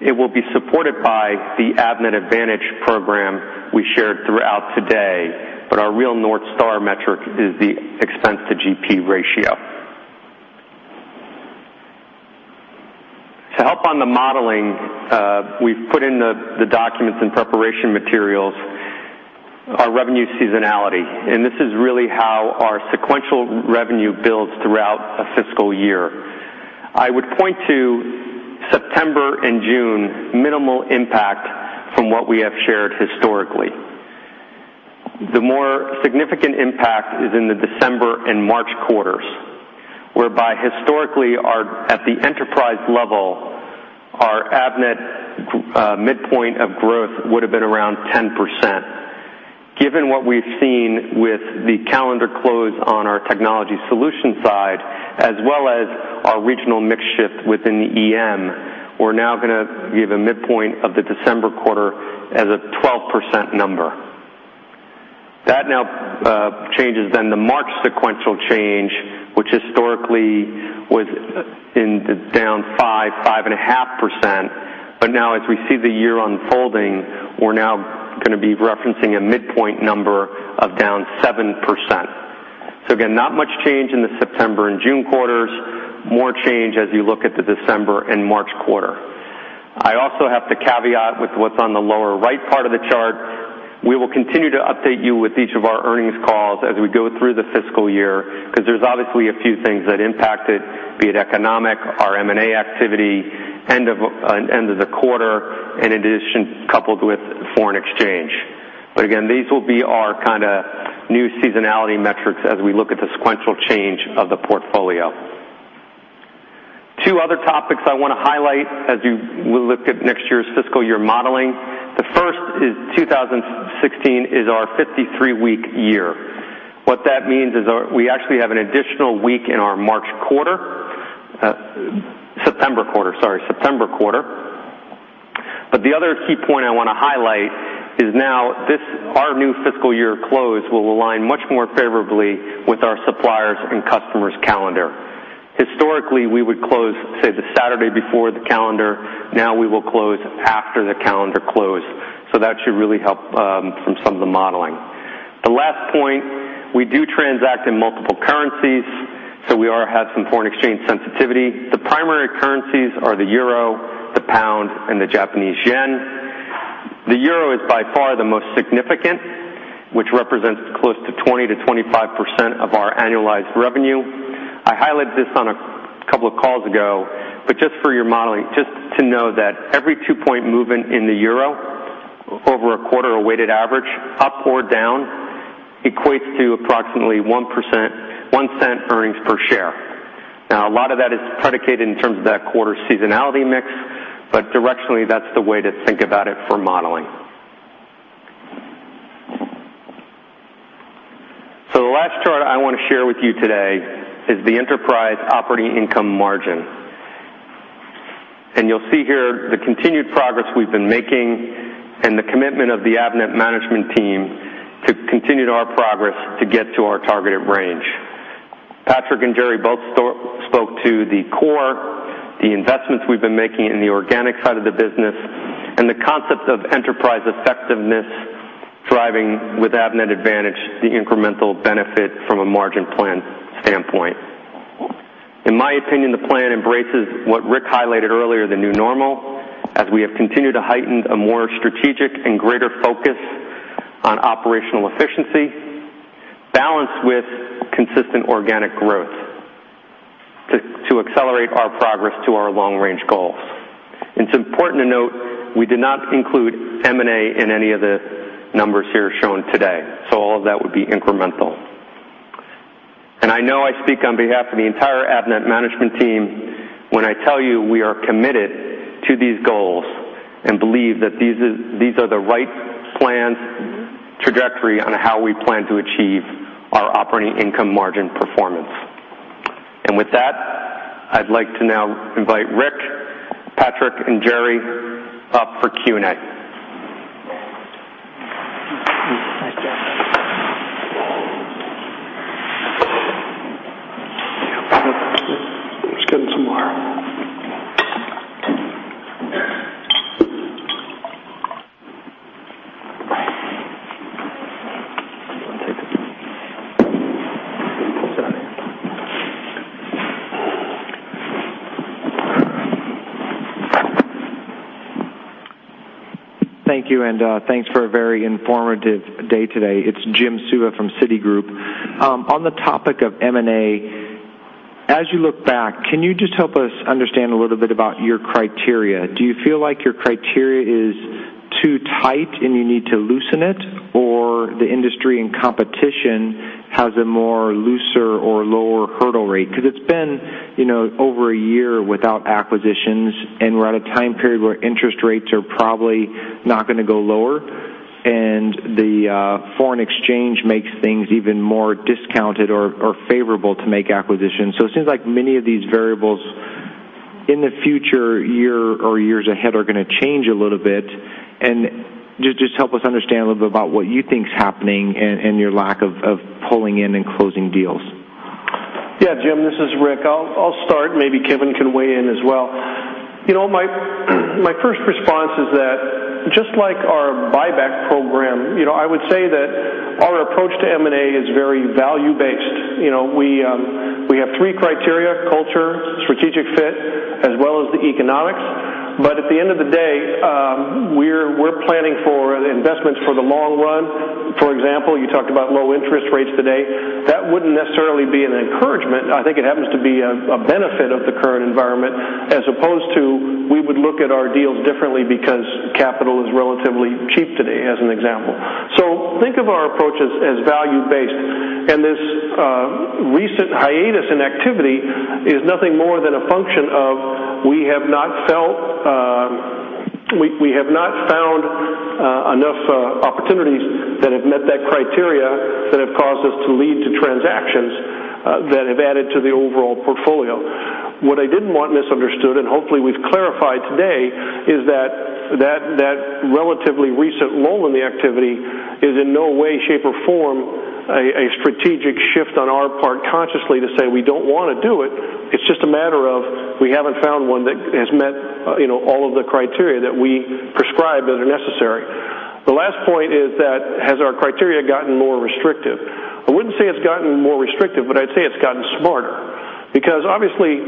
It will be supported by the Avnet Advantage program we shared throughout today, but our real North Star metric is the expense-to-GP ratio. To help on the modeling, we've put in the documents and preparation materials, our revenue seasonality. And this is really how our sequential revenue builds throughout a fiscal year. I would point to September and June, minimal impact from what we have shared historically. The more significant impact is in the December and March quarters, whereby historically, at the enterprise level, our Avnet midpoint of growth would have been around 10%. Given what we've seen with the calendar close on our technology solution side, as well as our regional mix shift within the EM, we're now going to give a midpoint of the December quarter as a 12% number. That now changes then the March sequential change, which historically was down 5%-5.5%, but now as we see the year unfolding, we're now going to be referencing a midpoint number of down 7%. So again, not much change in the September and June quarters, more change as you look at the December and March quarter. I also have to caveat with what's on the lower right part of the chart. We will continue to update you with each of our earnings calls as we go through the fiscal year because there's obviously a few things that impacted, be it economic, our M&A activity, end of the quarter, and in addition, coupled with foreign exchange. But again, these will be our kind of new seasonality metrics as we look at the sequential change of the portfolio. Two other topics I want to highlight as we look at next year's fiscal year modeling. The first is 2016 is our 53-week year. What that means is we actually have an additional week in our March quarter, September quarter, sorry, September quarter. But the other key point I want to highlight is now our new fiscal year close will align much more favorably with our suppliers' and customers' calendar. Historically, we would close, say, the Saturday before the calendar. Now we will close after the calendar close. So that should really help from some of the modeling. The last point, we do transact in multiple currencies, so we have some foreign exchange sensitivity. The primary currencies are the euro, the pound, and the Japanese yen. The euro is by far the most significant, which represents close to 20%-25% of our annualized revenue. I highlighted this on a couple of calls ago, but just for your modeling, just to know that every 2-point movement in the euro, over a quarter a weighted average, up or down, equates to approximately $0.01 earnings per share. Now, a lot of that is predicated in terms of that quarter seasonality mix, but directionally, that's the way to think about it for modeling. So the last chart I want to share with you today is the enterprise operating income margin. And you'll see here the continued progress we've been making and the commitment of the Avnet management team to continue our progress to get to our targeted range. Patrick and Gerry both spoke to the core, the investments we've been making in the organic side of the business, and the concept of enterprise effectiveness driving with Avnet Advantage the incremental benefit from a margin plan standpoint. In my opinion, the plan embraces what Rick highlighted earlier, the new normal, as we have continued to heighten a more strategic and greater focus on operational efficiency, balanced with consistent organic growth to accelerate our progress to our long-range goals. It's important to note we did not include M&A in any of the numbers here shown today, so all of that would be incremental. I know I speak on behalf of the entire Avnet management team when I tell you we are committed to these goals and believe that these are the right plans, trajectory on how we plan to achieve our operating income margin performance. And with that, I'd like to now invite Rick, Patrick, and Gerry up for Q&A. Thank you, and thanks for a very informative day today. It's Jim Suva from Citigroup. On the topic of M&A, as you look back, can you just help us understand a little bit about your criteria? Do you feel like your criteria is too tight and you need to loosen it, or the industry and competition has a more looser or lower hurdle rate? Because it's been over a year without acquisitions, and we're at a time period where interest rates are probably not going to go lower, and the foreign exchange makes things even more discounted or favorable to make acquisitions. So it seems like many of these variables in the future year or years ahead are going to change a little bit. And just help us understand a little bit about what you think is happening andyour lack of pulling in and closing deals. Yeah, Jim, this is Rick. I'll start. Maybe Kevin can weigh in as well. My first response is that just like our buyback program, I would say that our approach to M&A is very value-based. We have three criteria: culture, strategic fit, as well as the economics. But at the end of the day, we're planning for investments for the long run. For example, you talked about low interest rates today. That wouldn't necessarily be an encouragement. I think it happens to be a benefit of the current environment, as opposed to we would look at our deals differently because capital is relatively cheap today, as an example. So think of our approach as value-based. And this recent hiatus in activity is nothing more than a function of we have not found enough opportunities that have met that criteria that have caused us to lead to transactions that have added to the overall portfolio. What I didn't want misunderstood, and hopefully we've clarified today, is that that relatively recent lull in the activity is in no way, shape, or form a strategic shift on our part consciously to say we don't want to do it. It's just a matter of we haven't found one that has met all of the criteria that we prescribe that are necessary. The last point is that has our criteria gotten more restrictive? I wouldn't say it's gotten more restrictive, but I'd say it's gotten smarter. Because obviously,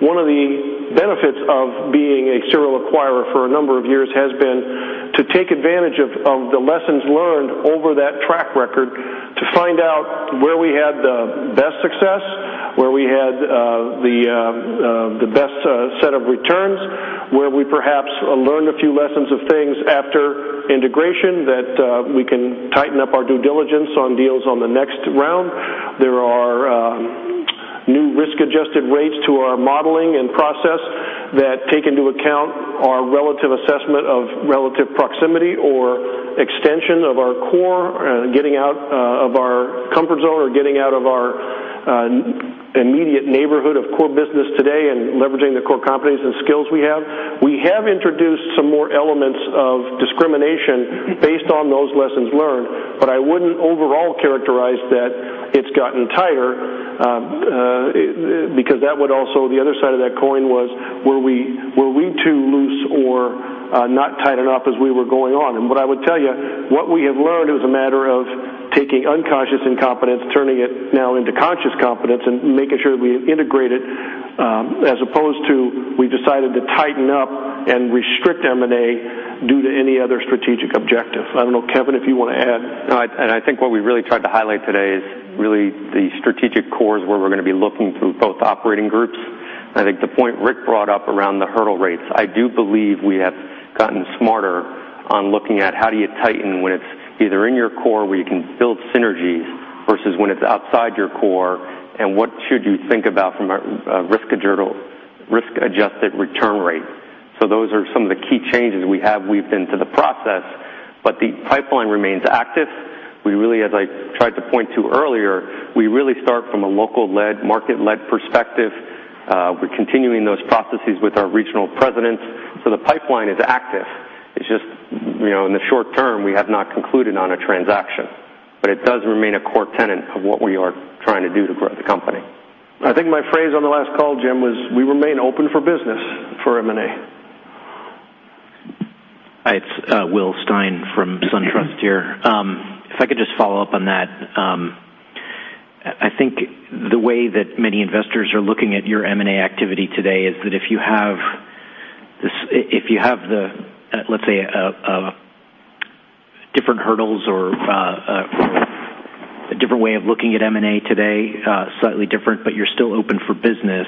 one of the benefits of being a serial acquirer for a number of years has been to take advantage of the lessons learned over that track record to find out where we had the best success, where we had the best set of returns, where we perhaps learned a few lessons of things after integration that we can tighten up our due diligence on deals on the next round. There are new risk-adjusted rates to our modeling and process that take into account our relative assessment of relative proximity or extension of our core, getting out of our comfort zone or getting out of our immediate neighborhood of core business today and leveraging the core companies and skills we have. We have introduced some more elements of discrimination based on those lessons learned, but I wouldn't overall characterize that it's gotten tighter because that would also the other side of that coin was, were we too loose or not tight enough as we were going on? And what I would tell you, what we have learned, it was a matter of taking unconscious incompetence, turning it now into conscious competence, and making sure that we integrate it, as opposed to we've decided to tighten up and restrict M&A due to any other strategic objective. I don't know, Kevin, if you want to add. And I think what we really tried to highlight today is really the strategic cores where we're going to be looking through both operating groups. I think the point Rick brought up around the hurdle rates, I do believe we have gotten smarter on looking at how do you tighten when it's either in your core where you can build synergies versus when it's outside your core, and what should you think about from a risk-adjusted return rate. So those are some of the key changes we have weaved into the process, but the pipeline remains active. We really, as I tried to point to earlier, we really start from a local-led, market-led perspective. We're continuing those processes with our regional presidents. So the pipeline is active. It's just in the short term, we have not concluded on a transaction, but it does remain a core tenet of what we are trying to do to grow the company. I think my phrase on the last call, Jim, was we remain open for business for M&A. Hi, it's Will Stein from SunTrust here. If I could just follow up on that, I think the way that many investors are looking at your M&A activity today is that if you have the, let's say, different hurdles or a different way of looking at M&A today, slightly different, but you're still open for business,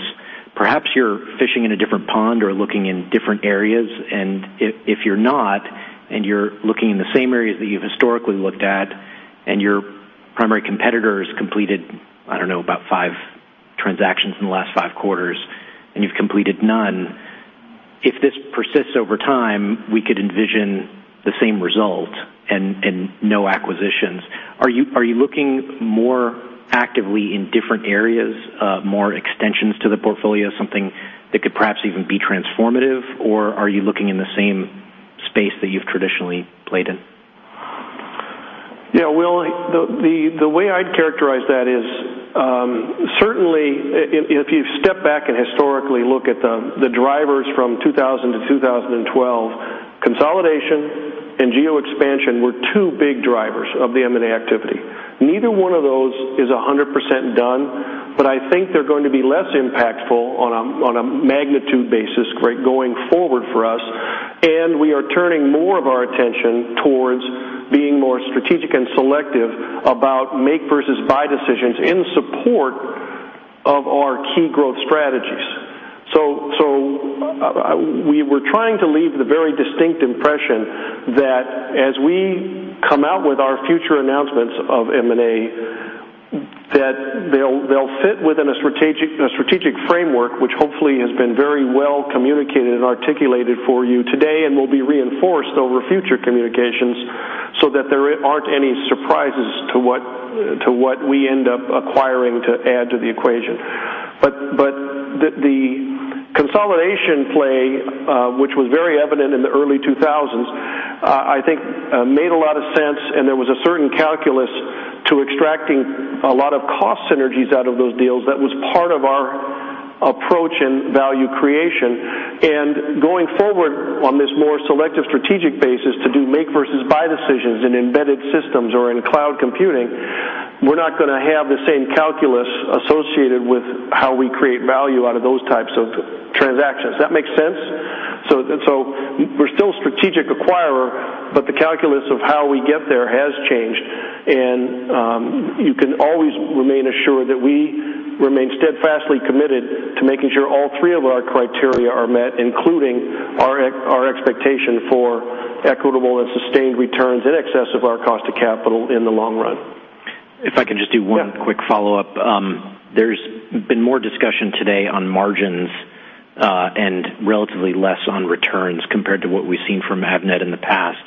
perhaps you're fishing in a different pond or looking in different areas. And if you're not, and you're looking in the same areas that you've historically looked at, and your primary competitors completed, I don't know, about 5 transactions in the last 5 quarters, and you've completed none, if this persists over time, we could envision the same result and no acquisitions. Are you looking more actively in different areas, more extensions to the portfolio, something that could perhaps even be transformative, or are you looking in the same space that you've traditionally played in? Yeah, Will, the way I'd characterize that is certainly if you step back and historically look at the drivers from 2000 to 2012, consolidation and geo-expansion were two big drivers of the M&A activity. Neither one of those is 100% done, but I think they're going to be less impactful on a magnitude basis going forward for us. We are turning more of our attention towards being more strategic and selective about make versus buy decisions in support of our key growth strategies. So we were trying to leave the very distinct impression that as we come out with our future announcements of M&A, that they'll fit within a strategic framework, which hopefully has been very well communicated and articulated for you today and will be reinforced over future communications so that there aren't any surprises to what we end up acquiring to add to the equation. But the consolidation play, which was very evident in the early 2000s, I think made a lot of sense, and there was a certain calculus to extracting a lot of cost synergies out of those deals that was part of our approach and value creation. Going forward on this more selective strategic basis to do make versus buy decisions in embedded systems or in cloud computing, we're not going to have the same calculus associated with how we create value out of those types of transactions. That makes sense? So we're still strategic acquirer, but the calculus of how we get there has changed. And you can always remain assured that we remain steadfastly committed to making sure all three of our criteria are met, including our expectation for equitable and sustained returns in excess of our cost of capital in the long run. If I can just do one quick follow-up. There's been more discussion today on margins and relatively less on returns compared to what we've seen from Avnet in the past.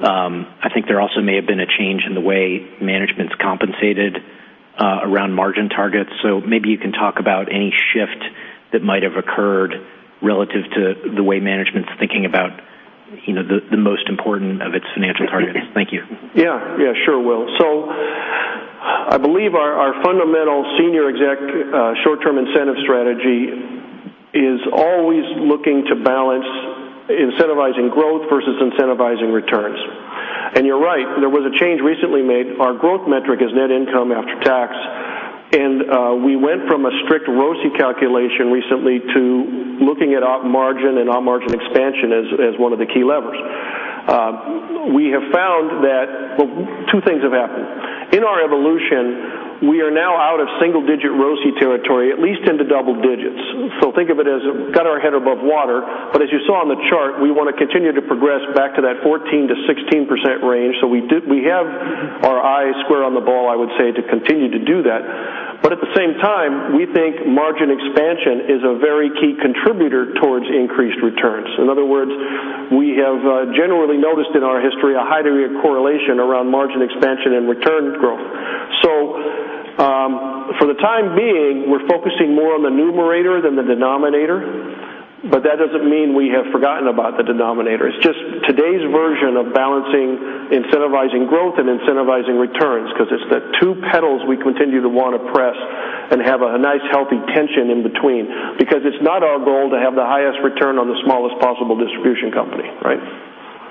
I think there also may have been a change in the way management's compensated around margin targets. So maybe you can talk about any shift that might have occurred relative to the way management's thinking about the most important of its financial targets. Thank you. Yeah, yeah, sure, Will. So I believe our fundamental senior exec short-term incentive strategy is always looking to balance incentivizing growth versus incentivizing returns. And you're right, there was a change recently made. Our growth metric is net income after tax, and we went from a strict ROSI calculation recently to looking at margin and on-margin expansion as one of the key levers. We have found that two things have happened. In our evolution, we are now out of single-digit ROSI territory, at least into double digits. So think of it as got our head above water. But as you saw on the chart, we want to continue to progress back to that 14%-16% range. So we have our eyes squarely on the ball, I would say, to continue to do that. But at the same time, we think margin expansion is a very key contributor towards increased returns. In other words, we have generally noticed in our history a high degree of correlation around margin expansion and return growth. So for the time being, we're focusing more on the numerator than the denominator, but that doesn't mean we have forgotten about the denominator. It's just today's version of balancing incentivizing growth and incentivizing returns because it's the two pedals we continue to want to press and have a nice healthy tension in between because it's not our goal to have the highest return on the smallest possible distribution company,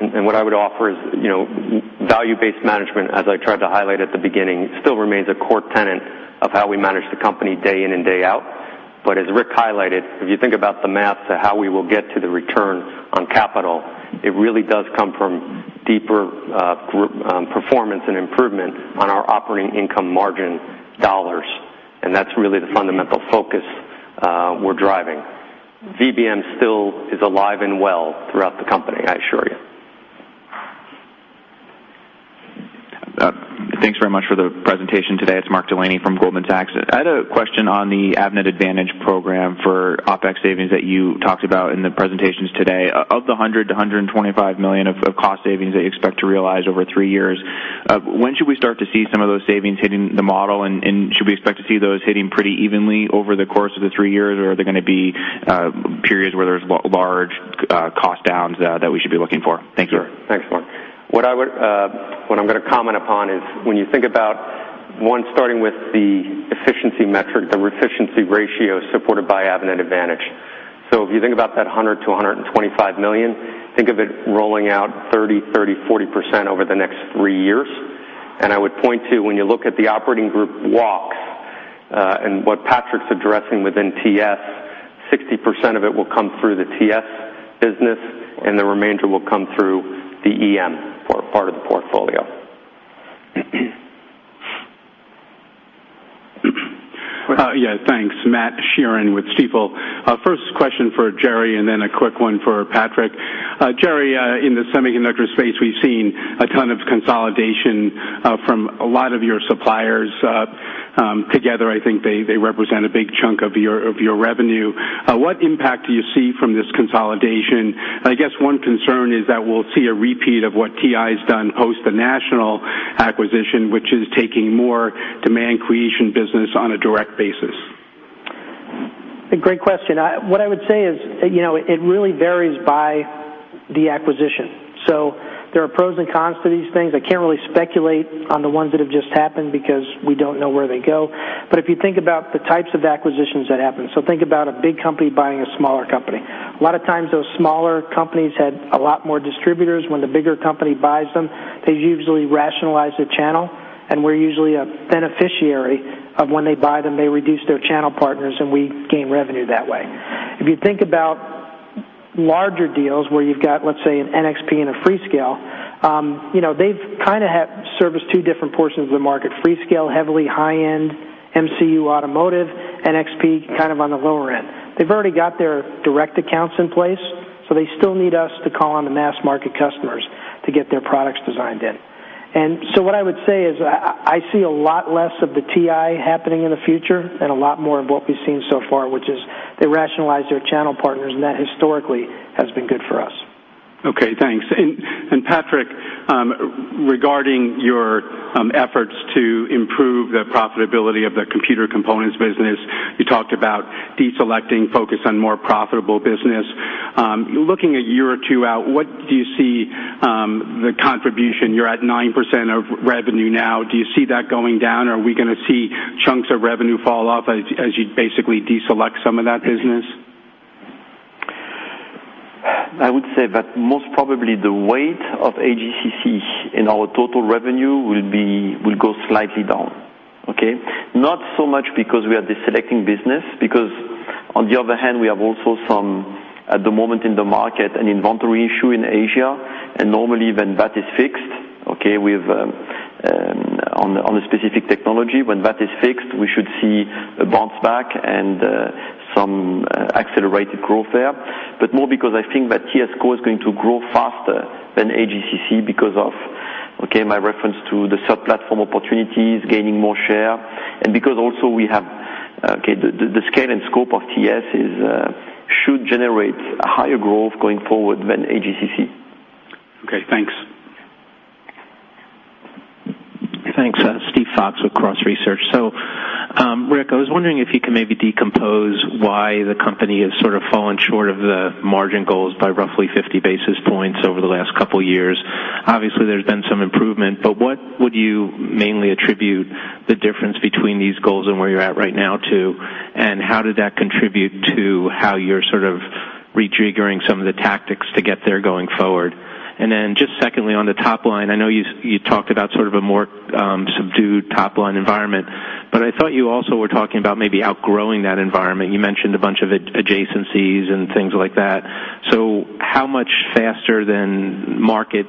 right? What I would offer is Value-Based Management, as I tried to highlight at the beginning, still remains a core tenet of how we manage the company day in and day out. But as Rick highlighted, if you think about the math to how we will get to the return on capital, it really does come from deeper performance and improvement on our operating income margin dollars. And that's really the fundamental focus we're driving. VBM still is alive and well throughout the company, I assure you. Thanks very much for the presentation today.It's Mark Delaney from Goldman Sachs. I had a question on the Avnet Advantage program for OpEx savings that you talked about in the presentations today. Of the $100-$125 million of cost savings that you expect to realize over three years, when should we start to see some of those savings hitting the model? Should we expect to see those hitting pretty evenly over the course of the three years, or are there going to be periods where there's large cost downs that we should be looking for? Thank you. Sure. Thanks, Mark. What I'm going to comment upon is when you think about, one, starting with the efficiency metric, the efficiency ratio supported by Avnet Advantage. So if you think about that $100 million-$125 million, think of it rolling out 30%, 30%, 40% over the next three years. And I would point to when you look at the operating group walks and what Patrick's addressing within TS, 60% of it will come through the TS business, and the remainder will come through the EM part of the portfolio. Yeah, thanks. Matt Sheerin with Stifel. First question for Gerry and then a quick one for Patrick. Gerry, in the semiconductor space, we've seen a ton of consolidation from a lot of your suppliers. Together, I think they represent a big chunk of your revenue. What impact do you see from this consolidation? I guess one concern is that we'll see a repeat of what TI has done post the National acquisition, which is taking more demand creation business on a direct basis. Great question. What I would say is it really varies by the acquisition. So there are pros and cons to these things. I can't really speculate on the ones that have just happened because we don't know where they go. But if you think about the types of acquisitions that happen, so think about a big company buying a smaller company. A lot of times those smaller companies had a lot more distributors. When the bigger company buys them, they usually rationalize the channel. And we're usually a beneficiary of when they buy them, they reduce their channel partners, and we gain revenue that way. If you think about larger deals where you've got, let's say, an NXP and a Freescale, they've kind of had served two different portions of the market: Freescale, heavily high-end MCU automotive; NXP, kind of on the lower end. They've already got their direct accounts in place, so they still need us to call on the mass market customers to get their products designed in. And so what I would say is I see a lot less of the TI happening in the future and a lot more of what we've seen so far, which is they rationalize their channel partners, and that historically has been good for us. Okay, thanks. Patrick, regarding your efforts to improve the profitability of the computer components business, you talked about deselecting, focus on more profitable business. Looking a year or two out, what do you see the contribution? You're at 9% of revenue now. Do you see that going down, or are we going to see chunks of revenue fall off as you basically deselect some of that business? I would say that most probably the weight of AGCC in our total revenue will go slightly down, okay? Not so much because we are deselecting business, because on the other hand, we have also some, at the moment in the market, an inventory issue in Asia. And normally when that is fixed, okay, on a specific technology, when that is fixed, we should see a bounce back and some accelerated growth there. But more because I think that TS Core is going to grow faster than AGCC because of, okay, my reference to the Third Platform opportunities, gaining more share, and because also we have, okay, the scale and scope of TS should generate a higher growth going forward than AGCC. Okay, thanks. Thanks. Steve Fox with Cross Research. So, Rick, I was wondering if you can maybe decompose why the company has sort of fallen short of the margin goals by roughly 50 basis points over the last couple of years. Obviously, there's been some improvement, but what would you mainly attribute the difference between these goals and where you're at right now to, and how did that contribute to how you're sort of rejiggering some of the tactics to get there going forward? And then just secondly, on the top line, I know you talked about sort of a more subdued top line environment, but I thought you also were talking about maybe outgrowing that environment. You mentioned a bunch of adjacencies and things like that. So how much faster than market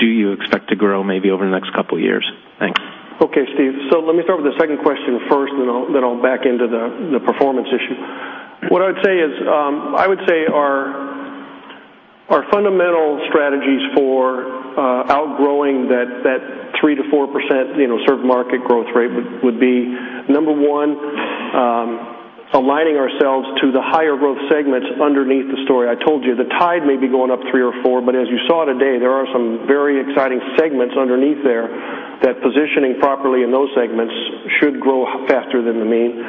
do you expect to grow maybe over the next couple of years? Thanks. Okay, Steve. So let me start with the second question first, then I'll back into the performance issue. What I would say is I would say our fundamental strategies for outgrowing that 3%-4% serve market growth rate would be, number one, aligning ourselves to the higher growth segments underneath the story. I told you the tide may be going up 3 or 4, but as you saw today, there are some very exciting segments underneath there that positioning properly in those segments should grow faster than the main.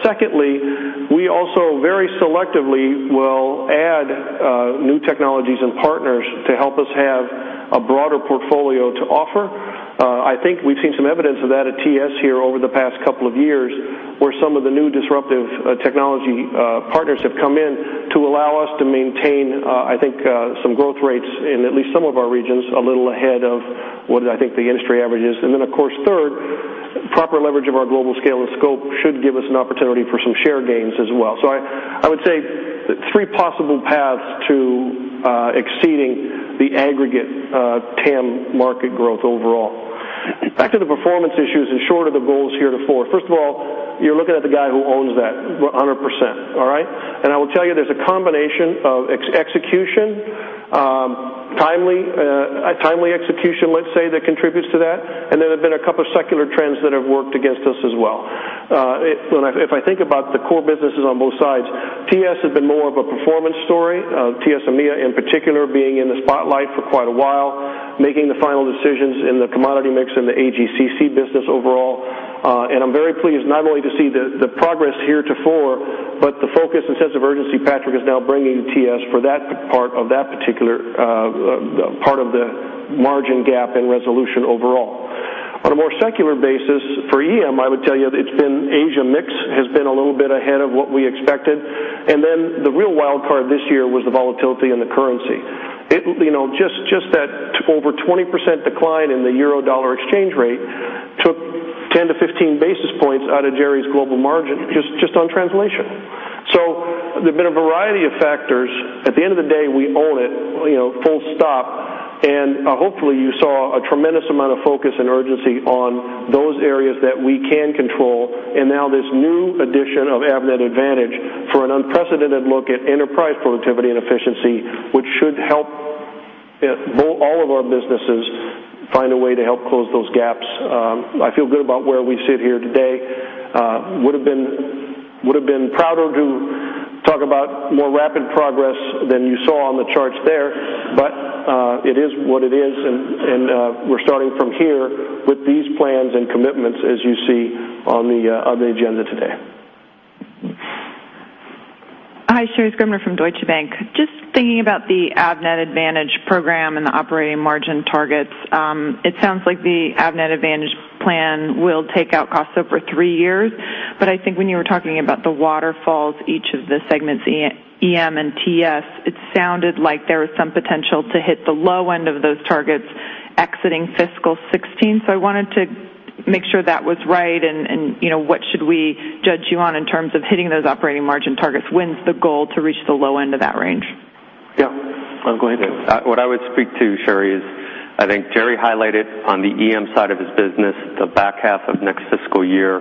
Secondly, we also very selectively will add new technologies and partners to help us have a broader portfolio to offer. I think we've seen some evidence of that at TS here over the past couple of years where some of the new disruptive technology partners have come in to allow us to maintain, I think, some growth rates in at least some of our regions a little ahead of what I think the industry average is. And then, of course, third, proper leverage of our global scale and scope should give us an opportunity for some share gains as well. So I would say three possible paths to exceeding the aggregate TAM market growth overall. Back to the performance issues and short of the goals here to forth. First of all, you're looking at the guy who owns that 100%, all right? And I will tell you there's a combination of execution, timely execution, let's say, that contributes to that. And there have been a couple of secular trends that have worked against us as well. If I think about the core businesses on both sides, TS has been more of a performance story, TS EMEA in particular being in the spotlight for quite a while, making the final decisions in the commodity mix and the AGCC business overall. I'm very pleased not only to see the progress here to date, but the focus and sense of urgency Patrick is now bringing to TS for that part of that particular part of the margin gap and resolution overall. On a more secular basis, for EM, I would tell you it's been Asia mix has been a little bit ahead of what we expected. And then the real wildcard this year was the volatility in the currency. Just that over 20% decline in the euro/dollar exchange rate took 10-15 basis points out of Gerry's global margin just on translation. So there have been a variety of factors. At the end of the day, we own it, full stop. And hopefully you saw a tremendous amount of focus and urgency on those areas that we can control. Now this new addition of Avnet Advantage for an unprecedented look at enterprise productivity and efficiency, which should help all of our businesses find a way to help close those gaps. I feel good about where we sit here today. Would have been prouder to talk about more rapid progress than you saw on the charts there, but it is what it is. We're starting from here with these plans and commitments, as you see on the agenda today. Hi, Sherri Scribner from Deutsche Bank. Just thinking about the Avnet Advantage program and the operating margin targets, it sounds like the Avnet Advantage plan will take out costs over three years. I think when you were talking about the waterfalls, each of the segments, EM and TS, it sounded like there was some potential to hit the low end of those targets exiting fiscal 2016. So I wanted to make sure that was right. And what should we judge you on in terms of hitting those operating margin targets? When's the goal to reach the low end of that range? Yeah. Go ahead. What I would speak to, Sherri, is I think Gerry highlighted on the EM side of his business the back half of next fiscal year,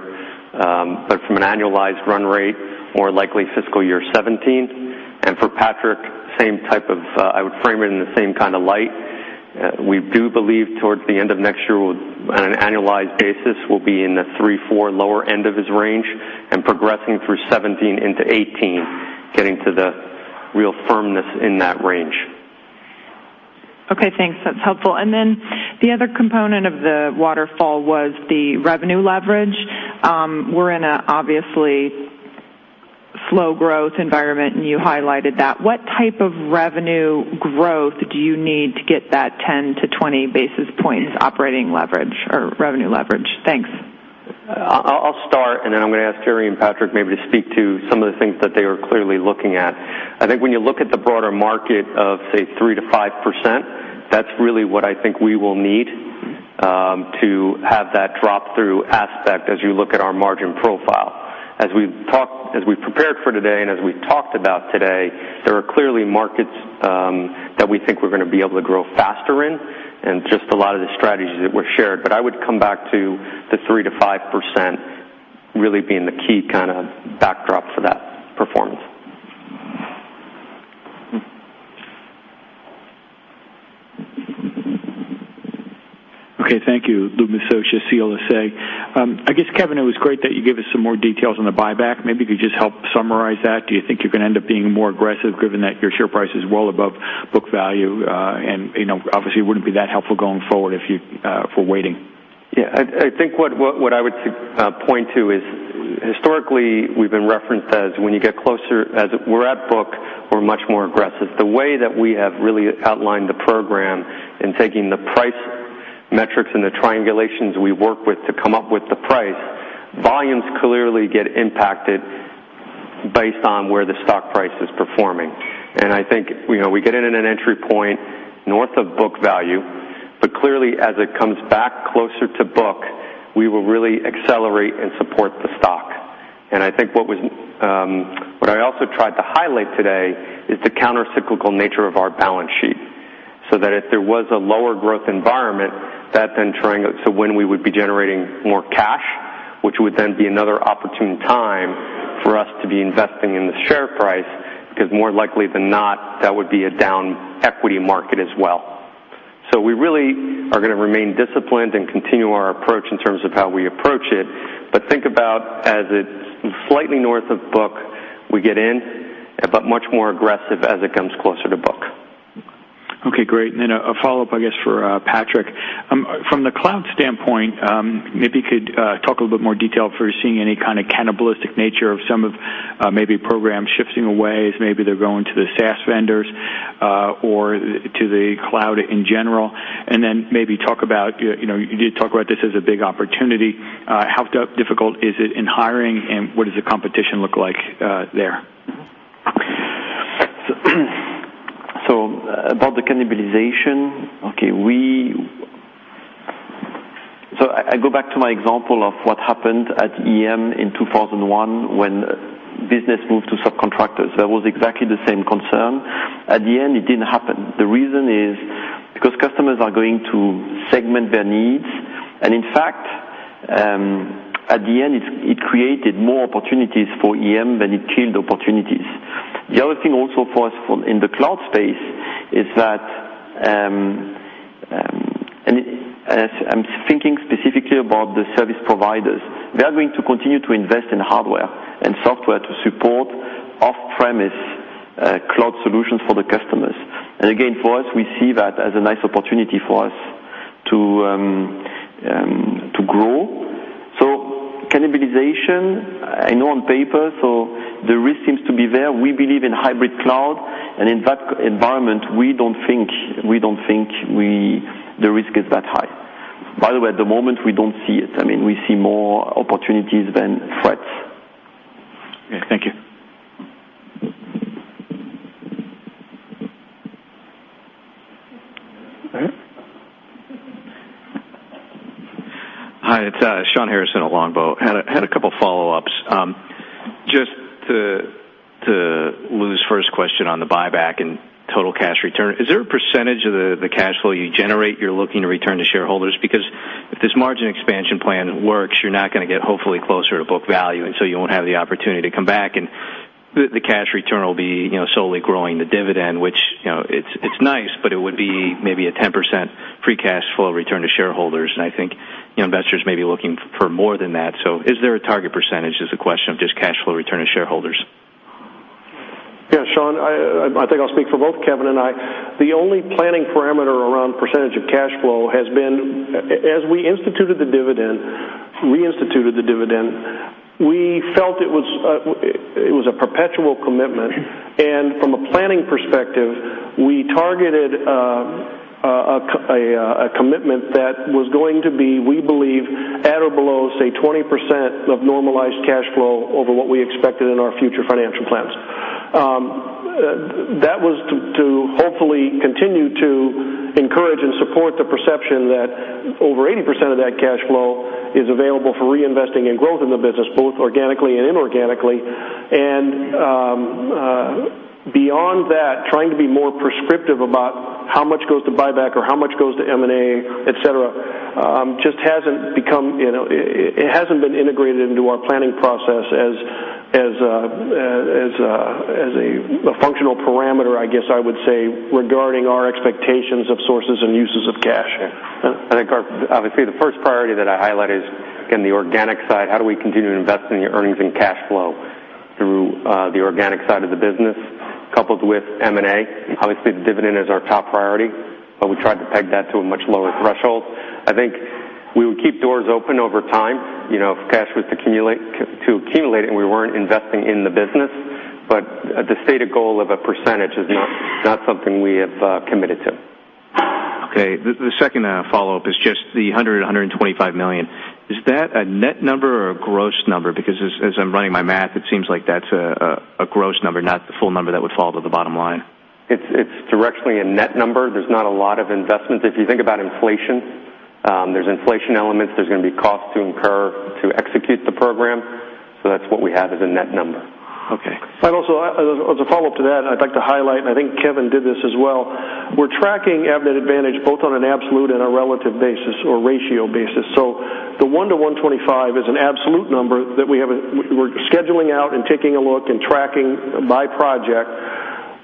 but from an annualized run rate, more likely fiscal year 2017. And for Patrick, same type of I would frame it in the same kind of light. We do believe towards the end of next year on an annualized basis, we'll be in the 3-4 lower end of his range and progressing through 2017 into 2018, getting to the real firmness in that range. Okay, thanks. That's helpful. And then the other component of the waterfall was the revenue leverage. We're in an obviously slow growth environment, and you highlighted that. What type of revenue growth do you need to get that 10-20 basis points operating leverage or revenue leverage? Thanks. I'll start, and then I'm going to ask Gerry and Patrick maybe to speak to some of the things that they are clearly looking at. I think when you look at the broader market of, say, 3%-5%, that's really what I think we will need to have that drop-through aspect as you look at our margin profile. As we've prepared for today and as we've talked about today, there are clearly markets that we think we're going to be able to grow faster in and just a lot of the strategies that were shared. But I would come back to the 3%-5% really being the key kind of backdrop for that performance. Okay, thank you, Louis Miscioscia, CLSA. I guess, Kevin, it was great that you gave us some more details on the buyback. Maybe you could just help summarize that. Do you think you're going to end up being more aggressive given that your share price is well above book value? And obviously, it wouldn't be that helpful going forward if you're waiting. Yeah. I think what I would point to is historically we've been referenced as when you get closer as we're at book, we're much more aggressive. The way that we have really outlined the program and taking the price metrics and the triangulations we work with to come up with the price, volumes clearly get impacted based on where the stock price is performing. And I think we get in at an entry point north of book value, but clearly as it comes back closer to book, we will really accelerate and support the stock. And I think what I also tried to highlight today is the countercyclical nature of our balance sheet so that if there was a lower growth environment, that then triangles to when we would be generating more cash, which would then be another opportune time for us to be investing in the share price because more likely than not, that would be a down equity market as well. So we really are going to remain disciplined and continue our approach in terms of how we approach it, but think about as it's slightly north of book, we get in, but much more aggressive as it comes closer to book. Okay, great. And then a follow-up, I guess, for Patrick. From the cloud standpoint, maybe you could talk a little bit more detail if you're seeing any kind of cannibalistic nature of some of maybe programs shifting away as maybe they're going to the SaaS vendors or to the cloud in general. And then maybe talk about you did talk about this as a big opportunity. How difficult is it in hiring, and what does the competition look like there? So about the cannibalization, okay, so I go back to my example of what happened at EM in 2001 when business moved to subcontractors. That was exactly the same concern. At the end, it didn't happen. The reason is because customers are going to segment their needs. And in fact, at the end, it created more opportunities for EM than it killed opportunities. The other thing also for us in the cloud space is that, and I'm thinking specifically about the service providers, they're going to continue to invest in hardware and software to support off-premise cloud solutions for the customers. And again, for us, we see that as a nice opportunity for us to grow. So cannibalization, I know on paper, so the risk seems to be there. We believe in hybrid cloud. And in that environment, we don't think the risk is that high. By the way, at the moment, we don't see it. I mean, we see more opportunities than threats. Okay, thank you. Hi, it's Shawn Harrison at Longbow. Had a couple of follow-ups. Just to Lou's first question on the buyback and total cash return, is there a percentage of the cash flow you generate you're looking to return to shareholders? Because if this margin expansion plan works, you're not going to get hopefully closer to book value, and so you won't have the opportunity to come back. And the cash return will be solely growing the dividend, which it's nice, but it would be maybe a 10% free cash flow return to shareholders. And I think investors may be looking for more than that. So is there a target percentage? Is the question of just cash flow return to shareholders? Yeah, Shawn, I think I'll speak for both Kevin and I. The only planning parameter around percentage of cash flow has been, as we instituted the dividend, reinstituted the dividend, we felt it was a perpetual commitment. And from a planning perspective, we targeted a commitment that was going to be, we believe, at or below, say, 20% of normalized cash flow over what we expected in our future financial plans. That was to hopefully continue to encourage and support the perception that over 80% of that cash flow is available for reinvesting and growth in the business, both organically and inorganically. And beyond that, trying to be more prescriptive about how much goes to buyback or how much goes to M&A, etc., just hasn't been integrated into our planning process as a functional parameter, I guess I would say, regarding our expectations of sources and uses of cash. I think obviously the first priority that I highlight is, again, the organic side. How do we continue to invest in the earnings and cash flow through the organic side of the business coupled with M&A? Obviously, the dividend is our top priority, but we tried to peg that to a much lower threshold. I think we would keep doors open over time if cash was to accumulate and we weren't investing in the business. But the stated goal of a percentage is not something we have committed to. Okay. The second follow-up is just the $100-$125 million. Is that a net number or a gross number? Because as I'm running my math, it seems like that's a gross number, not the full number that would fall to the bottom line. It's directly a net number. There's not a lot of investment. If you think about inflation, there's inflation elements. There's going to be costs to incur to execute the program. So that's what we have as a net number. Okay. Also, as a follow-up to that, I'd like to highlight, and I think Kevin did this as well, we're tracking Avnet Advantage both on an absolute and a relative basis or ratio basis. So the 1 to 125 is an absolute number that we're scheduling out and taking a look and tracking by project.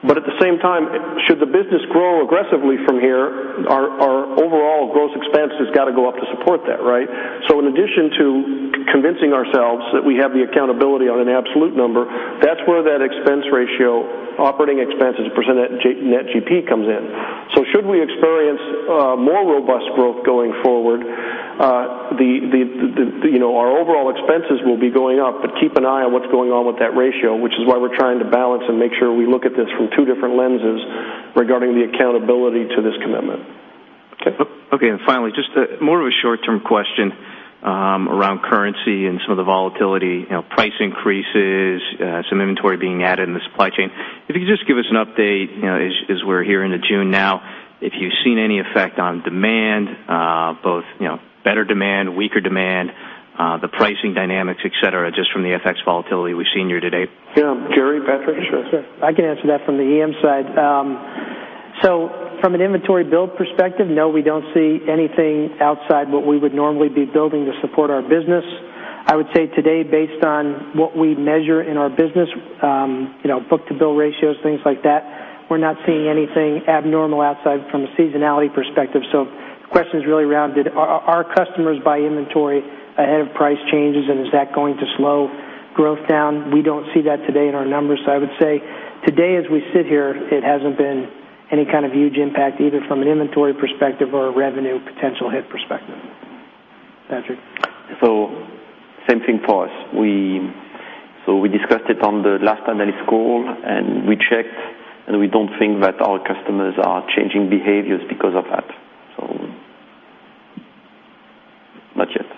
But at the same time, should the business grow aggressively from here, our overall gross expense has got to go up to support that, right? So in addition to convincing ourselves that we have the accountability on an absolute number, that's where that expense ratio, operating expenses, % net GP comes in. So should we experience more robust growth going forward, our overall expenses will be going up, but keep an eye on what's going on with that ratio, which is why we're trying to balance and make sure we look at this from two different lenses regarding the accountability to this commitment. Okay. Okay. And finally, just more of a short-term question around currency and some of the volatility, price increases, some inventory being added in the supply chain. If you could just give us an update as we're here into June now, if you've seen any effect on demand, both better demand, weaker demand, the pricing dynamics, etc., just from the FX volatility we've seen here today. Yeah. Gerry, Patrick? Sure. Sure. I can answer that from the EM side. So from an inventory build perspective, no, we don't see anything outside what we would normally be building to support our business. I would say today, based on what we measure in our business, book-to-bill ratios, things like that, we're not seeing anything abnormal outside from a seasonality perspective. So the question is really around, did our customers buy inventory ahead of price changes, and is that going to slow growth down? We don't see that today in our numbers. So I would say today, as we sit here, it hasn't been any kind of huge impact either from an inventory perspective or a revenue potential hit perspective. Patrick? So same thing for us. So we discussed it on the last analyst call, and we checked, and we don't think that our customers are changing behaviors because of that. So not yet.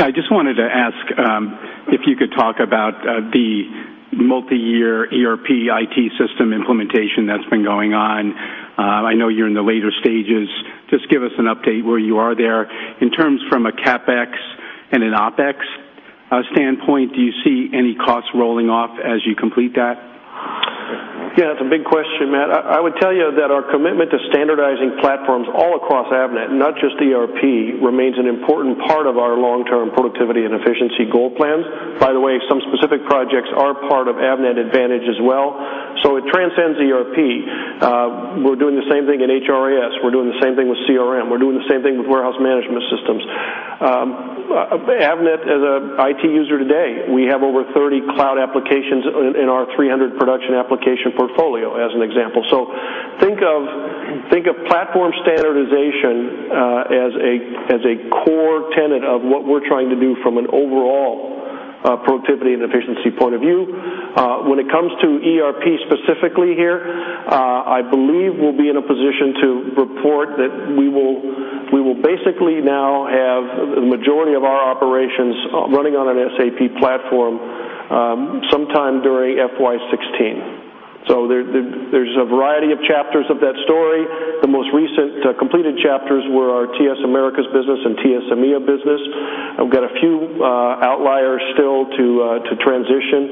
Yeah. I just wanted to ask if you could talk about the multi-year ERP IT system implementation that's been going on. I know you're in the later stages. Just give us an update where you are there. In terms from a CapEx and an OpEx standpoint, do you see any costs rolling off as you complete that? Yeah. That's a big question, Matt. I would tell you that our commitment to standardizing platforms all across Avnet, not just ERP, remains an important part of our long-term productivity and efficiency goal plans. By the way, some specific projects are part of Avnet Advantage as well. So it transcends ERP. We're doing the same thing in HRIS. We're doing the same thing with CRM. We're doing the same thing with warehouse management systems. Avnet, as an IT user today, we have over 30 cloud applications in our 300 production application portfolio, as an example. So think of platform standardization as a core tenet of what we're trying to do from an overall productivity and efficiency point of view. When it comes to ERP specifically here, I believe we'll be in a position to report that we will basically now have the majority of our operations running on an SAP platform sometime during FY16. So there's a variety of chapters of that story. The most recent completed chapters were our TS Americas business and TS EMEA business. We've got a few outliers still to transition,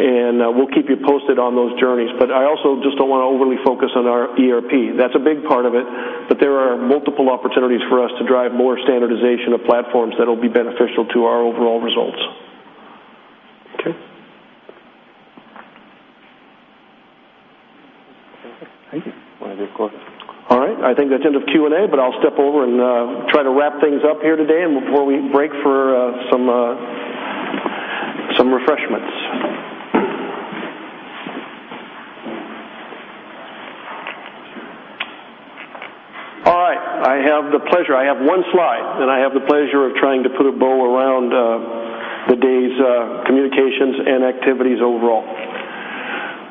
and we'll keep you posted on those journeys. But I also just don't want to overly focus on our ERP. That's a big part of it, but there are multiple opportunities for us to drive more standardization of platforms that will be beneficial to our overall results. Okay. Thank you. All right. I think that's the end of Q&A, but I'll step over and try to wrap things up here today before we break for some refreshments. All right. I have the pleasure. I have one slide, and I have the pleasure of trying to put a bow around the day's communications and activities overall.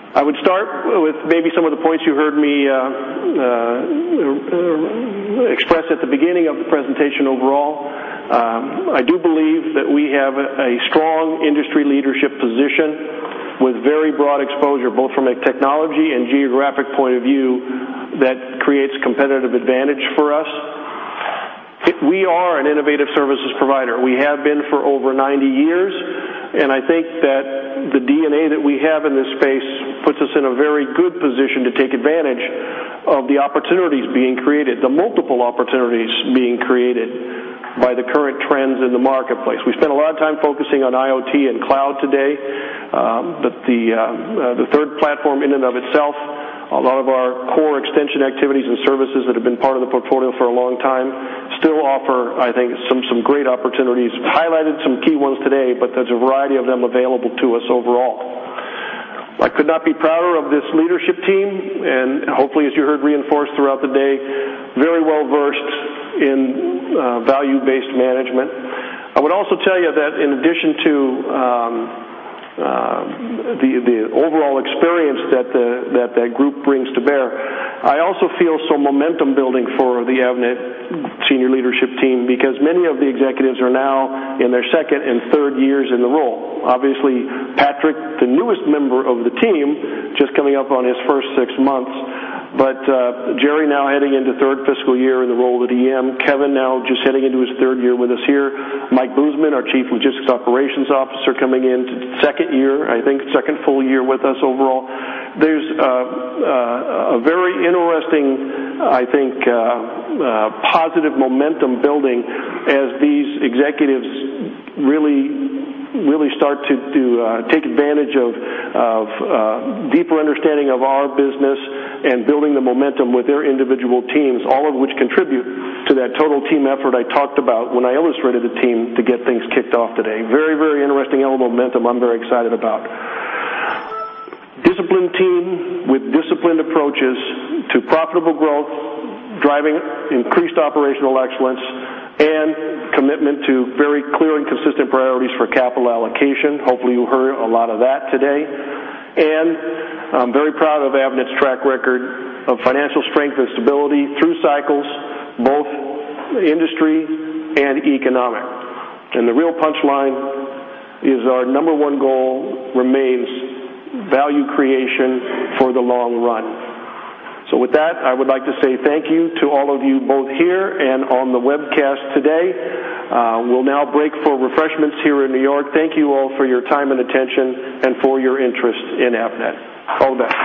I would start with maybe some of the points you heard me express at the beginning of the presentation overall. I do believe that we have a strong industry leadership position with very broad exposure, both from a technology and geographic point of view, that creates competitive advantage for us. We are an innovative services provider. We have been for over 90 years, and I think that the DNA that we have in this space puts us in a very good position to take advantage of the opportunities being created, the multiple opportunities being created by the current trends in the marketplace. We spent a lot of time focusing on IoT and cloud today, but the Third Platform in and of itself, a lot of our core extension activities and services that have been part of the portfolio for a long time still offer, I think, some great opportunities. Highlighted some key ones today, but there's a variety of them available to us overall. I could not be prouder of this leadership team, and hopefully, as you heard, reinforced throughout the day, very well-versed in Value-Based Management. I would also tell you that in addition to the overall experience that that group brings to bear, I also feel some momentum building for the Avnet senior leadership team because many of the executives are now in their second and third years in the role. Obviously, Patrick, the newest member of the team, just coming up on his first six months, but Gerry now heading into third fiscal year in the role of EM, Kevin now just heading into his third year with us here, Mike Buseman, our Chief Logistics Operations Officer, coming into second year, I think, second full year with us overall. There's a very interesting, I think, positive momentum building as these executives really start to take advantage of deeper understanding of our business and building the momentum with their individual teams, all of which contribute to that total team effort I talked about when I illustrated the team to get things kicked off today. Very, very interesting element of momentum I'm very excited about. Disciplined team with disciplined approaches to profitable growth, driving increased operational excellence, and commitment to very clear and consistent priorities for capital allocation. Hopefully, you heard a lot of that today. I'm very proud of Avnet's track record of financial strength and stability through cycles, both industry and economic. The real punchline is our number one goal remains value creation for the long run. So with that, I would like to say thank you to all of you both here and on the webcast today. We'll now break for refreshments here in New York. Thank you all for your time and attention and for your interest in Avnet.